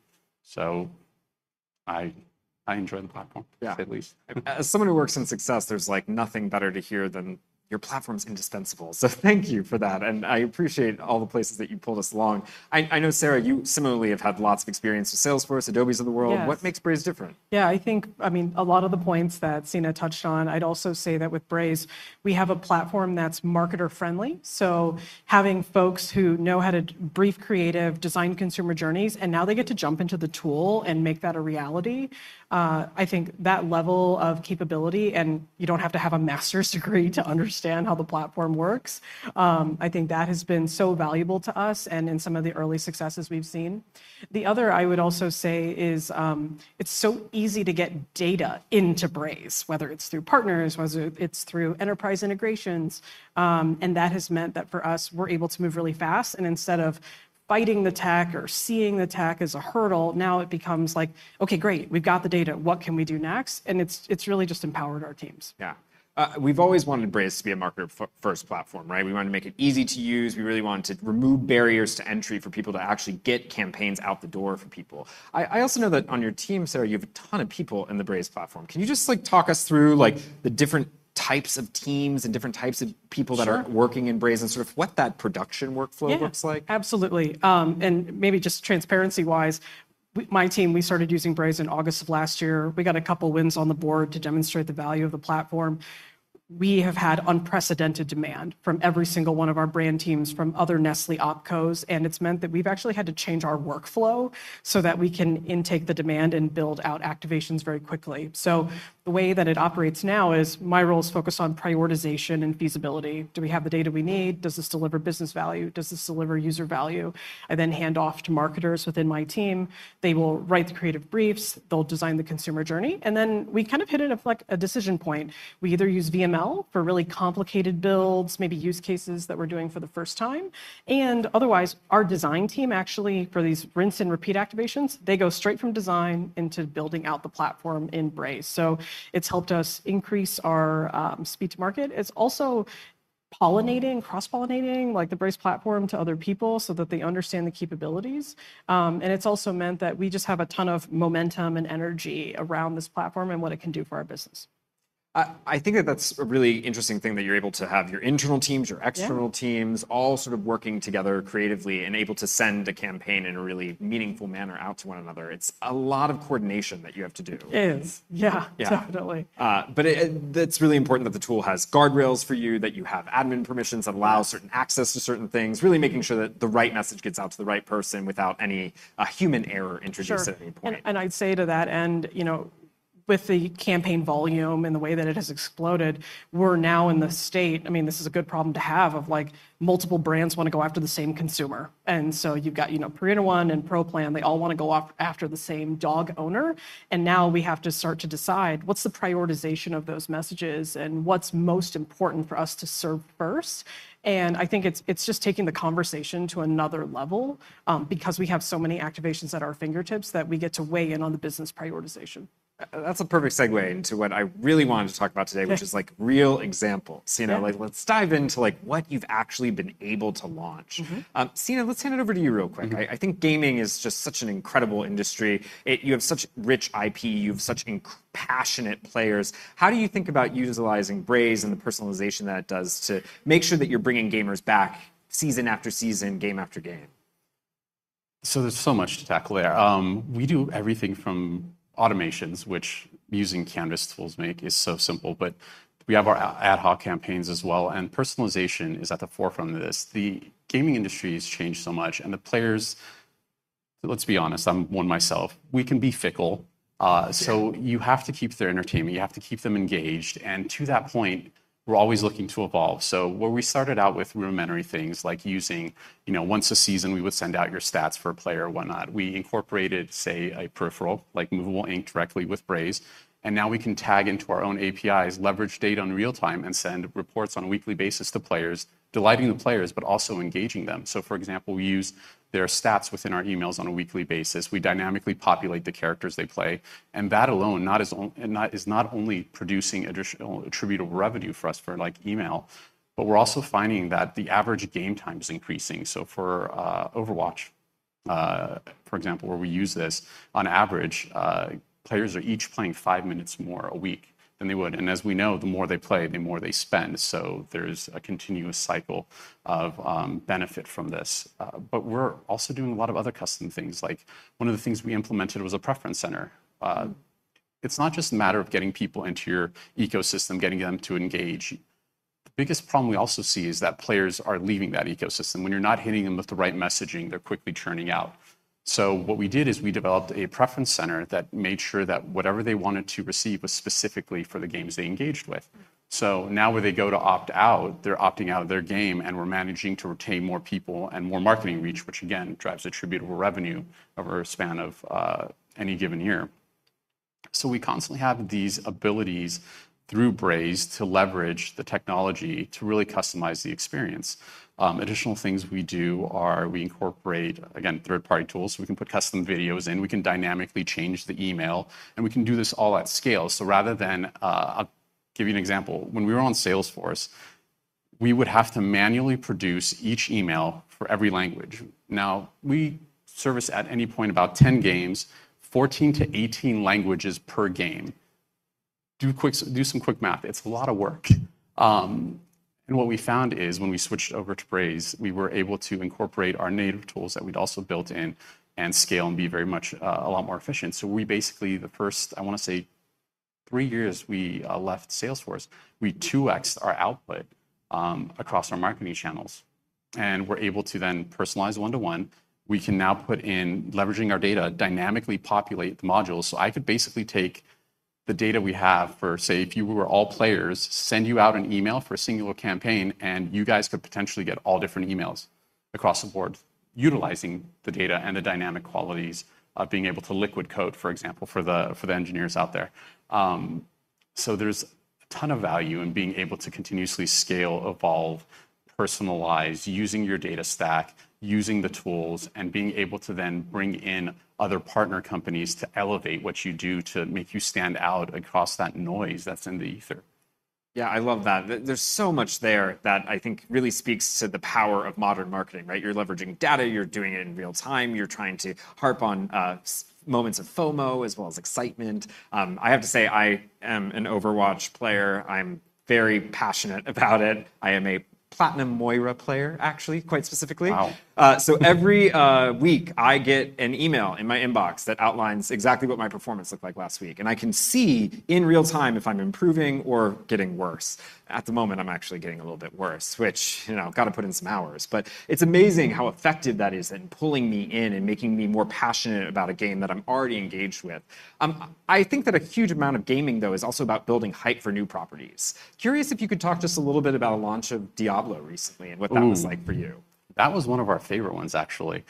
So I enjoy the platform. Yeah. at least. As someone who works in success, there's, like, nothing better to hear than, "Your platform's indispensable." So thank you for that, and I appreciate all the places that you pulled us along. I, I know, Sarah, you similarly have had lots of experience with Salesforce, Adobe's of the world. Yes. What makes Braze different? Yeah, I think, I mean, a lot of the points that Sina touched on. I'd also say that with Braze, we have a platform that's marketer-friendly. So having folks who know how to brief creative, design consumer journeys, and now they get to jump into the tool and make that a reality. I think that level of capability, and you don't have to have a master's degree to understand how the platform works. I think that has been so valuable to us and in some of the early successes we've seen. The other I would also say is, it's so easy to get data into Braze, whether it's through partners, whether it's through enterprise integrations. And that has meant that for us, we're able to move really fast, and instead of fighting the tech or seeing the tech as a hurdle, now it becomes like: "Okay, great. We've got the data. What can we do next?" And it's really just empowered our teams. Yeah. We've always wanted Braze to be a marketer first platform, right? We wanted to make it easy to use. We really wanted to remove barriers to entry for people to actually get campaigns out the door for people. I also know that on your team, Sarah, you have a ton of people in the Braze platform. Can you just, like, talk us through, like, the different types of teams and different types of people- Sure that are working in Braze and sort of what that production workflow looks like? Yeah, absolutely, and maybe just transparency-wise, my team, we started using Braze in August of last year. We got a couple wins on the board to demonstrate the value of the platform. We have had unprecedented demand from every single one of our brand teams, from other Nestlé OpCos, and it's meant that we've actually had to change our workflow so that we can intake the demand and build out activations very quickly. So the way that it operates now is my role is focused on prioritization and feasibility. Do we have the data we need? Does this deliver business value? Does this deliver user value? I then hand off to marketers within my team. They will write the creative briefs, they'll design the consumer journey, and then we kind of hit at like a decision point. We either use VML for really complicated builds, maybe use cases that we're doing for the first time, and otherwise, our design team, actually, for these rinse-and-repeat activations, they go straight from design into building out the platform in Braze, so it's helped us increase our speed to market. It's also pollinating, cross-pollinating, like the Braze platform, to other people so that they understand the capabilities, and it's also meant that we just have a ton of momentum and energy around this platform and what it can do for our business. I think that that's a really interesting thing, that you're able to have your internal teams, your external teams- Yeah all sort of working together creatively and able to send a campaign in a really meaningful manner out to one another. It's a lot of coordination that you have to do. It is, yeah. Yeah. Definitely. But it, that's really important that the tool has guardrails for you, that you have admin permissions that allow- Yes certain access to certain things, really making sure that the right message gets out to the right person without any human error introduced at any point. Sure. And I'd say to that end, you know, with the campaign volume and the way that it has exploded, we're now in the state. I mean, this is a good problem to have, of, like, multiple brands wanna go after the same consumer. And so you've got, you know, Purina ONE and Pro Plan, they all wanna go after the same dog owner, and now we have to start to decide, what's the prioritization of those messages, and what's most important for us to serve first? And I think it's just taking the conversation to another level, because we have so many activations at our fingertips, that we get to weigh in on the business prioritization. That's a perfect segue into what I really wanted to talk about today- Yeah which is, like, real examples. Yeah. Sina, like, let's dive into, like, what you've actually been able to launch. Sina, let's hand it over to you real quick. I think gaming is just such an incredible industry. You have such rich IP. You have such incredibly passionate players. How do you think about utilizing Braze and the personalization that it does to make sure that you're bringing gamers back season after season, game after game? There's so much to tackle there. We do everything from automations, which using Canvas tools make, is so simple, but we have our ad hoc campaigns as well, and personalization is at the forefront of this. The gaming industry has changed so much, and the players, let's be honest, I'm one myse.l.f., we can be fickle. Yeah so you have to keep their entertainment, you have to keep them engaged, and to that point, we're always looking to evolve. So where we started out with rudimentary things, like using, you know, once a season, we would send out your stats for a player or whatnot, we incorporated, say, a peripheral, like Movable Ink, directly with Braze. And now we can tap into our own APIs, leverage data in real time, and send reports on a weekly basis to players, delighting the players, but also engaging them. So, for example, we use their stats within our emails on a weekly basis. We dynamically populate the characters they play, and that alone, not only producing additional attributable revenue for us for, like, email, but we're also finding that the average game time is increasing. So for Overwatch, for example, where we use this, on average, players are each playing five minutes more a week than they would. And as we know, the more they play, the more they spend. So there's a continuous cycle of benefit from this. But we're also doing a lot of other custom things. Like, one of the things we implemented was a preference center. It's not just a matter of getting people into your ecosystem, getting them to engage. The biggest problem we also see is that players are leaving that ecosystem. When you're not hitting them with the right messaging, they're quickly churning out. So what we did is we developed a preference center that made sure that whatever they wanted to receive was specifically for the games they engaged with. So now when they go to opt out, they're opting out of their game, and we're managing to retain more people and more marketing reach, which, again, drives attributable revenue over a span of any given year. So we constantly have these abilities through Braze to leverage the technology to really customize the experience. Additional things we do are we incorporate, again, third-party tools. We can put custom videos in, we can dynamically change the email, and we can do this all at scale. So rather than I'll give you an example. When we were on Salesforce we would have to manually produce each email for every language. Now, we service at any point about 10 games, 14-18 languages per game. Do some quick math. It's a lot of work. What we found is, when we switched over to Braze, we were able to incorporate our native tools that we'd also built in, and scale and be very much a lot more efficient. So we basically, the first, I wanna say, three years we left Salesforce, we two X'd our output across our marketing channels, and were able to then personalize one-to-one. We can now put in, leveraging our data, dynamically populate the modules. So I could basically take the data we have for, say, if you were all players, send you out an email for a singular campaign, and you guys could potentially get all different emails across the board, utilizing the data and the dynamic qualities of being Liquid code, for example, for the engineers out there. So there's a ton of value in being able to continuously scale, evolve, personalize, using your data stack, using the tools, and being able to then bring in other partner companies to elevate what you do to make you stand out across that noise that's in the ether. Yeah, I love that. There's so much there that I think really speaks to the power of modern marketing, right? You're leveraging data, you're doing it in real time, you're trying to harp on some moments of FOMO, as well as excitement. I have to say, I am an Overwatch player. I'm very passionate about it. I am a platinum Moira player, actually, quite specifically. Wow! So every week I get an email in my inbox that outlines exactly what my performance looked like last week, and I can see, in real time, if I'm improving or getting worse. At the moment, I'm actually getting a little bit worse, which, you know, gotta put in some hours. But it's amazing how effective that is in pulling me in and making me more passionate about a game that I'm already engaged with. I think that a huge amount of gaming, though, is also about building hype for new properties. Curious if you could talk to us a little bit about a launch of Diablo recently? Ooh! And what that was like for you. That was one of our favorite ones, actually.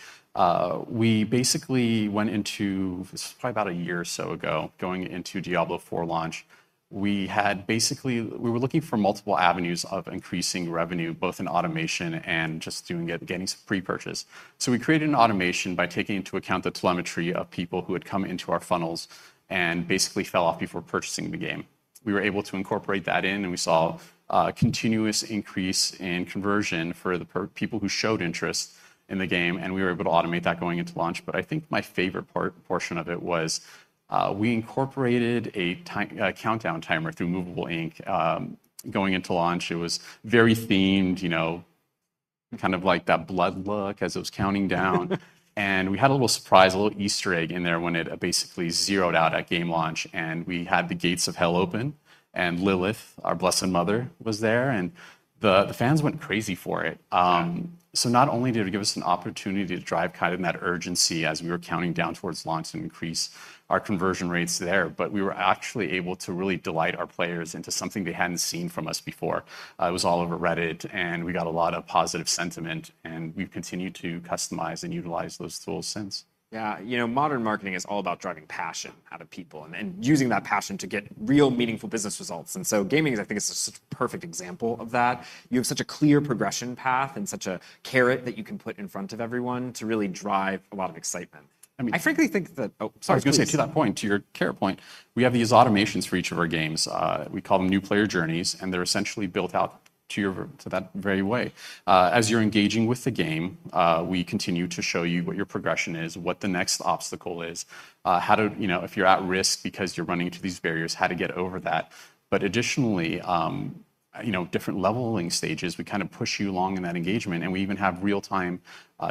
We basically went into this. This was probably about a year or so ago, going into Diablo IV launch. We had basically. We were looking for multiple avenues of increasing revenue, both in automation and just doing it, getting some pre-purchase, so we created an automation by taking into account the telemetry of people who had come into our funnels and basically fell off before purchasing the game. We were able to incorporate that in, and we saw a continuous increase in conversion for the people who showed interest in the game, and we were able to automate that going into launch, but I think my favorite part, portion of it was, we incorporated a time, a countdown timer through Movable Ink. Going into launch, it was very themed, you know, kind of like that blood look as it was counting down, and we had a little surprise, a little Easter egg in there, when it basically zeroed out at game launch, and we had the gates of hell open, and Lilith, our Blessed Mother, was there, and the fans went crazy for it. Yeah. So not only did it give us an opportunity to drive kind of that urgency as we were counting down towards launch and increase our conversion rates there, but we were actually able to really delight our players into something they hadn't seen from us before. It was all over Reddit, and we got a lot of positive sentiment, and we've continued to customize and utilize those tools since. Yeah, you know, modern marketing is all about driving passion out of people, and then using that passion to get real, meaningful business results. And so gaming is, I think, just a perfect example of that. You have such a clear progression path and such a carrot that you can put in front of everyone to really drive a lot of excitement. I mean- I frankly think that. Oh, sorry, please. I was gonna say, to that point, to your carrot point, we have these automations for each of our games. We call them new player journeys, and they're essentially built out to your, to that very way. As you're engaging with the game, we continue to show you what your progression is, what the next obstacle is, how to, you know, if you're at risk because you're running into these barriers, how to get over that. But additionally, you know, different leveling stages, we kind of push you along in that engagement, and we even have real-time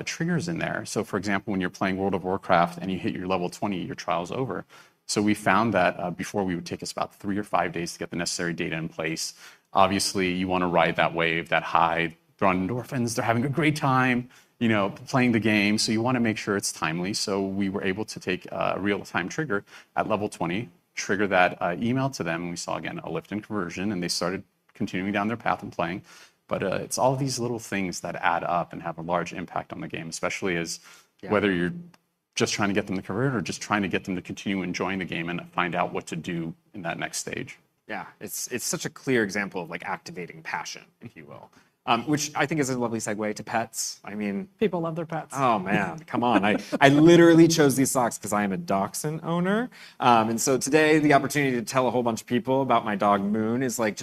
triggers in there. So for example, when you're playing World of Warcraft and you hit your level 20, your trial's over. So we found that, before we would take us about three or five days to get the necessary data in place. Obviously, you wanna ride that wave, that high, they're on endorphins, they're having a great time, you know, playing the game, so you wanna make sure it's timely. So we were able to take a real-time trigger at level 20, trigger that email to them, and we saw, again, a lift in conversion, and they started continuing down their path and playing. But, it's all these little things that add up and have a large impact on the game, especially as- Yeah whether you're just trying to get them to convert or just trying to get them to continue enjoying the game and find out what to do in that next stage. Yeah. It's such a clear example of, like, activating passion, if you will. Which I think is a lovely segue to pets. I mean- People love their pets. Oh, man, come on! I literally chose these socks 'cause I am a dachshund owner. And so today, the opportunity to tell a whole bunch of people about my dog, Moon, is, like,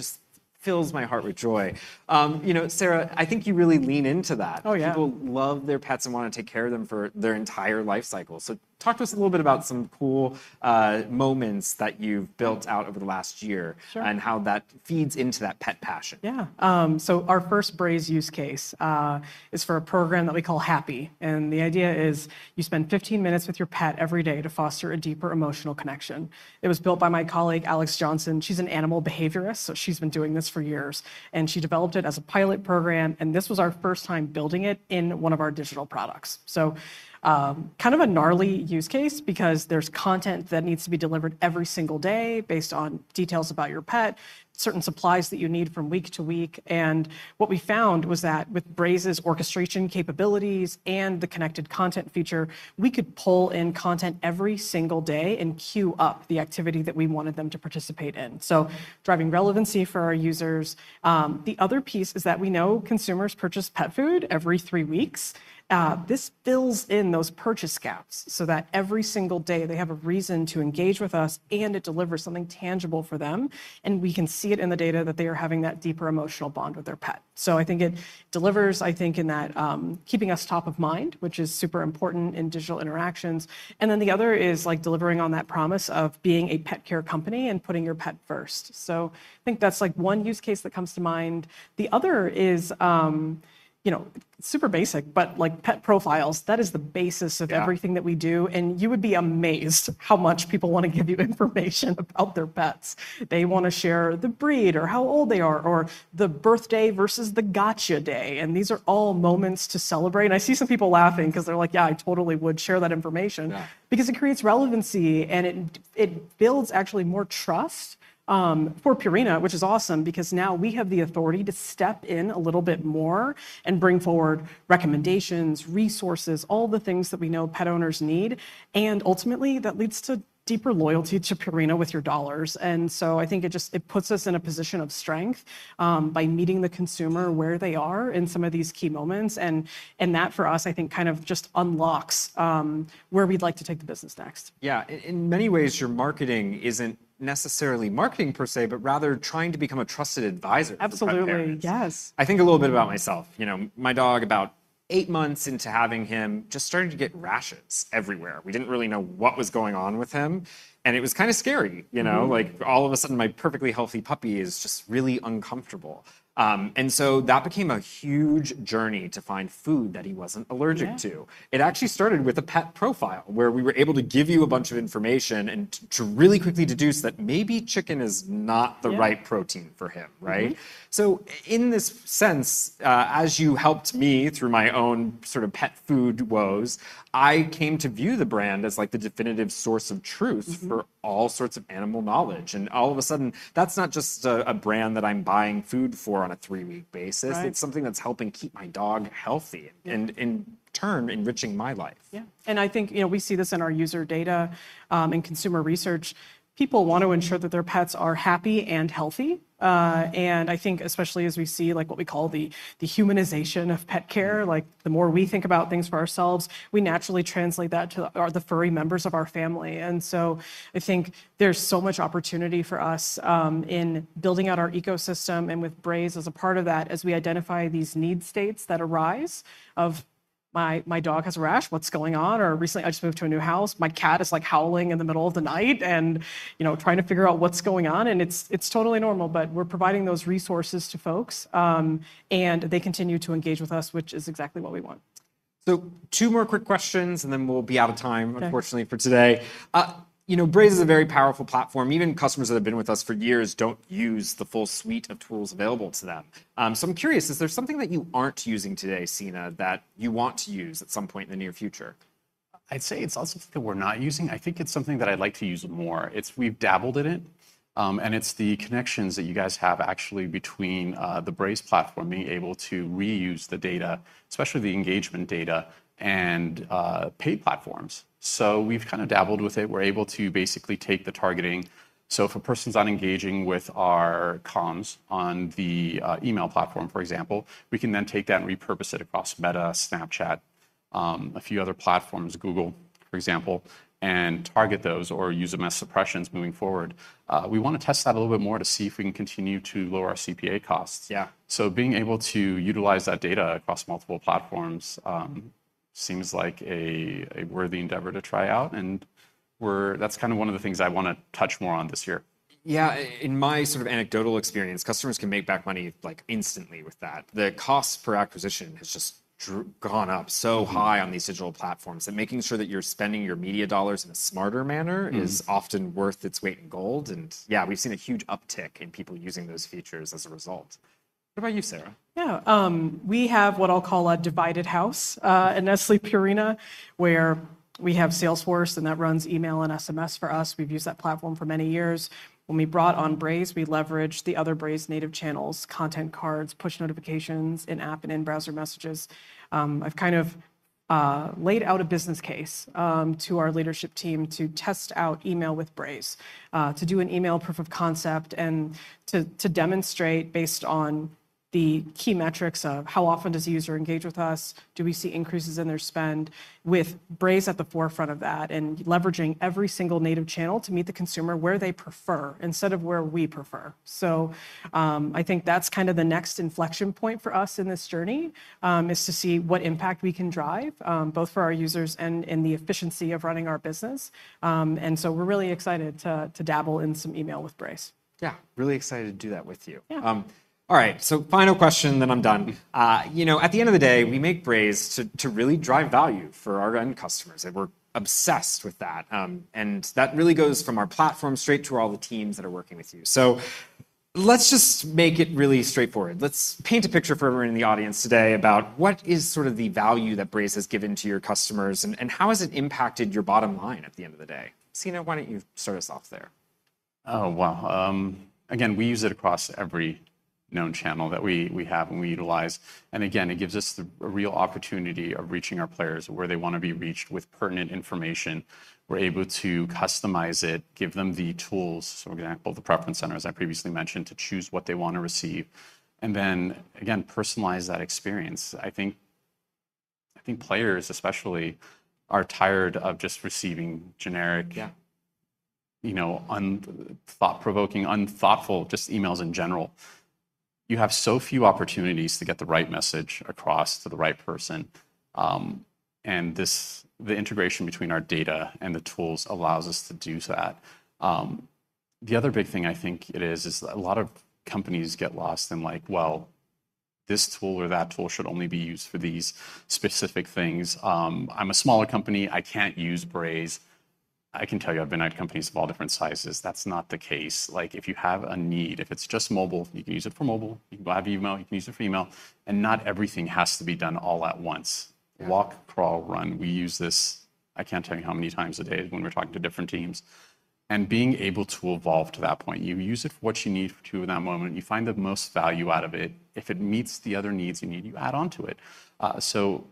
fills my heart with joy. You know, Sarah, I think you really lean into that. Oh, yeah. People love their pets and wanna take care of them for their entire life cycle. So talk to us a little bit about some cool moments that you've built out over the last year? Sure and how that feeds into that pet passion. Yeah. So our first Braze use case is for a program that we call Happy, and the idea is you spend 15 minutes with your pet every day to foster a deeper emotional connection. It was built by my colleague, Alex Jonson. She's an animal behaviorist, so she's been doing this for years, and she developed it as a pilot program, and this was our first time building it in one of our digital products. So, kind of a gnarly use case because there's content that needs to be delivered every single day based on details about your pet, certain supplies that you need from week to week. What we found was that with Braze's orchestration capabilities and the Connected Content feature, we could pull in content every single day and queue up the activity that we wanted them to participate in, so driving relevancy for our users. The other piece is that we know consumers purchase pet food every three weeks. This fills in those purchase gaps so that every single day they have a reason to engage with us, and it delivers something tangible for them, and we can see it in the data that they are having that deeper emotional bond with their pet. So I think it delivers, I think, in that, keeping us top of mind, which is super important in digital interactions, and then the other is, like, delivering on that promise of being a pet care company and putting your pet first. So I think that's, like, one use case that comes to mind. The other is, you know, super basic, but, like, pet profiles, that is the basis of- Yeah everything that we do, and you would be amazed how much people wanna give you information about their pets. They wanna share the breed or how old they are, or the birthday versus the gotcha day, and these are all moments to celebrate, and I see some people laughing 'cause they're like, "Yeah, I totally would share that information- Yeah because it creates relevancy, and it builds actually more trust for Purina, which is awesome because now we have the authority to step in a little bit more and bring forward recommendations, resources, all the things that we know pet owners need, and ultimately, that leads to deeper loyalty to Purina with your dollas. And so I think it just puts us in a position of strength by meeting the consumer where they are in some of these key moments and that, for us, I think, kind of just unlocks where we'd like to take the business next. Yeah. In many ways, your marketing isn't necessarily marketing per se, but rather trying to become a trusted advisor. Absolutely for pet parents. Yes. I think a little bit about myse.l.f.. You know, my dog, about eight months into having him, just started to get rashes everywhere. We didn't really know what was going on with him, and it was kinda scary, you know? Like, all of a sudden, my perfectly healthy puppy is just really uncomfortable, and so that became a huge journey to find food that he wasn't allergic to. Yeah. It actually started with a pet profile, where we were able to give you a bunch of information and to really quickly deduce that maybe chicken is not the- Yeah right protein for him, right? So in this sense, as you helped me- through my own sort of pet food woes, I came to view the brand as, like, the definitive source of truth- for all sorts of animal knowledge, and all of a sudden, that's not just a brand that I'm buying food for on a three-week basis. Right. It's something that's helping keep my dog healthy- Yeah and in turn, enriching my life. Yeah, and I think, you know, we see this in our user data, and consumer research. People want to ensure that their pets are happy and healthy. And I think especially as we see, like, what we call the humanization of pet care, like, the more we think about things for ourselves, we naturally translate that to the furry members of our family. And so I think there's so much opportunity for us in building out our ecosystem, and with Braze as a part of that, as we identify these need states that arise of, "My, my dog has a rash. What's going on?" Or, "Recently, I just moved to a new house. My cat is, like, howling in the middle of the night," and, you know, trying to figure out what's going on, and it's totally normal. But we're providing those resources to folks, and they continue to engage with us, which is exactly what we want. So, two more quick questions, and then we'll be out of time. Okay unfortunately, for today. You know, Braze is a very powerful platform. Even customers that have been with us for years don't use the full suite of tools available to them. So I'm curious, is there something that you aren't using today, Sina, that you want to use at some point in the near future? I'd say it's not something that we're not using. I think it's something that I'd like to use more. It's We've dabbled in it, and it's the connections that you guys have actually between the Braze platform, being able to reuse the data, especially the engagement data, and paid platforms. So we've kinda dabbled with it. We're able to basically take the targeting, so if a person's not engaging with our comms on the email platform, for example, we can then take that and repurpose it across Meta, Snapchat, a few other platforms, Google, for example, and target those or use them as suppressions moving forward. We wanna test that a little bit more to see if we can continue to lower our CPA costs. Yeah. Being able to utilize that data across multiple platforms seems like a worthy endeavor to try out, and that's kind of one of the things I wanna touch more on this year. Yeah, in my sort of anecdotal experience, customers can make back money, like, instantly with that. The cost per acquisition has just gone up so high- on these digital platforms, and making sure that you're spending your media dollars in a smarter manner- is often worth its weight in gold, and yeah, we've seen a huge uptick in people using those features as a result. What about you, Sarah? Yeah, we have what I'll call a divided house at Nestlé Purina, where we have Salesforce, and that runs email and SMS for us. We've used that platform for many years. When we brought on Braze, we leveraged the other Braze native channels, Content Cards, push notifications, in-app and in-browser messages. I've kind of laid out a business case to our leadership team to test out email with Braze, to do an email proof of concept and to demonstrate based on the key metrics of how often does a user engage with us? Do we see increases in their spend? With Braze at the forefront of that, and leveraging every single native channel to meet the consumer where they prefer, instead of where we prefer. I think that's kind of the next inflection point for us in this journey, is to see what impact we can drive, both for our users and the efficiency of running our business. We're really excited to dabble in some email with Braze. Yeah, really excited to do that with you. Yeah. All right, so final question, then I'm done. You know, at the end of the day, we make Braze to really drive value for our end customers, and we're obsessed with that, and that really goes from our platform straight to all the teams that are working with you, so let's just make it really straightforward. Let's paint a picture for everyone in the audience today about what is sort of the value that Braze has given to your customers, and how has it impacted your bottom line at the end of the day? Sina, why don't you start us off there? Oh, well, again, we use it across every known channel that we have and we utilize, and again, it gives us a real opportunity of reaching our players where they wanna be reached with pertinent information. We're able to customize it, give them the tools, for example, the preference center, as I previously mentioned, to choose what they wanna receive, and then, again, personalize that experience. I think players especially are tired of just receiving generic- Yeah you know, unthought-provoking, unthoughtful, just emails in general. You have so few opportunities to get the right message across to the right person, and this, the integration between our data and the tools allows us to do that. The other big thing I think it is, is a lot of companies get lost in, like, well, this tool or that tool should only be used for these specific things. I'm a smaller company, I can't use Braze. I can tell you, I've been at companies of all different sizes, that's not the case. Like, if you have a need, if it's just mobile, you can use it for mobile. You can go by email, you can use it for email, and not everything has to be done all at once. Walk, crawl, run. We use this, I can't tell you how many times a day when we're talking to different teams, and being able to evolve to that point. You use it for what you need to in that moment, you find the most value out of it. If it meets the other needs you need, you add onto it. So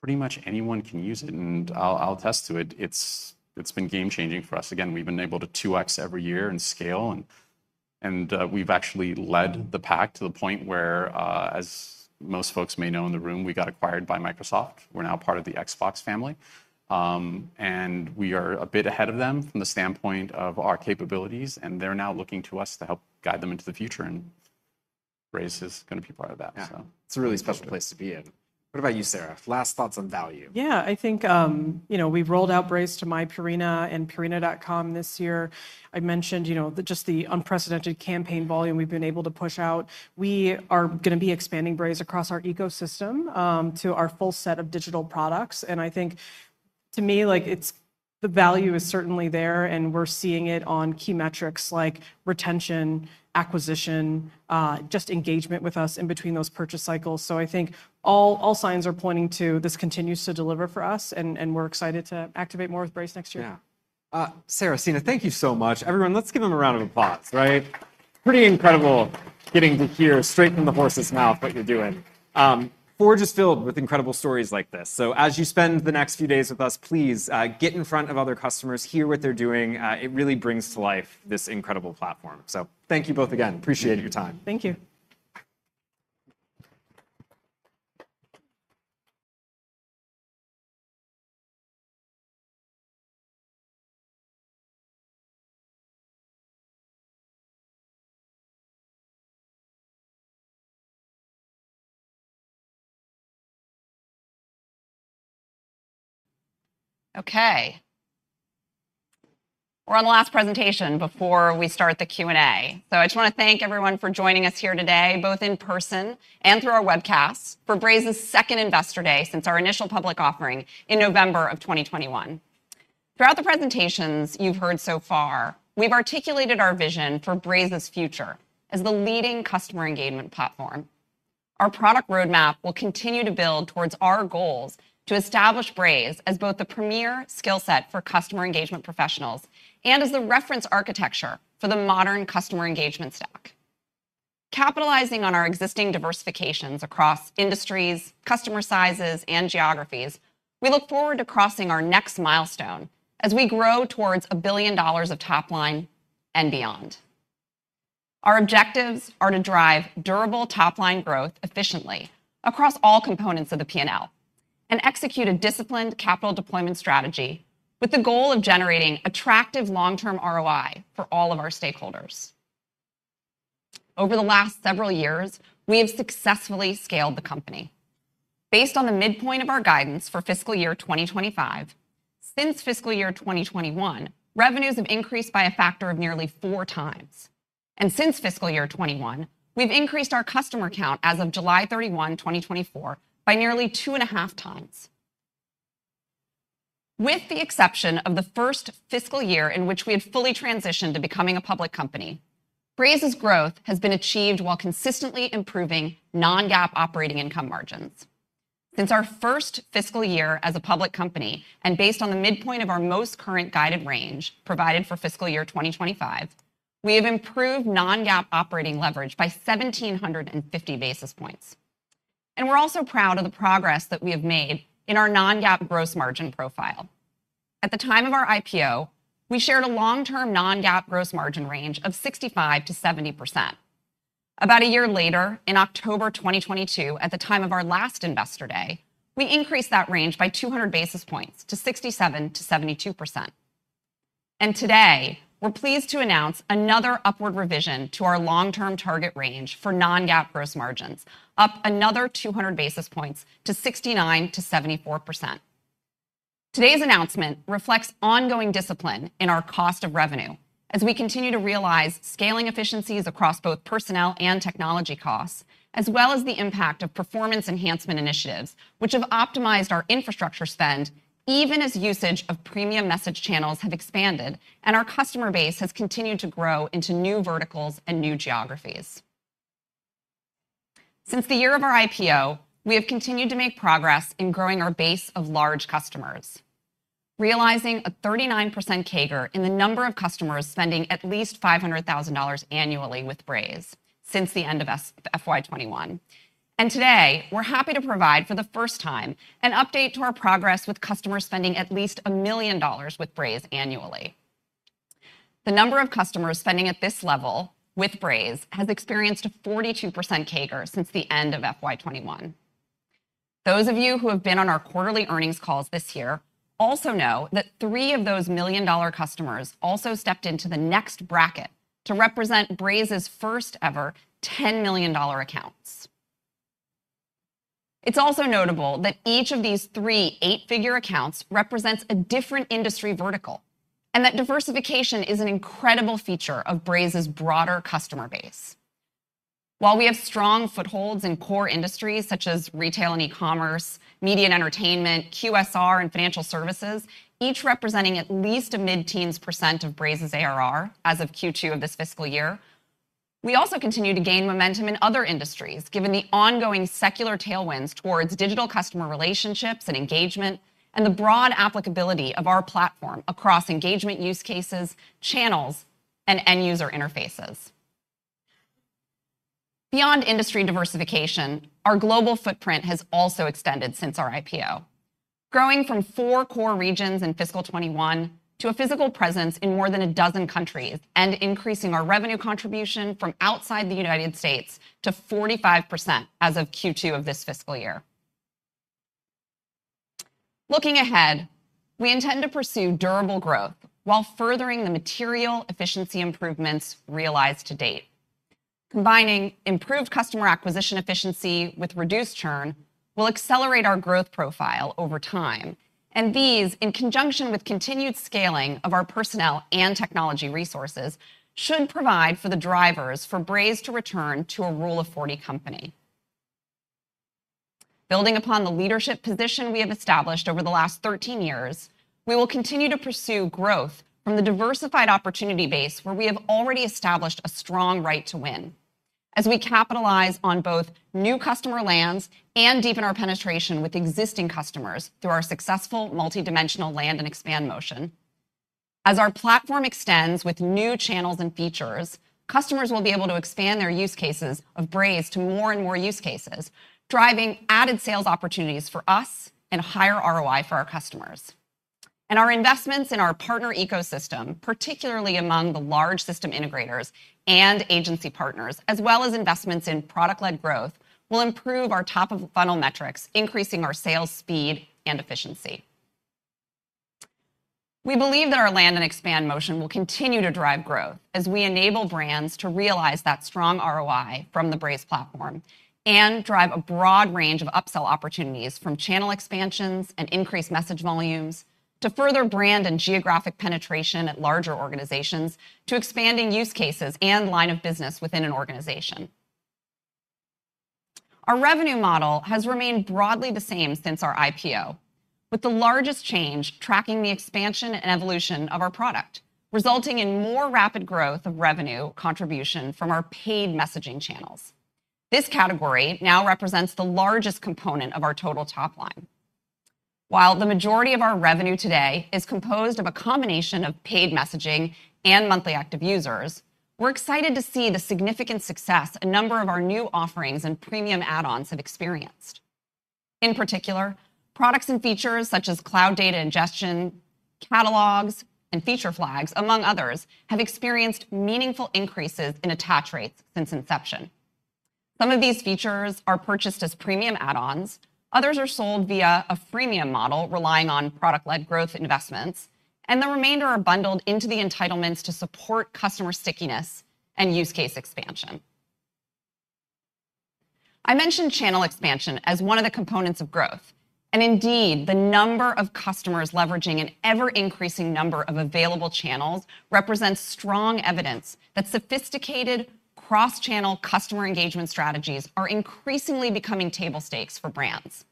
pretty much anyone can use it, and I'll attest to it, it's been game-changing for us. Again, we've been able to two X every year and scale, and we've actually led the pack to the point where, as most folks may know in the room, we got acquired by Microsoft. We're now part of the Xbox family. And we are a bit ahead of them from the standpoint of our capabilities, and they're now looking to us to help guide them into the future, and Braze is gonna be part of that. Yeah. So... It's a really special place to be in. What about you, Sarah? Last thoughts on value. Yeah, I think, you know, we've rolled out Braze to myPurina and Purina.com this year. I've mentioned, you know, just the unprecedented campaign volume we've been able to push out. We are gonna be expanding Braze across our ecosystem, to our full set of digital products, and I think, to me, like, it's... the value is certainly there, and we're seeing it on key metrics like retention, acquisition, just engagement with us in between those purchase cycles. So I think all signs are pointing to this continues to deliver for us, and we're excited to activate more with Braze next year. Yeah. Sarah, Sina, thank you so much. Everyone, let's give them a round of applause, right? Pretty incredible getting to hear straight from the horse's mouth what you're doing. Forge is filled with incredible stories like this. So as you spend the next few days with us, please get in front of other customers, hear what they're doing. It really brings to life this incredible platform. So thank you both again. Thank you. Appreciate your time. Thank you. Okay. We're on the last presentation before we start the Q&A, so I just wanna thank everyone for joining us here today, both in person and through our webcast, for Braze's second Investor Day since our initial public offering in November 2021. Throughout the presentations you've heard so far, we've articulated our vision for Braze's future as the leading customer engagement platform. Our product roadmap will continue to build towards our goals to establish Braze as both the premier skill set for customer engagement professionals and as the reference architecture for the modern customer engagement stack. Capitalizing on our existing diversifications across industries, customer sizes, and geographies, we look forward to crossing our next milestone as we grow towards $1 billion of top line and beyond. Our objectives are to drive durable top-line growth efficiently across all components of the P&L, and execute a disciplined capital deployment strategy with the goal of generating attractive long-term ROI for all of our stakeholders. Over the last several years, we have successfully scaled the company. Based on the midpoint of our guidance for fiscal year twenty twenty-five, since fiscal year twenty twenty-one, revenues have increased by a factor of nearly four times, and since fiscal year twenty twenty-one, we've increased our customer count as of July thirty-one, twenty twenty-four, by nearly two and a half times. With the exception of the first fiscal year in which we had fully transitioned to becoming a public company, Braze's growth has been achieved while consistently improving non-GAAP operating income margins. Since our first fiscal year as a public company, and based on the midpoint of our most current guided range provided for fiscal year 2025, we have improved non-GAAP operating leverage by 1,750 basis points. And we're also proud of the progress that we have made in our non-GAAP gross margin profile. At the time of our IPO, we shared a long-term non-GAAP gross margin range of 65%-70%. About a year later, in October 2022, at the time of our last Investor Day, we increased that range by 200 basis points to 67%-72%. And today, we're pleased to announce another upward revision to our long-term target range for non-GAAP gross margins, up another 200 basis points to 69%-74%. Today's announcement reflects ongoing discipline in our cost of revenue as we continue to realize scaling efficiencies across both personnel and technology costs, as well as the impact of performance enhancement initiatives, which have optimized our infrastructure spend, even as usage of premium message channels have expanded and our customer base has continued to grow into new verticals and new geographies. Since the year of our IPO, we have continued to make progress in growing our base of large customers, realizing a 39% CAGR in the number of customers spending at least $500,000 annually with Braze since the end of FY 2021. And today, we're happy to provide, for the first time, an update to our progress with customers spending at least $1 million with Braze annually. The number of customers spending at this level with Braze has experienced a 42% CAGR since the end of FY 2021. Those of you who have been on our quarterly earnings calls this year also know that three of those $1 million customers also stepped into the next bracket to represent Braze's first-ever $10 million accounts. It's also notable that each of these three eight-figure accounts represents a different industry vertical, and that diversification is an incredible feature of Braze's broader customer base. While we have strong footholds in core industries such as retail and e-commerce, media and entertainment, QSR, and financial services, each representing at least a mid-teens % of Braze's ARR as of Q2 of this fiscal year, we also continue to gain momentum in other industries, given the ongoing secular tailwinds towards digital customer relationships and engagement, and the broad applicability of our platform across engagement use cases, channels, and end-user interfaces. Beyond industry diversification, our global footprint has also extended since our IPO, growing from four core regions in fiscal 2021 to a physical presence in more than a dozen countries and increasing our revenue contribution from outside the United States to 45% as of Q2 of this fiscal year. Looking ahead, we intend to pursue durable growth while furthering the material efficiency improvements realized to date. Combining improved customer acquisition efficiency with reduced churn will accelerate our growth profile over time, and these, in conjunction with continued scaling of our personnel and technology resources, should provide for the drivers for Braze to return to a Rule of 40 company. Building upon the leadership position we have established over the last 13 years, we will continue to pursue growth from the diversified opportunity base, where we have already established a strong right to win as we capitalize on both new customer lands and deepen our penetration with existing customers through our successful multi-dimensional land and expand motion. As our platform extends with new channels and features, customers will be able to expand their use cases of Braze to more and more use cases, driving added sales opportunities for us and higher ROI for our customers. Our investments in our partner ecosystem, particularly among the large system integrators and agency partners, as well as investments in product-led growth, will improve our top-of-funnel metrics, increasing our sales speed and efficiency. We believe that our land and expand motion will continue to drive growth as we enable brands to realize that strong ROI from the Braze platform and drive a broad range of upsell opportunities, from channel expansions and increased message volumes to further brand and geographic penetration at larger organizations, to expanding use cases and line of business within an organization. Our revenue model has remained broadly the same since our IPO, with the largest change tracking the expansion and evolution of our product, resulting in more rapid growth of revenue contribution from our paid messaging channels. This category now represents the largest component of our total top line. While the Mylesority of our revenue today is composed of a combination of paid messaging and monthly active users, we're excited to see the significant success a number of our new offerings and premium add-ons have experienced. In particular, products and features such as Cloud Data Ingestion, catalogs, and Feature Flags, among others, have experienced meaningful increases in attach rates since inception. Some of these features are purchased as premium add-ons, others are sold via a freemium model, relying on product-led growth investments, and the remainder are bundled into the entitlements to support customer stickiness and use case expansion. I mentioned channel expansion as one of the components of growth, and indeed, the number of customers leveraging an ever-increasing number of available channels represents strong evidence that sophisticated cross-channel customer engagement strategies are increasingly becoming table stakes for brands.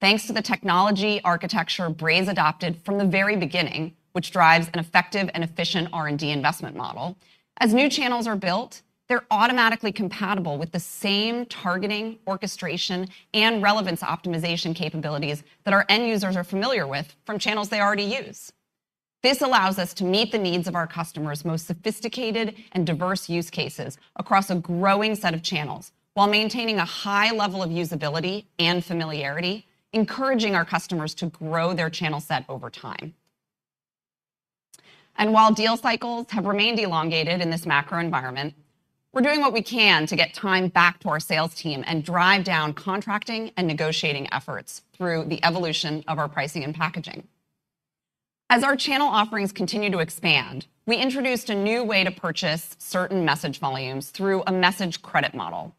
Thanks to the technology architecture Braze adopted from the very beginning, which drives an effective and efficient R&D investment model, as new channels are built, they're automatically compatible with the same targeting, orchestration, and relevance optimization capabilities that our end users are familiar with from channels they already use. This allows us to meet the needs of our customers' most sophisticated and diverse use cases across a growing set of channels, while maintaining a high level of usability and familiarity, encouraging our customers to grow their channel set over time. And while deal cycles have remained elongated in this macro environment, we're doing what we can to get time back to our sales team and drive down contracting and negotiating efforts through the evolution of our pricing and packaging. As our channel offerings continue to expand, we introduced a new way to purchase certain message volumes through a message credit model.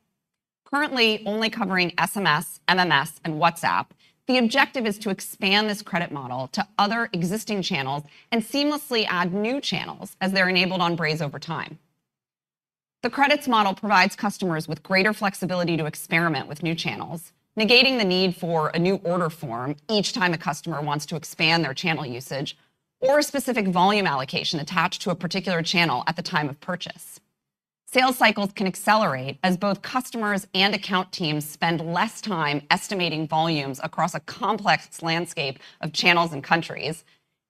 Currently only covering SMS, MMS, and WhatsApp, the objective is to expand this credit model to other existing channels and seamlessly add new channels as they're enabled on Braze over time. The credits model provides customers with greater flexibility to experiment with new channels, negating the need for a new order form each time a customer wants to expand their channel usage or a specific volume allocation attached to a particular channel at the time of purchase. Sales cycles can accelerate as both customers and account teams spend less time estimating volumes across a complex landscape of channels and countries,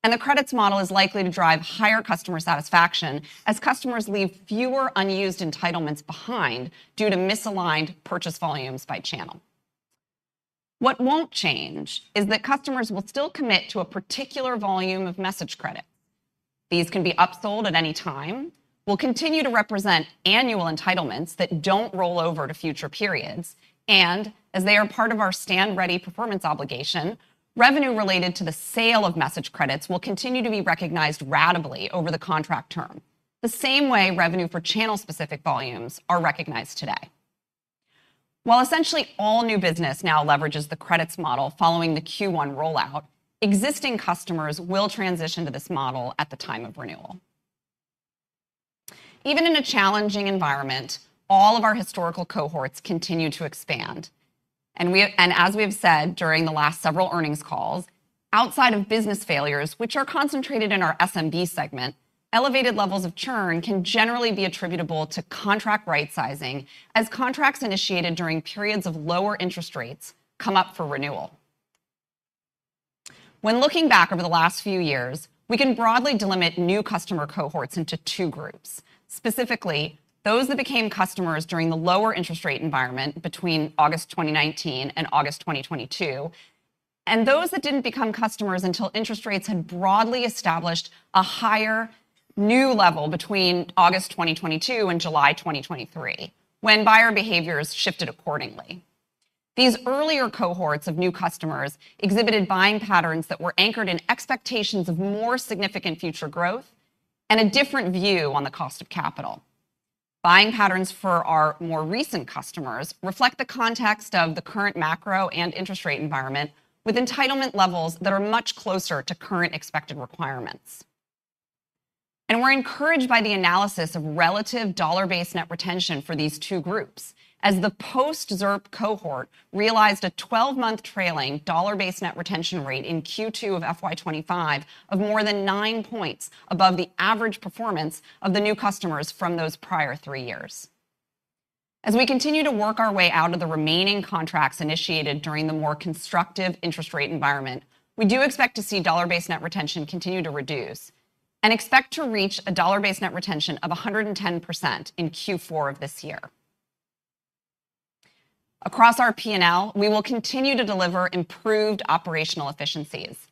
and the credits model is likely to drive higher customer satisfaction as customers leave fewer unused entitlements behind due to misaligned purchase volumes by channel. What won't change is that customers will still commit to a particular volume of message credit. These can be upsold at any time, will continue to represent annual entitlements that don't roll over to future periods, and as they are part of our stand-ready performance obligation, revenue related to the sale of message credits will continue to be recognized ratably over the contract term, the same way revenue for channel-specific volumes are recognized today. While essentially all new business now leverages the credits model following the Q1 rollout, existing customers will transition to this model at the time of renewal. Even in a challenging environment, all of our historical cohorts continue to expand, and, as we have said during the last several earnings calls, outside of business failures, which are concentrated in our SMB segment, elevated levels of churn can generally be attributable to contract right-sizing, as contracts initiated during periods of lower interest rates come up for renewal. When looking back over the last few years, we can broadly delimit new customer cohorts into two groups. Specifically, those that became customers during the lower interest rate environment between August 2019 and August 2022, and those that didn't become customers until interest rates had broadly established a higher new level between August 2022 and July 2023, when buyer behaviors shifted accordingly. These earlier cohorts of new customers exhibited buying patterns that were anchored in expectations of more significant future growth and a different view on the cost of capital. Buying patterns for our more recent customers reflect the context of the current macro and interest rate environment, with entitlement levels that are much closer to current expected requirements, and we're encouraged by the analysis of relative dollar-based net retention for these two groups, as the post-ZIRP cohort realized a twelve-month trailing dollar-based net retention rate in Q2 of FY twenty twenty-five of more than nine points above the average performance of the new customers from those prior three years. As we continue to work our way out of the remaining contracts initiated during the more constructive interest rate environment, we do expect to see dollar-based net retention continue to reduce and expect to reach a dollar-based net retention of 110% in Q4 of this year. Across our P&L, we will continue to deliver improved operational efficiencies.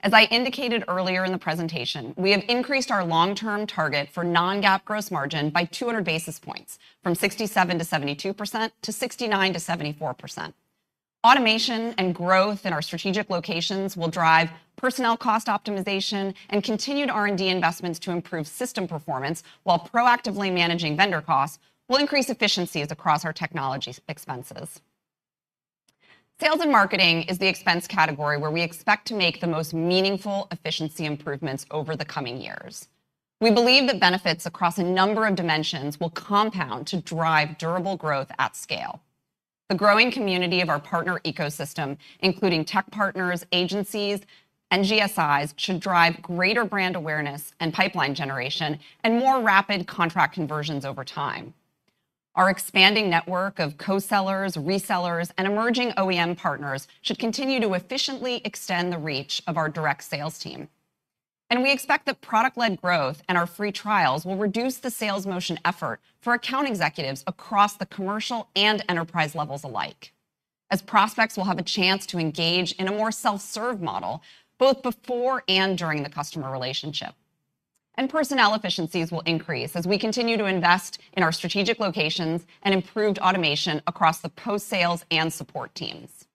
As I indicated earlier in the presentation, we have increased our long-term target for non-GAAP gross margin by 200 basis points, from 67%-72% to 69%-74%. Automation and growth in our strategic locations will drive personnel cost optimization and continued R&D investments to improve system performance, while proactively managing vendor costs will increase efficiencies across our technology expenses. Sales and marketing is the expense category where we expect to make the most meaningful efficiency improvements over the coming years. We believe that benefits across a number of dimensions will compound to drive durable growth at scale. The growing community of our partner ecosystem, including tech partners, agencies, and GSIs, should drive greater brand awareness and pipeline generation and more rapid contract conversions over time. Our expanding network of co-sellers, resellers, and emerging OEM partners should continue to efficiently extend the reach of our direct sales team. And we expect that product-led growth and our free trials will reduce the sales motion effort for account executives across the commercial and enterprise levels alike, as prospects will have a chance to engage in a more se.l.f.-serve model, both before and during the customer relationship. And personnel efficiencies will increase as we continue to invest in our strategic locations and improved automation across the post-sales and support teams.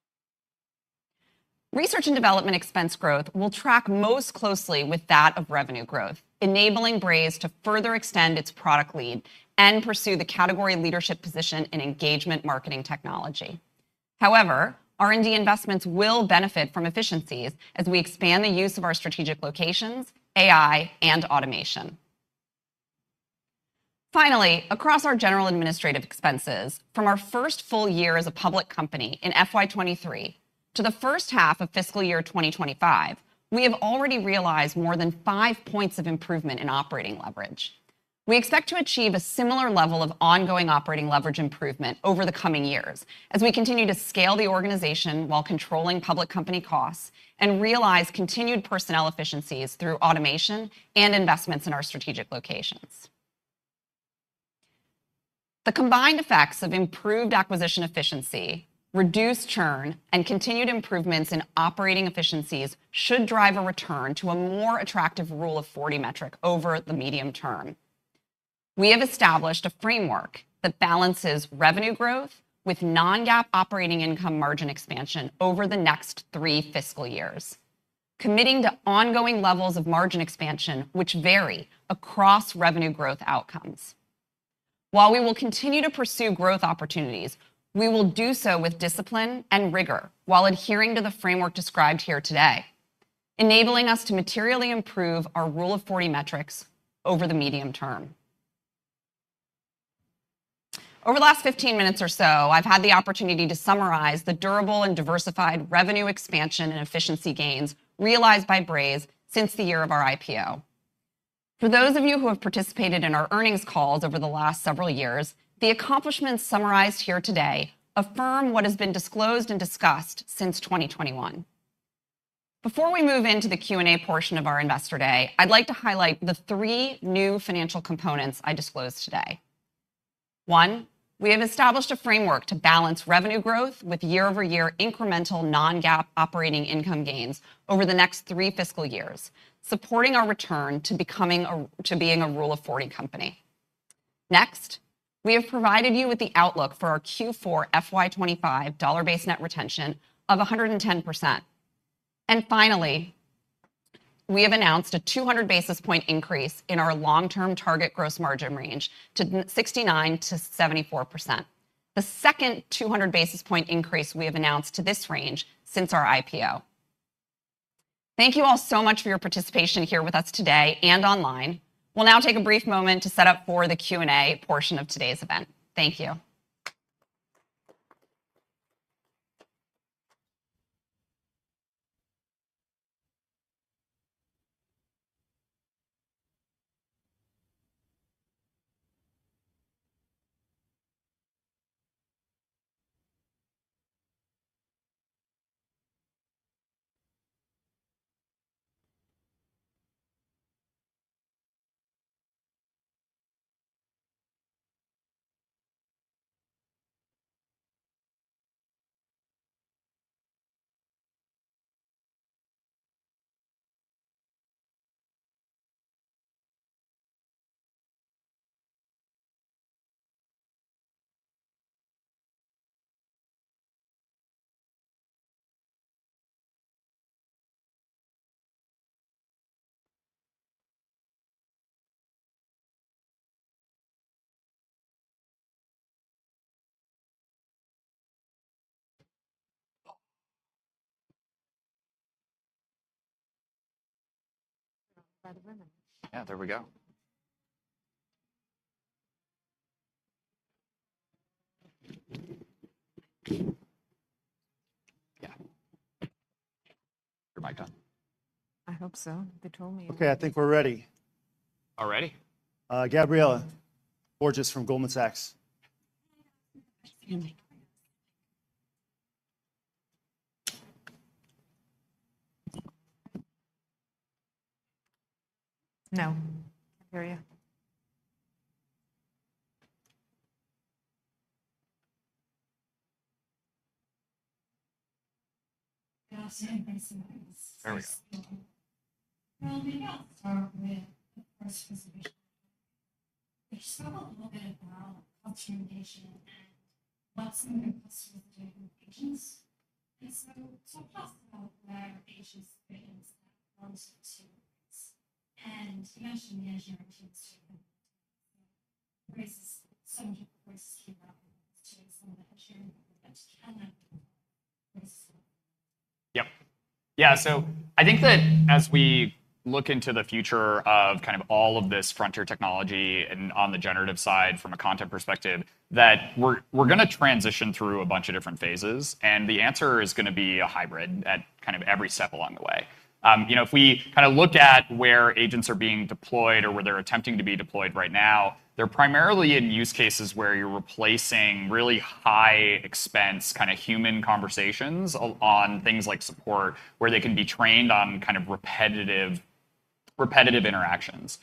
Research and development expense growth will track most closely with that of revenue growth, enabling Braze to further extend its product lead and pursue the category leadership position in engagement marketing technology. However, R&D investments will benefit from efficiencies as we expand the use of our strategic locations, AI, and automation. Finally, across our general administrative expenses, from our first full year as a public company in FY 2023 to the first half of fiscal year 2025, we have already realized more than five points of improvement in operating leverage. We expect to achieve a similar level of ongoing operating leverage improvement over the coming years as we continue to scale the organization while controlling public company costs, and realize continued personnel efficiencies through automation and investments in our strategic locations. The combined effects of improved acquisition efficiency, reduced churn, and continued improvements in operating efficiencies should drive a return to a more attractive Rule of 40 metric over the medium term. We have established a framework that balances revenue growth with non-GAAP operating income margin expansion over the next three fiscal years, committing to ongoing levels of margin expansion, which vary across revenue growth outcomes. While we will continue to pursue growth opportunities, we will do so with discipline and rigor while adhering to the framework described here today, enabling us to materially improve our Rule of 40 metrics over the medium term. Over the last 15 minutes or so, I've had the opportunity to summarize the durable and diversified revenue expansion and efficiency gains realized by Braze since the year of our IPO. For those of you who have participated in our earnings calls over the last several years, the accomplishments summarized here today affirm what has been disclosed and discussed since 2021. Before we move into the Q&A portion of our Investor Day, I'd like to highlight the three new financial components I disclosed today. One, we have established a framework to balance revenue growth with year-over-year incremental non-GAAP operating income gains over the next three fiscal years, supporting our return to being a Rule of 40 company. Next, we have provided you with the outlook for our Q4 FY 2025 dollar-based net retention of 110%. And finally, we have announced a 200 basis point increase in our long-term target gross margin range to 69%-74%. The second 200 basis points increase we have announced to this range since our IPO. Thank you all so much for your participation here with us today and online. We'll now take a brief moment to set up for the Q&A portion of today's event. Thank you. Yeah, there we go. Yeah. Your mic on? I hope so. They told me- Okay, I think we're ready. All ready? Gabriela Borges from Goldman Sachs. No, I hear you. Yeah, so thanks so much. There we go. Maybe I'll start with the first question. You spoke a little bit about customer engagement and what some of your customers are doing with agents, so talk to us about where agents fit into that relative to Braze, and you mentioned the Azure integration to Braze, so how does Braze keep up with some of the Azure that's coming. Yes. Yep. Yeah, so I think that as we look into the future of kind of all of this frontier technology and on the generative side from a content perspective, that we're gonna transition through a bunch of different phases, and the answer is gonna be a hybrid at kind of every step along the way. You know, if we kinda look at where agents are being deployed or where they're attempting to be deployed right now, they're primarily in use cases where you're replacing really high expense, kind of human conversations on things like support, where they can be trained on kind of repetitive interactions.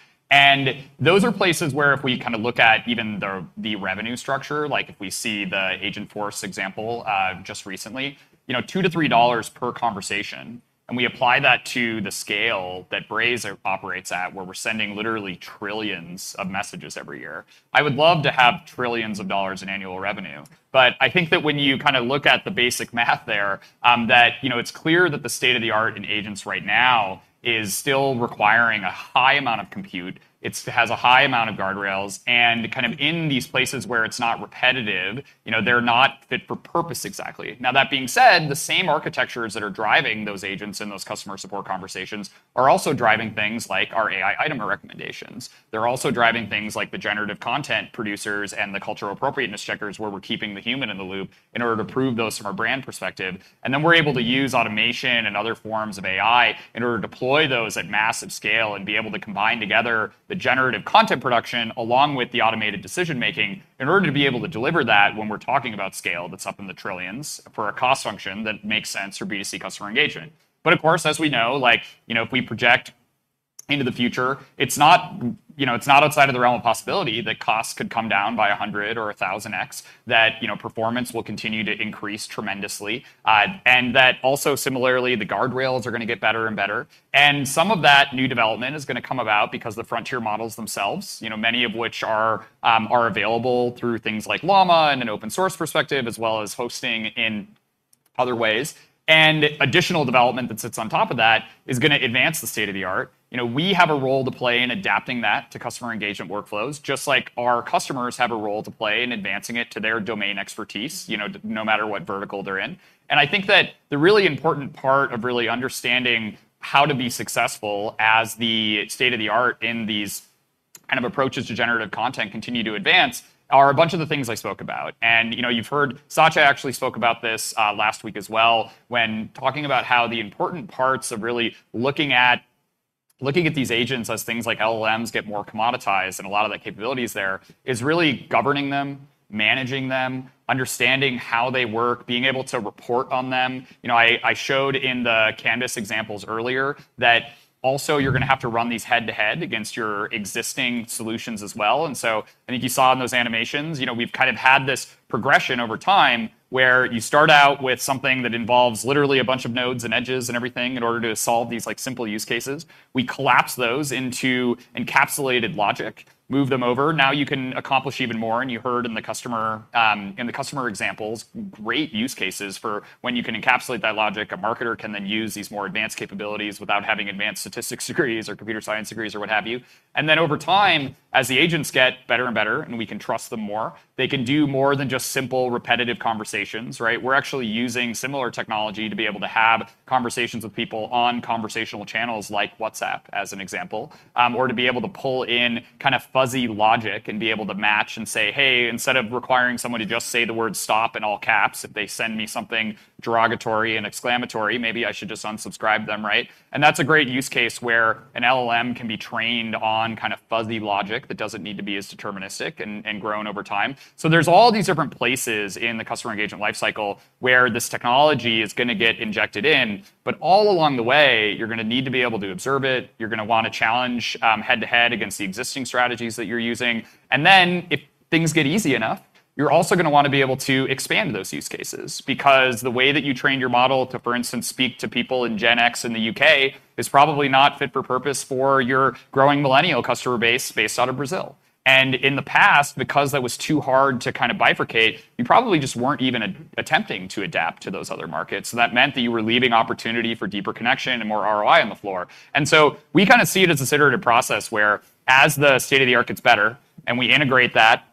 Those are places where if we kinda look at even the revenue structure, like if we see the Agentforce example, just recently, you know, $2-$3 per conversation, and we apply that to the scale that Braze operates at, where we're sending literally trillions of messages every year. I would love to have trillions of dollars in annual revenue, but I think that when you kinda look at the basic math there, that, you know, it's clear that the state-of-the-art in agents right now is still requiring a high amount of compute. It has a high amount of guardrails, and kind of in these places where it's not repetitive, you know, they're not fit for purpose exactly. Now, that being said, the same architectures that are driving those agents and those customer support conversations are also driving things like our AI Item Recommendations. They're also driving things like the generative content producers and the cultural appropriateness checkers, where we're keeping the human in the loop in order to approve those from a brand perspective. And then we're able to use automation and other forms of AI in order to deploy those at massive scale and be able to combine together the generative content production, along with the automated decision-making, in order to be able to deliver that. When we're talking about scale, that's up in the trillions for a cost function that makes sense for B2C customer engagement. But of course, as we know, like, you know, if we project into the future, it's not, you know, it's not outside of the realm of possibility that costs could come down by a hundred or a thousand X, that, you know, performance will continue to increase tremendously. And that also similarly, the guardrails are gonna get better and better, and some of that new development is gonna come about because the frontier models themselves, you know, many of which are available through things like Llama and an open source perspective, as well as hosting in other ways. And additional development that sits on top of that is gonna advance the state-of-the-art. You know, we have a role to play in adapting that to customer engagement workflows, just like our customers have a role to play in advancing it to their domain expertise, you know, no matter what vertical they're in. And I think that the really important part of really understanding how to be successful as the state-of-the-art in these kind of approaches to generative content continue to advance, are a bunch of the things I spoke about. You know, you've heard, Satya actually spoke about this last week as well, when talking about how the important parts of really looking at these agents as things like LLMs get more commoditized, and a lot of the capabilities there is really governing them, managing them, understanding how they work, being able to report on them. You know, I showed in the Canvas examples earlier that also you're gonna have to run these head-to-head against your existing solutions as well. So I think you saw in those animations, you know, we've kind of had this progression over time, where you start out with something that involves literally a bunch of nodes and edges and everything in order to solve these, like, simple use cases. We collapse those into encapsulated logic, move them over. Now you can accomplish even more, and you heard in the customer examples, great use cases for when you can encapsulate that logic. A marketer can then use these more advanced capabilities without having advanced statistics degrees or computer science degrees or what have you, and then over time, as the agents get better and better, and we can trust them more, they can do more than just simple, repetitive conversations, right? We're actually using similar technology to be able to have conversations with people on conversational channels like WhatsApp, as an example, or to be able to pull in kind of fuzzy logic and be able to match and say, "Hey, instead of requiring someone to just say the word stop in all caps, if they send me something derogatory and exclamatory, maybe I should just unsubscribe them," right? That's a great use case where an LLM can be trained on kind of fuzzy logic that doesn't need to be as deterministic and grown over time. There's all these different places in the customer engagement life cycle where this technology is gonna get injected in, but all along the way, you're gonna need to be able to observe it. You're gonna wanna challenge head-to-head against the existing strategies that you're using. Then, if things get easy enough, you're also gonna wanna be able to expand those use cases, because the way that you trained your model to, for instance, speak to people in Gen X in the U.K., is probably not fit for purpose for your growing millennial customer base based out of Brazil. And in the past, because that was too hard to kind of bifurcate, you probably just weren't even attempting to adapt to those other markets. So that meant that you were leaving opportunity for deeper connection and more ROI on the floor. And so we kind of see it as an iterative process, where as the state-of-the-art gets better, and we integrate that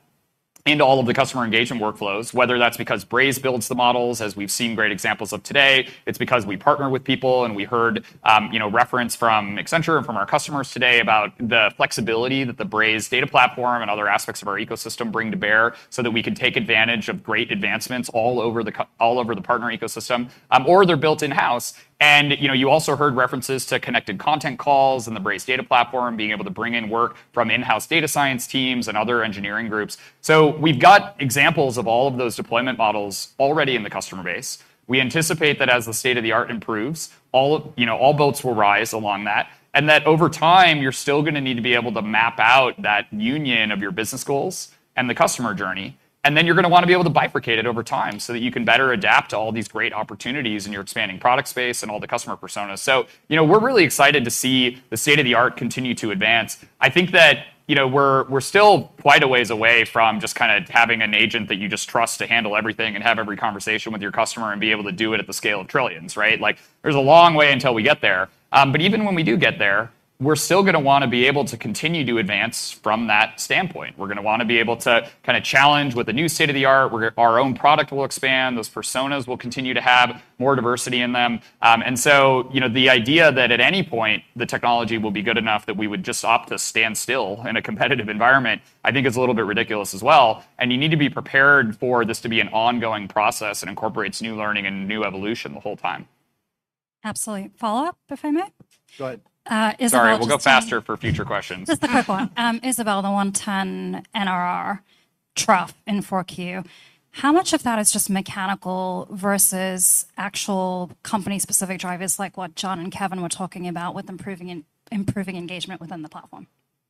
into all of the customer engagement workflows, whether that's because Braze builds the models, as we've seen great examples of today, it's because we partner with people, and we heard, you know, reference from Accenture and from our customers today about the flexibility that the Braze data platform and other aspects of our ecosystem bring to bear, so that we can take advantage of great advancements all over the partner ecosystem, or they're built in-house. And, you know, you also heard references to Connected Content calls and the Braze Data Platform, being able to bring in work from in-house data science teams and other engineering groups. So we've got examples of all of those deployment models already in the customer base. We anticipate that as the state-of-the-art improves, all, you know, all boats will rise along that, and that over time, you're still gonna need to be able to map out that union of your business goals and the customer journey. And then you're gonna wanna be able to bifurcate it over time so that you can better adapt to all these great opportunities in your expanding product space and all the customer personas. So, you know, we're really excited to see the state-of-the-art continue to advance. I think that, you know, we're still quite a ways away from just kind of having an agent that you just trust to handle everything and have every conversation with your customer and be able to do it at the scale of trillions, right? Like, there's a long way until we get there, but even when we do get there, we're still gonna wanna be able to continue to advance from that standpoint. We're gonna wanna be able to kind of challenge with the new state-of-the-art, where our own product will expand, those personas will continue to have more diversity in them, and so, you know, the idea that at any point the technology will be good enough that we would just opt to stand still in a competitive environment, I think is a little bit ridiculous as well. You need to be prepared for this to be an ongoing process and incorporates new learning and new evolution the whole time. Absolutely. Follow-up, if I may? Go ahead. Uh, Isabelle- Sorry, we'll go faster for future questions. Just a quick one. Isabelle, the 110 NRR trough in 4Q, how much of that is just mechanical versus actual company-specific drivers, like what Jon and Kevin were talking about with improving engagement within the platform?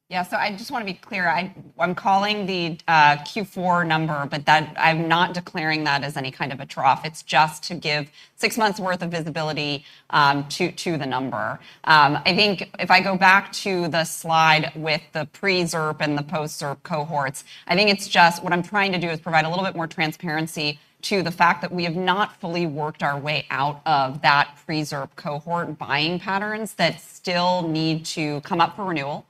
Yeah, so I just want to be clear, I, I'm calling the Q4 number, but that, I'm not declaring that as any kind of a trough. It's just to give six months' worth of visibility to the number. I think if I go back to the slide with the pre-ZIRP and the post-ZIRP cohorts, I think it's just what I'm trying to do is provide a little bit more transparency to the fact that we have not fully worked our way out of that pre-ZIRP cohort buying patterns, that still need to come up for renewal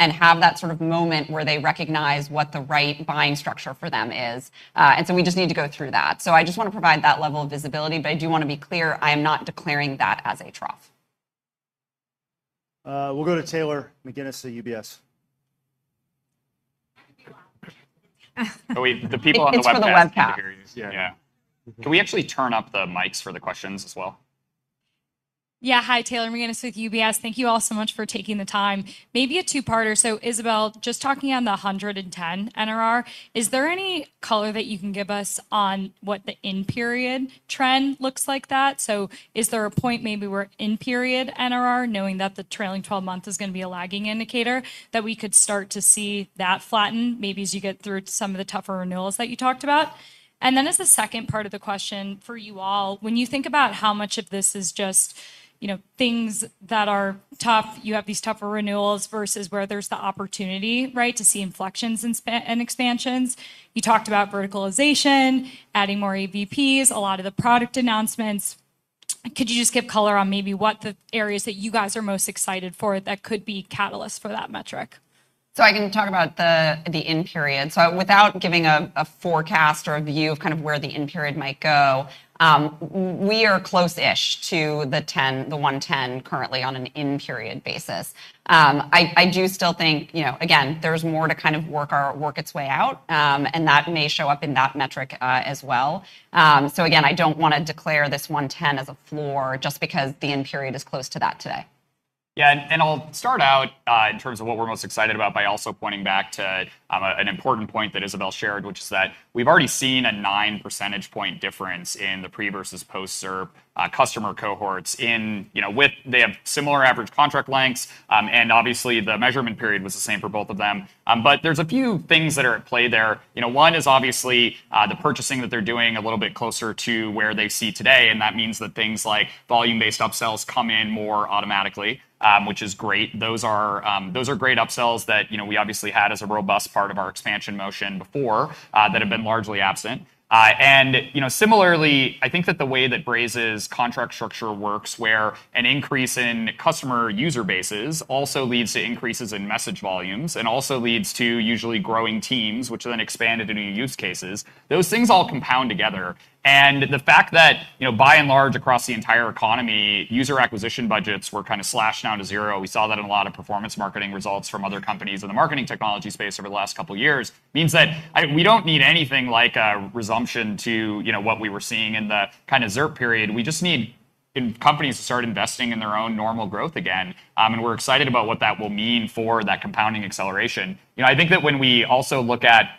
and have that sort of moment where they recognize what the right buying structure for them is. And so we just need to go through that. So I just want to provide that level of visibility, but I do want to be clear, I am not declaring that as a trough. We'll go to Taylor McGinnis at UBS. Oh, the people on the webcast. It's for the webcast. categories. Yeah. Yeah. Can we actually turn up the mics for the questions as well? Yeah, hi, Taylor McGinnis with UBS. Thank you all so much for taking the time. Maybe a two-parter. So Isabelle, just talking on the 110 NRR, is there any color that you can give us on what the in-period trend looks like that? So is there a point maybe where in-period NRR, knowing that the trailing twelve-month is gonna be a lagging indicator, that we could start to see that flatten, maybe as you get through some of the tougher renewals that you talked about? And then as the second part of the question for you all, when you think about how much of this is just, you know, things that are tough, you have these tougher renewals versus where there's the opportunity, right, to see inflections and expansions. You talked about verticalization, adding more EVPs, a lot of the product announcements. Could you just give color on maybe what the areas that you guys are most excited for that could be catalysts for that metric? So I can talk about the in-period. So without giving a forecast or a view of kind of where the in-period might go, we are close-ish to the 110 currently on an in-period basis. I do still think, you know, again, there's more to kind of work its way out, and that may show up in that metric, as well. So again, I don't wanna declare this 110 as a floor just because the in-period is close to that today. Yeah, and I'll start out, in terms of what we're most excited about by also pointing back to, an important point that Isabelle shared, which is that we've already seen a nine percentage point difference in the pre versus post-ZIRP, customer cohorts in... You know, with, they have similar average contract lengths, and obviously, the measurement period was the same for both of them. But there's a few things that are at play there. You know, one is obviously, the purchasing that they're doing a little bit closer to where they see today, and that means that things like volume-based upsells come in more automatically, which is great. Those are, those are great upsells that, you know, we obviously had as a robust part of our expansion motion before, that have been largely absent. And you know, similarly, I think that the way that Braze's contract structure works, where an increase in customer user bases also leads to increases in message volumes, and also leads to usually growing teams, which are then expanded to new use cases, those things all compound together. And the fact that, you know, by and large, across the entire economy, user acquisition budgets were kinda slashed down to zero, we saw that in a lot of performance marketing results from other companies in the marketing technology space over the last couple of years, means that we don't need anything like a resumption to, you know, what we were seeing in the kinda ZIRP period. We just need companies to start investing in their own normal growth again. And we're excited about what that will mean for that compounding acceleration. You know, I think that when we also look at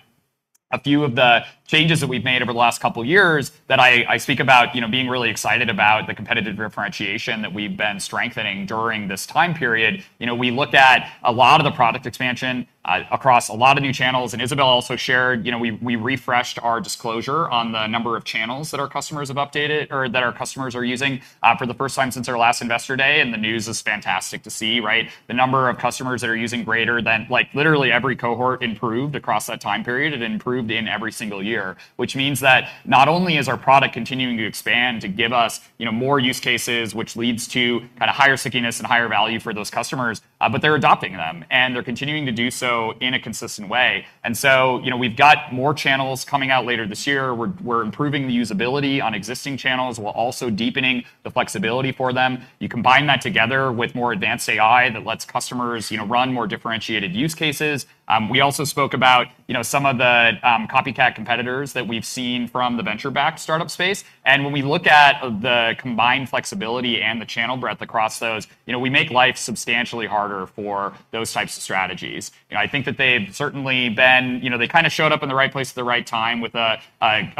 a few of the changes that we've made over the last couple of years, that I speak about, you know, being really excited about the competitive differentiation that we've been strengthening during this time period. You know, we looked at a lot of the product expansion across a lot of new channels, and Isabelle also shared, you know, we refreshed our disclosure on the number of channels that our customers have updated or that our customers are using for the first time since our last Investor Day, and the news is fantastic to see, right? The number of customers that are using greater than, like, literally every cohort improved across that time period. It improved in every single year, which means that not only is our product continuing to expand to give us, you know, more use cases, which leads to kinda higher stickiness and higher value for those customers, but they're adopting them, and they're continuing to do so in a consistent way. So, you know, we've got more channels coming out later this year. We're improving the usability on existing channels, while also deepening the flexibility for them. You combine that together with more advanced AI that lets customers, you know, run more differentiated use cases. We also spoke about, you know, some of the copycat competitors that we've seen from the venture-backed startup space. When we look at the combined flexibility and the channel breadth across those, you know, we make life substantially harder for those types of strategies. You know, I think that they've certainly been. You know, they kinda showed up in the right place at the right time, with a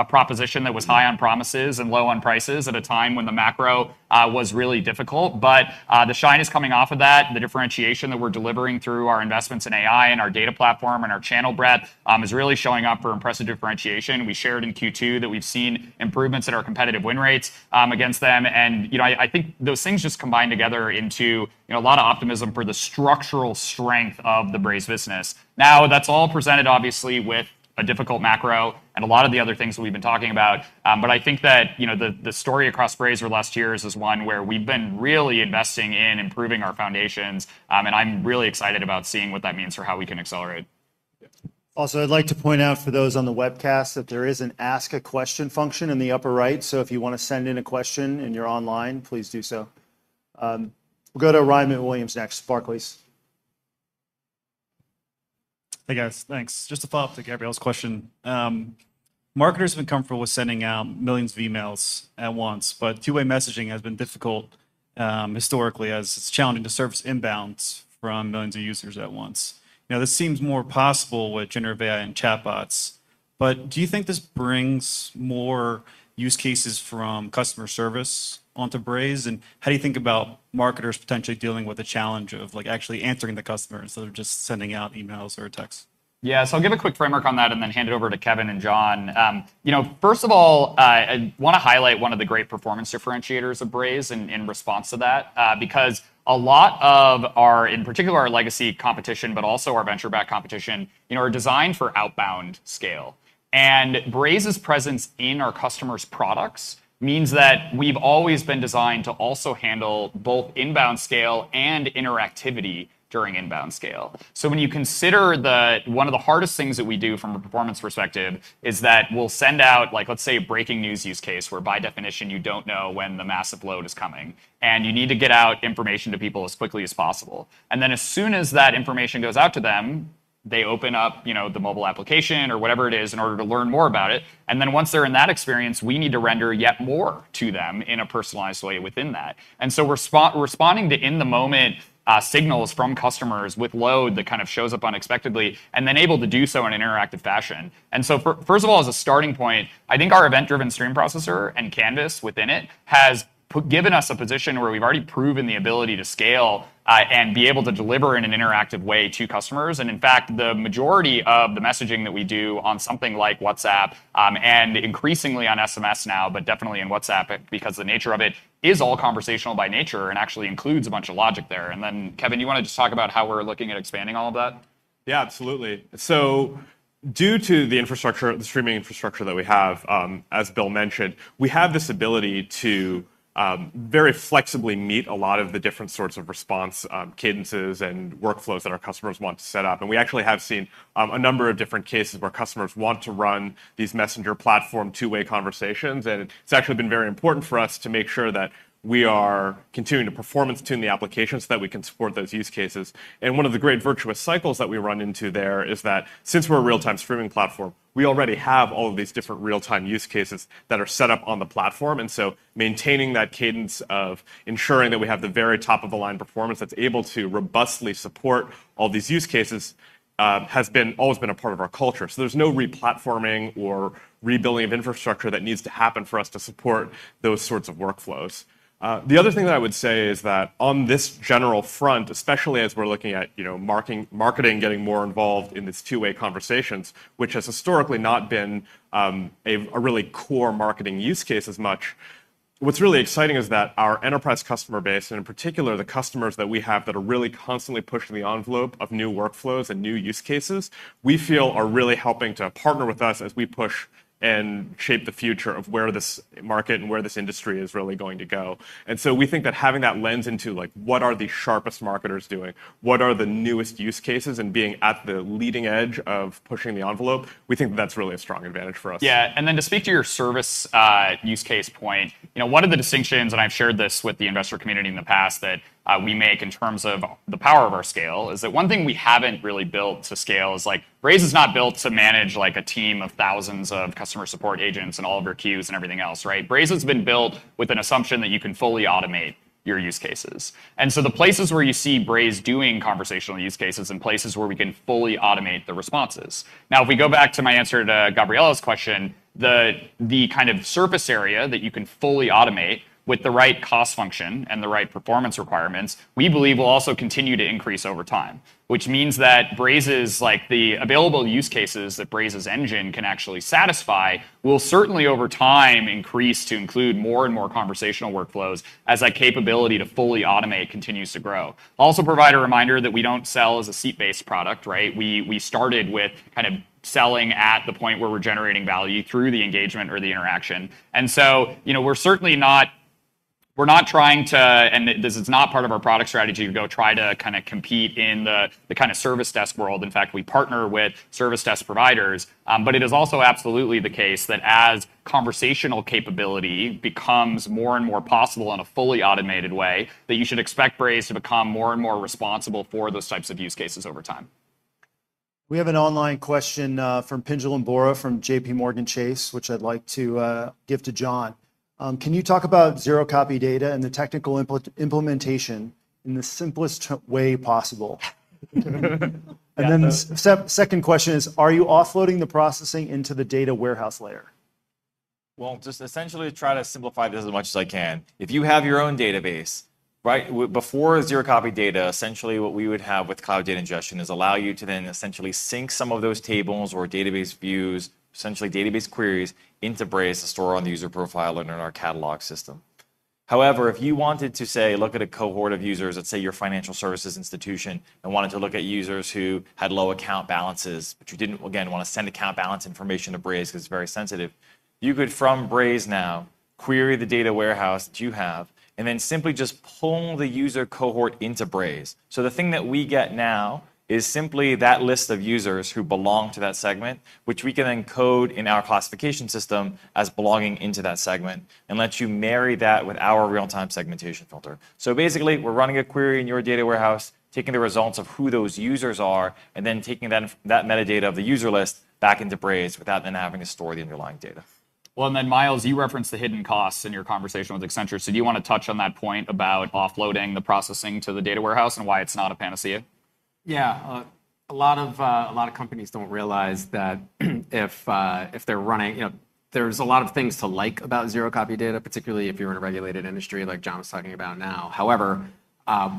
proposition that was high on promises and low on prices at a time when the macro was really difficult. But the shine is coming off of that. The differentiation that we're delivering through our investments in AI and our data platform and our channel breadth is really showing up for impressive differentiation. We shared in Q2 that we've seen improvements in our competitive win rates against them. And, you know, I think those things just combine together into, you know, a lot of optimism for the structural strength of the Braze business. Now, that's all presented obviously with a difficult macro and a lot of the other things that we've been talking about, but I think that, you know, the story across Braze over the last years is one where we've been really investing in improving our foundations, and I'm really excited about seeing what that means for how we can accelerate. Yeah. Also, I'd like to point out for those on the webcast, that there is an ask a question function in the upper right. So if you wanna send in a question and you're online, please do so. We'll go to Ryan MacWilliams next, Barclays. Hey, guys. Thanks. Just to follow up to Gabriela's question, marketers have been comfortable with sending out millions of emails at once, but two-way messaging has been difficult, historically, as it's challenging to service inbounds from millions of users at once. Now, this seems more possible with Generative AI and chatbots, but do you think this brings more use cases from customer service onto Braze? And how do you think about marketers potentially dealing with the challenge of, like, actually answering the customer instead of just sending out emails or texts? Yeah, so I'll give a quick framework on that and then hand it over to Kevin and Jon. You know, first of all, I wanna highlight one of the great performance differentiators of Braze in response to that. Because a lot of our, in particular, our legacy competition, but also our venture-backed competition, you know, are designed for outbound scale, and Braze's presence in our customers' products means that we've always been designed to also handle both inbound scale and interactivity during inbound scale, so when you consider one of the hardest things that we do from a performance perspective, is that we'll send out, like, let's say, a breaking news use case, where by definition, you don't know when the massive load is coming, and you need to get out information to people as quickly as possible. And then, as soon as that information goes out to them, they open up, you know, the mobile application or whatever it is, in order to learn more about it, and then once they're in that experience, we need to render yet more to them in a personalized way within that. And so we're responding to in-the-moment signals from customers with load that kind of shows up unexpectedly, and then able to do so in an interactive fashion. And so first of all, as a starting point, I think our event-driven stream processor and canvas within it has given us a position where we've already proven the ability to scale, and be able to deliver in an interactive way to customers. And in fact, the Mylesority of the messaging that we do on something like WhatsApp, and increasingly on SMS now, but definitely on WhatsApp, because the nature of it is all conversational by nature and actually includes a bunch of logic there. And then, Kevin, you wanna just talk about how we're looking at expanding all of that? Yeah, absolutely. So due to the infrastructure, the streaming infrastructure that we have, as Bill mentioned, we have this ability to very flexibly meet a lot of the different sorts of response cadences and workflows that our customers want to set up. And we actually have seen a number of different cases where customers want to run these messenger platform two-way conversations, and it's actually been very important for us to make sure that we are continuing to performance tune the application so that we can support those use cases. And one of the great virtuous cycles that we run into there is that since we're a real-time streaming platform, we already have all of these different real-time use cases that are set up on the platform. And so maintaining that cadence of ensuring that we have the very top-of-the-line performance that's able to robustly support all these use cases has always been a part of our culture. So there's no re-platforming or rebuilding of infrastructure that needs to happen for us to support those sorts of workflows. The other thing that I would say is that on this general front, especially as we're looking at, you know, marketing getting more involved in these two-way conversations, which has historically not been a really core marketing use case as much. What's really exciting is that our enterprise customer base, and in particular, the customers that we have that are really constantly pushing the envelope of new workflows and new use cases, we feel are really helping to partner with us as we push and shape the future of where this market and where this industry is really going to go, and so we think that having that lens into like, what are the sharpest marketers doing? What are the newest use cases? And being at the leading edge of pushing the envelope, we think that's really a strong advantage for us. Yeah, and then to speak to your service use case point, you know, one of the distinctions, and I've shared this with the investor community in the past, that we make in terms of the power of our scale, is that one thing we haven't really built to scale is, like, Braze is not built to manage, like, a team of thousands of customer support agents and all of their queues and everything else, right? Braze has been built with an assumption that you can fully automate your use cases. And so the places where you see Braze doing conversational use cases and places where we can fully automate the responses. Now, if we go back to my answer to Gabriela's question, the kind of surface area that you can fully automate with the right cost function and the right performance requirements, we believe will also continue to increase over time. Which means that Braze's, like the available use cases that Braze's engine can actually satisfy, will certainly, over time, increase to include more and more conversational workflows as that capability to fully automate continues to grow. Also provide a reminder that we don't sell as a seat-based product, right? We started with kind of selling at the point where we're generating value through the engagement or the interaction. And so, you know, we're certainly not trying to. And this is not part of our product strategy, to go try to kinda compete in the kinda service desk world. In fact, we partner with service desk providers. But it is also absolutely the case that as conversational capability becomes more and more possible in a fully automated way, that you should expect Braze to become more and more responsible for those types of use cases over time. We have an online question from Pinjalim Bora from JPMorgan Chase, which I'd like to give to Jon. Can you talk about zero-copy data and the technical implementation in the simplest way possible? And then the second question is: Are you offloading the processing into the data warehouse layer? Just essentially try to simplify this as much as I can. If you have your own database, right, before zero-copy data, essentially what we would have with Cloud Data Ingestion is allow you to then essentially sync some of those tables or database views, essentially database queries, into Braze to store on the user profile and in our catalog system. However, if you wanted to, say, look at a cohort of users, let's say, your financial services institution, and wanted to look at users who had low account balances, but you didn't, again, wanna send account balance information to Braze 'cause it's very sensitive, you could, from Braze now, query the data warehouse that you have, and then simply just pull the user cohort into Braze. So the thing that we get now is simply that list of users who belong to that segment, which we can then code in our classification system as belonging into that segment, and lets you marry that with our real-time segmentation filter. So basically, we're running a query in your data warehouse, taking the results of who those users are, and then taking that, that metadata of the user list back into Braze without then having to store the underlying data. Myles, you referenced the hidden costs in your conversation with Accenture. Do you wanna touch on that point about offloading the processing to the data warehouse and why it's not a panacea? Yeah. A lot of companies don't realize that, if they're running... You know, there's a lot of things to like about zero-copy data, particularly if you're in a regulated industry, like Jon was talking about now. However,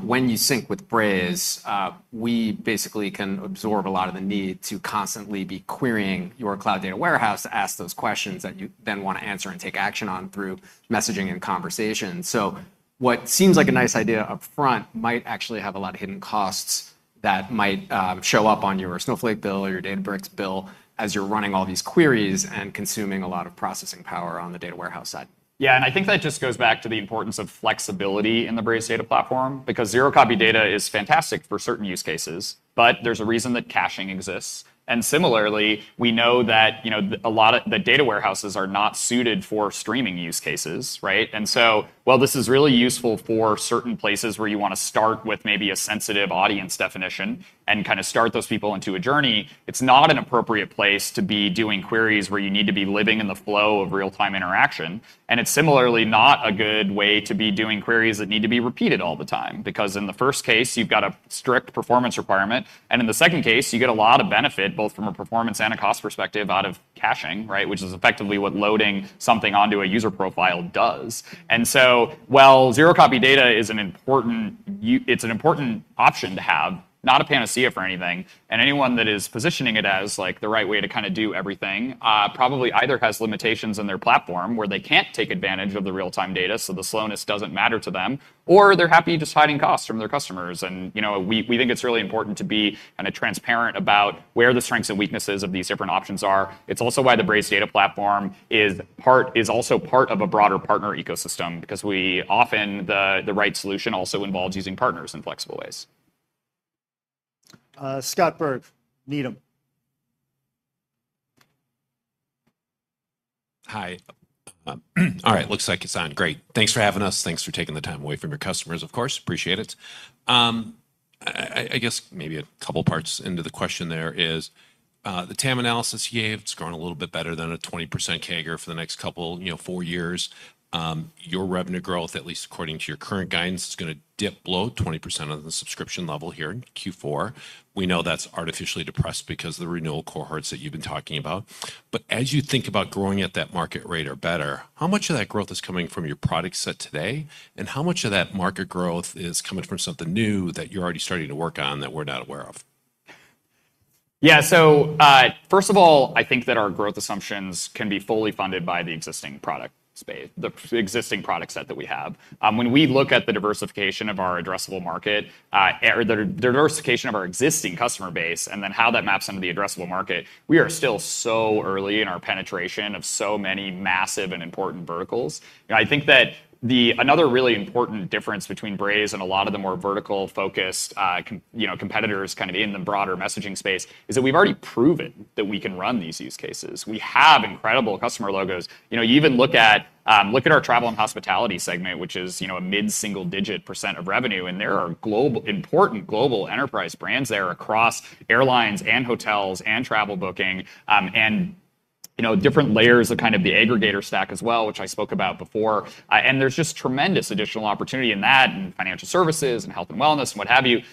when you sync with Braze, we basically can absorb a lot of the need to constantly be querying your cloud data warehouse to ask those questions that you then wanna answer and take action on through messaging and conversation. So- what seems like a nice idea upfront might actually have a lot of hidden costs that might show up on your Snowflake bill or your Databricks bill as you're running all these queries and consuming a lot of processing power on the data warehouse side. Yeah, and I think that just goes back to the importance of flexibility in the Braze Data Platform, because zero-copy data is fantastic for certain use cases, but there's a reason that caching exists. And similarly, we know that, you know, the, a lot of the data warehouses are not suited for streaming use cases, right? And so, while this is really useful for certain places where you wanna start with maybe a sensitive audience definition and kinda start those people into a journey, it's not an appropriate place to be doing queries where you need to be living in the flow of real-time interaction. And it's similarly not a good way to be doing queries that need to be repeated all the time, because in the first case, you've got a strict performance requirement, and in the second case, you get a lot of benefit, both from a performance and a cost perspective, out of caching, right? Which is effectively what loading something onto a user profile does. While zero-copy data is an important option to have, not a panacea for anything, and anyone that is positioning it as, like, the right way to kinda do everything, probably either has limitations in their platform, where they can't take advantage of the real-time data, so the slowness doesn't matter to them, or they're happy just hiding costs from their customers. You know, we think it's really important to be kinda transparent about where the strengths and weaknesses of these different options are. It's also why the Braze Data Platform is also part of a broader partner ecosystem, because we often, the right solution also involves using partners in flexible ways. Scott Berg, Needham. Hi. All right, looks like it's on. Great. Thanks for having us. Thanks for taking the time away from your customers, of course. Appreciate it. I guess maybe a couple parts into the question there is, the TAM analysis you gave. It's grown a little bit better than a 20% CAGR for the next couple, you know, four years. Your revenue growth, at least according to your current guidance, is gonna dip below 20% on the subscription level here in Q4. We know that's artificially depressed because of the renewal cohorts that you've been talking about. But as you think about growing at that market rate or better, how much of that growth is coming from your product set today, and how much of that market growth is coming from something new that you're already starting to work on that we're not aware of? Yeah. So, first of all, I think that our growth assumptions can be fully funded by the existing product space, the existing product set that we have. When we look at the diversification of our addressable market, or the diversification of our existing customer base, and then how that maps into the addressable market, we are still so early in our penetration of so many massive and important verticals. And I think that the... another really important difference between Braze and a lot of the more vertical-focused, you know, competitors kind of in the broader messaging space, is that we've already proven that we can run these use cases. We have incredible customer logos. You know, you even look at our travel and hospitality segment, which is, you know, a mid-single-digit % of revenue, and there are global, important global enterprise brands there across airlines and hotels and travel booking, and, you know, different layers of kind of the aggregator stack as well, which I spoke about before, and there's just tremendous additional opportunity in that, and financial services, and health and wellness, and what have you.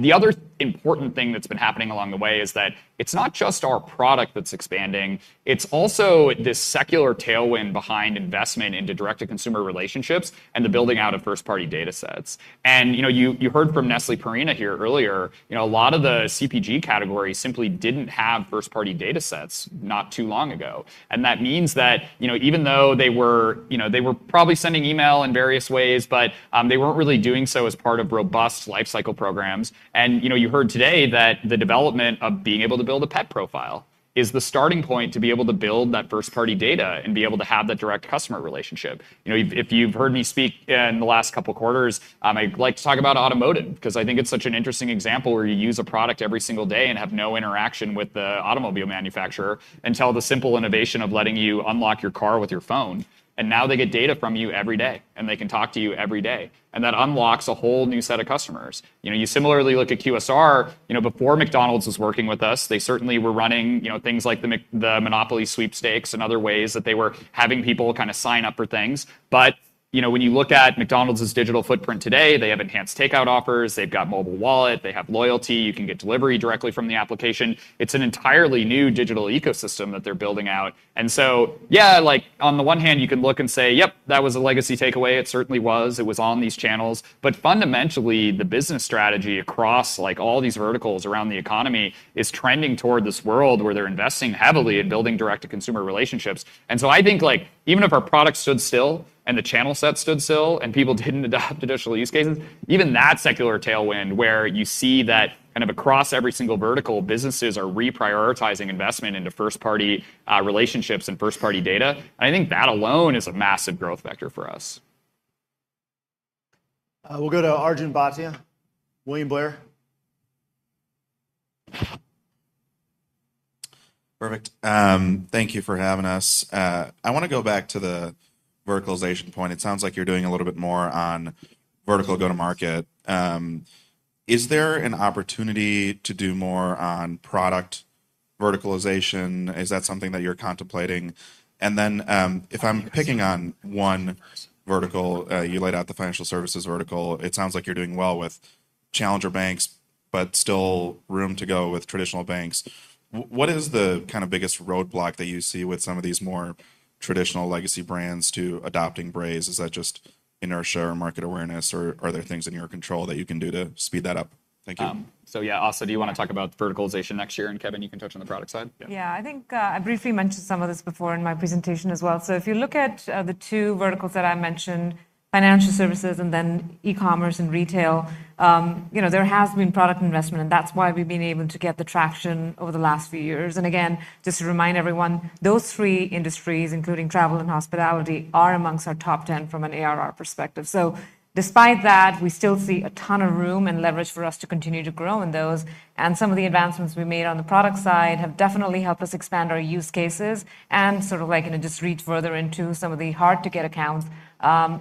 The other important thing that's been happening along the way is that it's not just our product that's expanding, it's also this secular tailwind behind investment into direct-to-consumer relationships and the building out of first-party data sets, and you know, you heard from Nestlé Purina here earlier, you know, a lot of the CPG categories simply didn't have first-party data sets not too long ago. And that means that, you know, even though they were, you know, they were probably sending email in various ways, but they weren't really doing so as part of robust lifecycle programs. And, you know, you heard today that the development of being able to build a pet profile is the starting point to be able to build that first-party data and be able to have that direct customer relationship. You know, if, if you've heard me speak in the last couple of quarters, I like to talk about automotive, 'cause I think it's such an interesting example where you use a product every single day and have no interaction with the automobile manufacturer, until the simple innovation of letting you unlock your car with your phone, and now they get data from you every day, and they can talk to you every day. That unlocks a whole new set of customers. You know, you similarly look at QSR. You know, before McDonald's was working with us, they certainly were running, you know, things like the Monopoly sweepstakes and other ways that they were having people kinda sign up for things. But, you know, when you look at McDonald's digital footprint today, they have enhanced takeout offers, they've got mobile wallet, they have loyalty. You can get delivery directly from the application. It's an entirely new digital ecosystem that they're building out. And so, yeah, like, on the one hand, you can look and say, "Yep, that was a legacy takeaway." It certainly was. It was on these channels. But fundamentally, the business strategy across, like, all these verticals around the economy is trending toward this world where they're investing heavily in building direct-to-consumer relationships. I think, like, even if our product stood still and the channel set stood still and people didn't adopt additional use cases, even that secular tailwind, where you see that kind of across every single vertical, businesses are reprioritizing investment into first-party relationships and first-party data. I think that alone is a massive growth vector for us. We'll go to Arjun Bhatia, William Blair. Perfect. Thank you for having us. I wanna go back to the verticalization point. It sounds like you're doing a little bit more on vertical go-to-market. Is there an opportunity to do more on product verticalization? Is that something that you're contemplating? And then, if I'm picking on one vertical, you laid out the financial services vertical. It sounds like you're doing well with challenger banks, but still room to go with traditional banks. What is the kind of biggest roadblock that you see with some of these more traditional legacy brands to adopting Braze? Is that just inertia or market awareness, or are there things in your control that you can do to speed that up? so yeah, Astha, do you want to talk about verticalization next year, and Kevin, you can touch on the product side. Yeah, I think, I briefly mentioned some of this before in my presentation as well. So if you look at, the two verticals that I mentioned, financial services and then e-commerce and retail, you know, there has been product investment, and that's why we've been able to get the traction over the last few years. And again, just to remind everyone, those three industries, including travel and hospitality, are amongst our top ten from an ARR perspective. So despite that, we still see a ton of room and leverage for us to continue to grow in those, and some of the advancements we made on the product side have definitely helped us expand our use cases and sort of like, you know, just reach further into some of the hard-to-get accounts,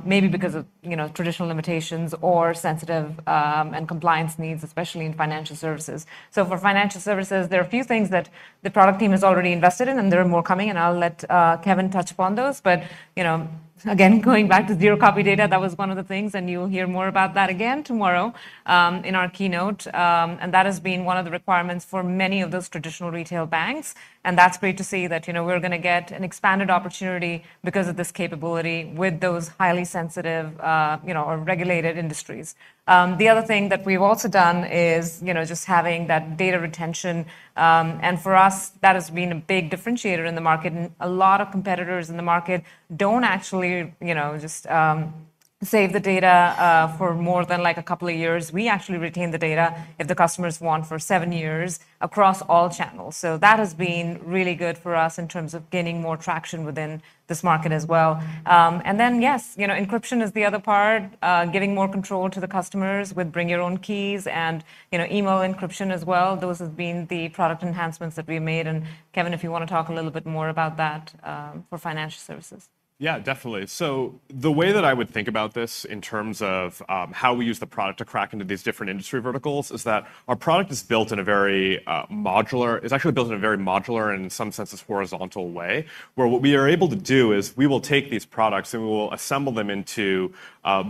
maybe because of, you know, traditional limitations or sensitive, and compliance needs, especially in financial services. So for financial services, there are a few things that the product team has already invested in, and there are more coming, and I'll let Kevin touch upon those. But, you know, again, going back to zero-copy data, that was one of the things, and you'll hear more about that again tomorrow, in our keynote. And that has been one of the requirements for many of those traditional retail banks, and that's great to see that, you know, we're gonna get an expanded opportunity because of this capability with those highly sensitive, you know, or regulated industries. The other thing that we've also done is, you know, just having that data retention, and for us, that has been a big differentiator in the market. And a lot of competitors in the market don't actually, you know, just, save the data, for more than, like, a couple of years. We actually retain the data, if the customers want, for seven years across all channels. So that has been really good for us in terms of gaining more traction within this market as well. And then, yes, you know, encryption is the other part. Giving more control to the customers with bring your own keys and, you know, email encryption as well. Those have been the product enhancements that we made, and, Kevin, if you want to talk a little bit more about that, for financial services. Yeah, definitely, so the way that I would think about this in terms of how we use the product to crack into these different industry verticals is that our product is built in a very modular. It's actually built in a very modular, and in some senses, horizontal way, where what we are able to do is we will take these products, and we will assemble them into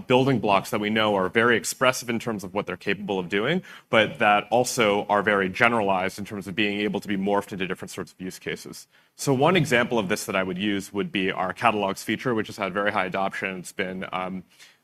building blocks that we know are very expressive in terms of what they're capable of doing. But that also are very generalized in terms of being able to be morphed into different sorts of use cases, so one example of this that I would use would be our Catalogs feature, which has had very high adoption.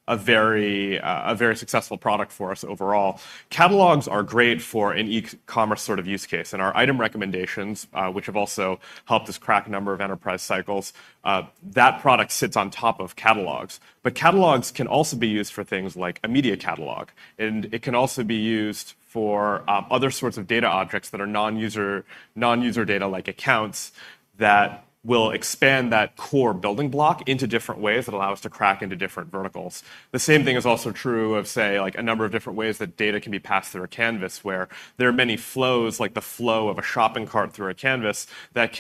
It's been a very successful product for us overall. Catalogs are great for an e-commerce sort of use case, and our item recommendations, which have also helped us crack a number of enterprise cycles, that product sits on top of Catalogs. But Catalogs can also be used for things like a media catalog, and it can also be used for, other sorts of data objects that are non-user data, like accounts, that will expand that core building block into different ways that allow us to crack into different verticals. The same thing is also true of, say, like, a number of different ways that data can be passed through a canvas, where there are many flows, like the flow of a shopping cart through a canvas, that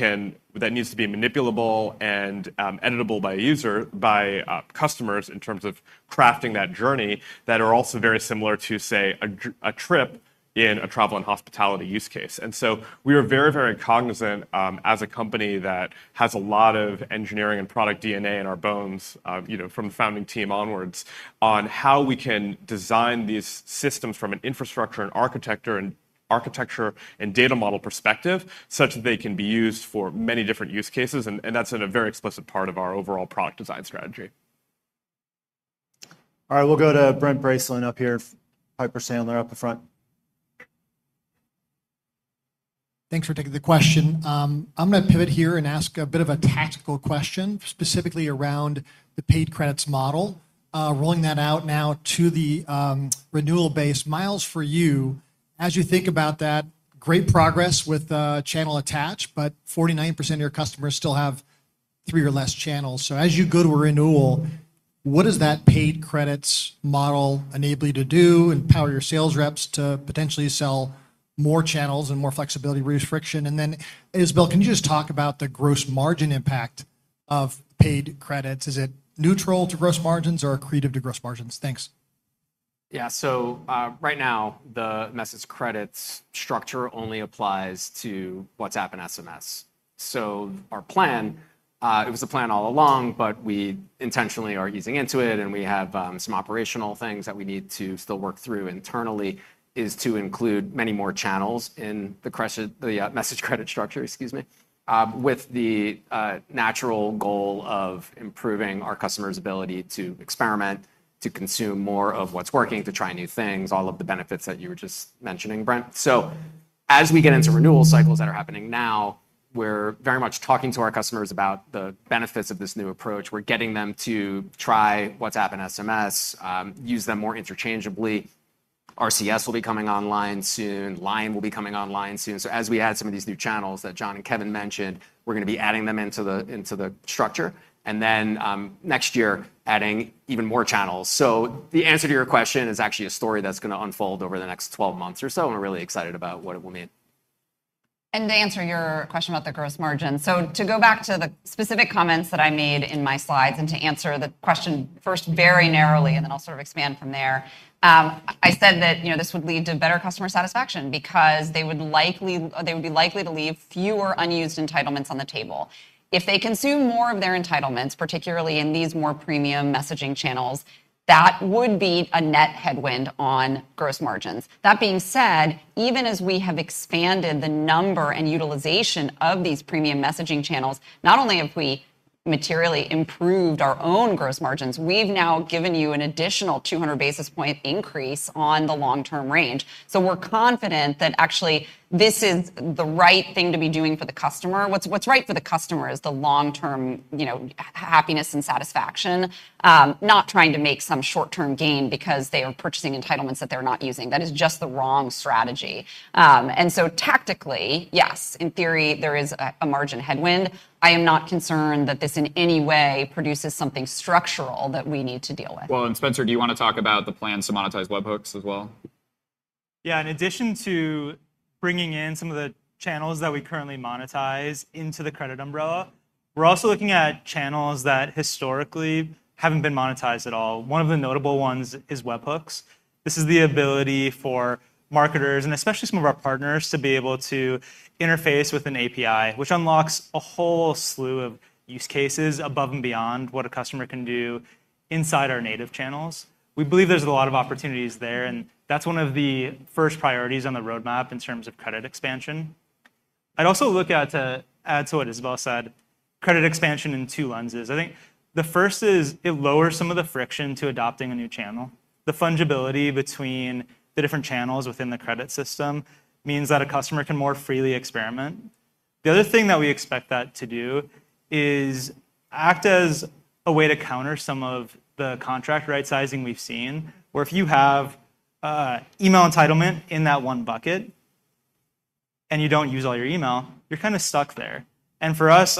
needs to be manipulable and, editable by a user, by, customers in terms of crafting that journey, that are also very similar to, say, a trip in a travel and hospitality use case. We are very, very cognizant, as a company that has a lot of engineering and product DNA in our bones, you know, from the founding team onwards, on how we can design these systems from an infrastructure and architecture, and architecture and data model perspective, such that they can be used for many different use cases, and that's a very explicit part of our overall product design strategy. All right, we'll go to Brent Bracelin up here, Piper Sandler, up the front. Thanks for taking the question. I'm gonna pivot here and ask a bit of a tactical question, specifically around the paid credits model. Rolling that out now to the renewal base. Myles, for you, as you think about that, great progress with channel attach, but 49% of your customers still have three or less channels. So as you go to a renewal, what does that paid credits model enable you to do, empower your sales reps to potentially sell more channels and more flexibility, reduce friction? And then, Isabelle, can you just talk about the gross margin impact of paid credits? Is it neutral to gross margins or accretive to gross margins? Thanks. Yeah. So, right now, the message credits structure only applies to WhatsApp and SMS. So our plan, it was the plan all along, but we intentionally are easing into it, and we have, some operational things that we need to still work through internally, is to include many more channels in the credit-- the, message credit structure, excuse me, with the, natural goal of improving our customers' ability to experiment, to consume more of what's working, to try new things, all of the benefits that you were just mentioning, Brent. So as we get into renewal cycles that are happening now, we're very much talking to our customers about the benefits of this new approach. We're getting them to try WhatsApp and SMS, use them more interchangeably. RCS will be coming online soon. LINE will be coming online soon. As we add some of these new channels that Jon and Kevin mentioned, we're gonna be adding them into the structure, and then, next year, adding even more channels. The answer to your question is actually a story that's gonna unfold over the next 12 months or so, and we're really excited about what it will mean. And to answer your question about the gross margin, so to go back to the specific comments that I made in my slides, and to answer the question first very narrowly, and then I'll sort of expand from there. I said that, you know, this would lead to better customer satisfaction because they would be likely to leave fewer unused entitlements on the table. If they consume more of their entitlements, particularly in these more premium messaging channels, that would be a net headwind on gross margins. That being said, even as we have expanded the number and utilization of these premium messaging channels, not only have we materially improved our own gross margins, we've now given you an additional 200 basis points increase on the long-term range. So we're confident that actually this is the right thing to be doing for the customer. What's right for the customer is the long-term, you know, happiness and satisfaction, not trying to make some short-term gain because they are purchasing entitlements that they're not using. That is just the wrong strategy. And so tactically, yes, in theory, there is a margin headwind. I am not concerned that this in any way produces something structural that we need to deal with. Well, and Spencer, do you want to talk about the plans to monetize webhooks as well? Yeah, in addition to bringing in some of the channels that we currently monetize into the credit umbrella, we're also looking at channels that historically haven't been monetized at all. One of the notable ones is webhooks. This is the ability for marketers, and especially some of our partners, to be able to interface with an API, which unlocks a whole slew of use cases above and beyond what a customer can do inside our native channels. We believe there's a lot of opportunities there, and that's one of the first priorities on the roadmap in terms of credit expansion. I'd also look at, to add to what Isabelle said, credit expansion in two lenses. I think the first is it lowers some of the friction to adopting a new channel. The fungibility between the different channels within the credit system means that a customer can more freely experiment. The other thing that we expect that to do is act as a way to counter some of the contract right-sizing we've seen, where if you have, a, email entitlement in that one bucket and you don't use all your email, you're kinda stuck there. And for us,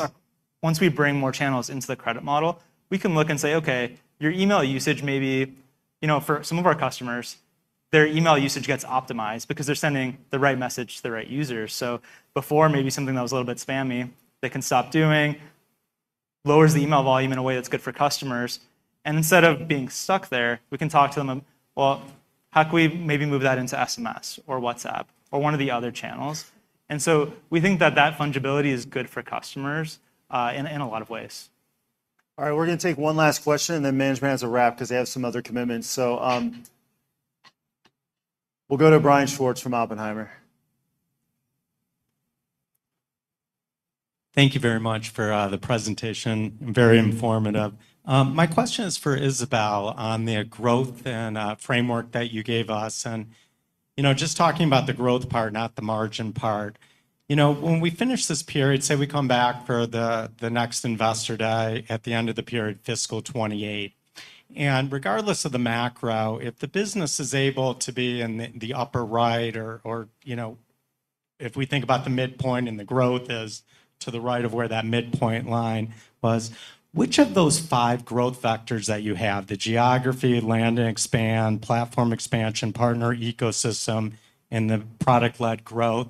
once we bring more channels into the credit model, we can look and say, "Okay, your email usage may be..." You know, for some of our customers, their email usage gets optimized because they're sending the right message to the right users. So, before, maybe something that was a little bit spammy, they can stop doing. Lowers the email volume in a way that's good for customers, and instead of being stuck there, we can talk to them, and, "Well, how can we maybe move that into SMS or WhatsApp or one of the other channels?" And so we think that that fungibility is good for customers in a lot of ways. All right, we're gonna take one last question, and then management has a wrap because they have some other commitments. So, we'll go to Brian Schwartz from Oppenheimer. Thank you very much for the presentation. Very informative. My question is for Isabelle on the growth and framework that you gave us, and, you know, just talking about the growth part, not the margin part. You know, when we finish this period, say we come back for the next Investor Day at the end of the period, fiscal 2028, and regardless of the macro, if the business is able to be in the upper right, or, you know, if we think about the midpoint and the growth as to the right of where that midpoint line was, which of those five growth vectors that you have, the geography, land and expand, platform expansion, partner ecosystem, and the product-led growth,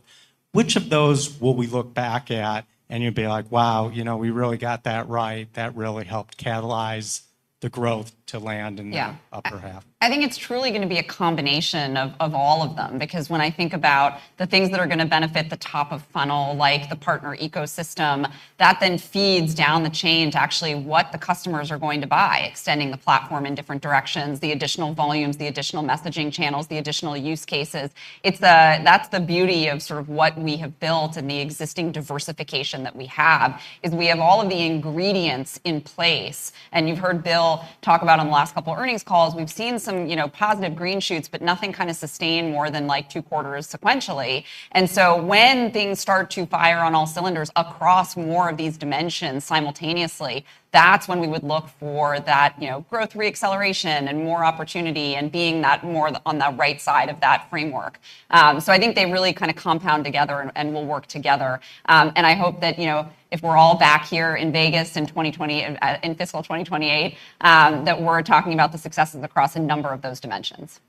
which of those will we look back at and you'd be like: Wow, you know, we really got that right. That really helped catalyze the growth to land in the- Yeah - upper half? I think it's truly gonna be a combination of all of them, because when I think about the things that are gonna benefit the top of funnel, like the partner ecosystem, that then feeds down the chain to actually what the customers are going to buy, extending the platform in different directions, the additional volumes, the additional messaging channels, the additional use cases. It's the, that's the beauty of sort of what we have built and the existing diversification that we have, is we have all of the ingredients in place. And you've heard Bill talk about on the last couple earnings calls, we've seen some, you know, positive green shoots, but nothing kind of sustained more than, like, two quarters sequentially. And so when things start to fire on all cylinders across more of these dimensions simultaneously, that's when we would look for that, you know, growth re-acceleration and more opportunity and being that more on the right side of that framework. So I think they really kinda compound together and will work together. And I hope that, you know, if we're all back here in Vegas in 2020, in fiscal 2028, that we're talking about the successes across a number of those dimensions.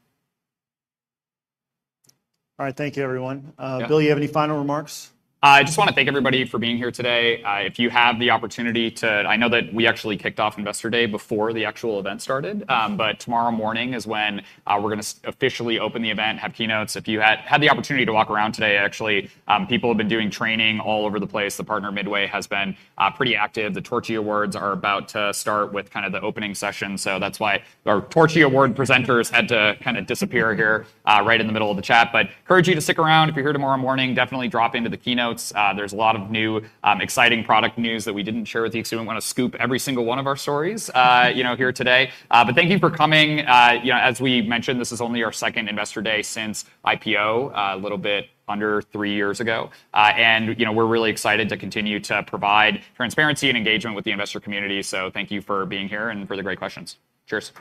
All right. Thank you, everyone. Bill, you have any final remarks? I just want to thank everybody for being here today. If you have the opportunity to... I know that we actually kicked off Investor Day before the actual event started, but tomorrow morning is when we're gonna officially open the event, have keynotes. If you had the opportunity to walk around today, actually, people have been doing training all over the place. The partner midway has been pretty active. The Torchie Awards are about to start with kind of the opening session, so that's why our Torchie Award presenters had to kinda disappear here, right in the middle of the chat. But encourage you to stick around. If you're here tomorrow morning, definitely drop into the keynotes. There's a lot of new, exciting product news that we didn't share with you, because we don't want to scoop every single one of our stories, you know, here today. But thank you for coming. You know, as we mentioned, this is only our second Investor Day since IPO, a little bit under three years ago. And, you know, we're really excited to continue to provide transparency and engagement with the investor community. So thank you for being here and for the great questions. Cheers.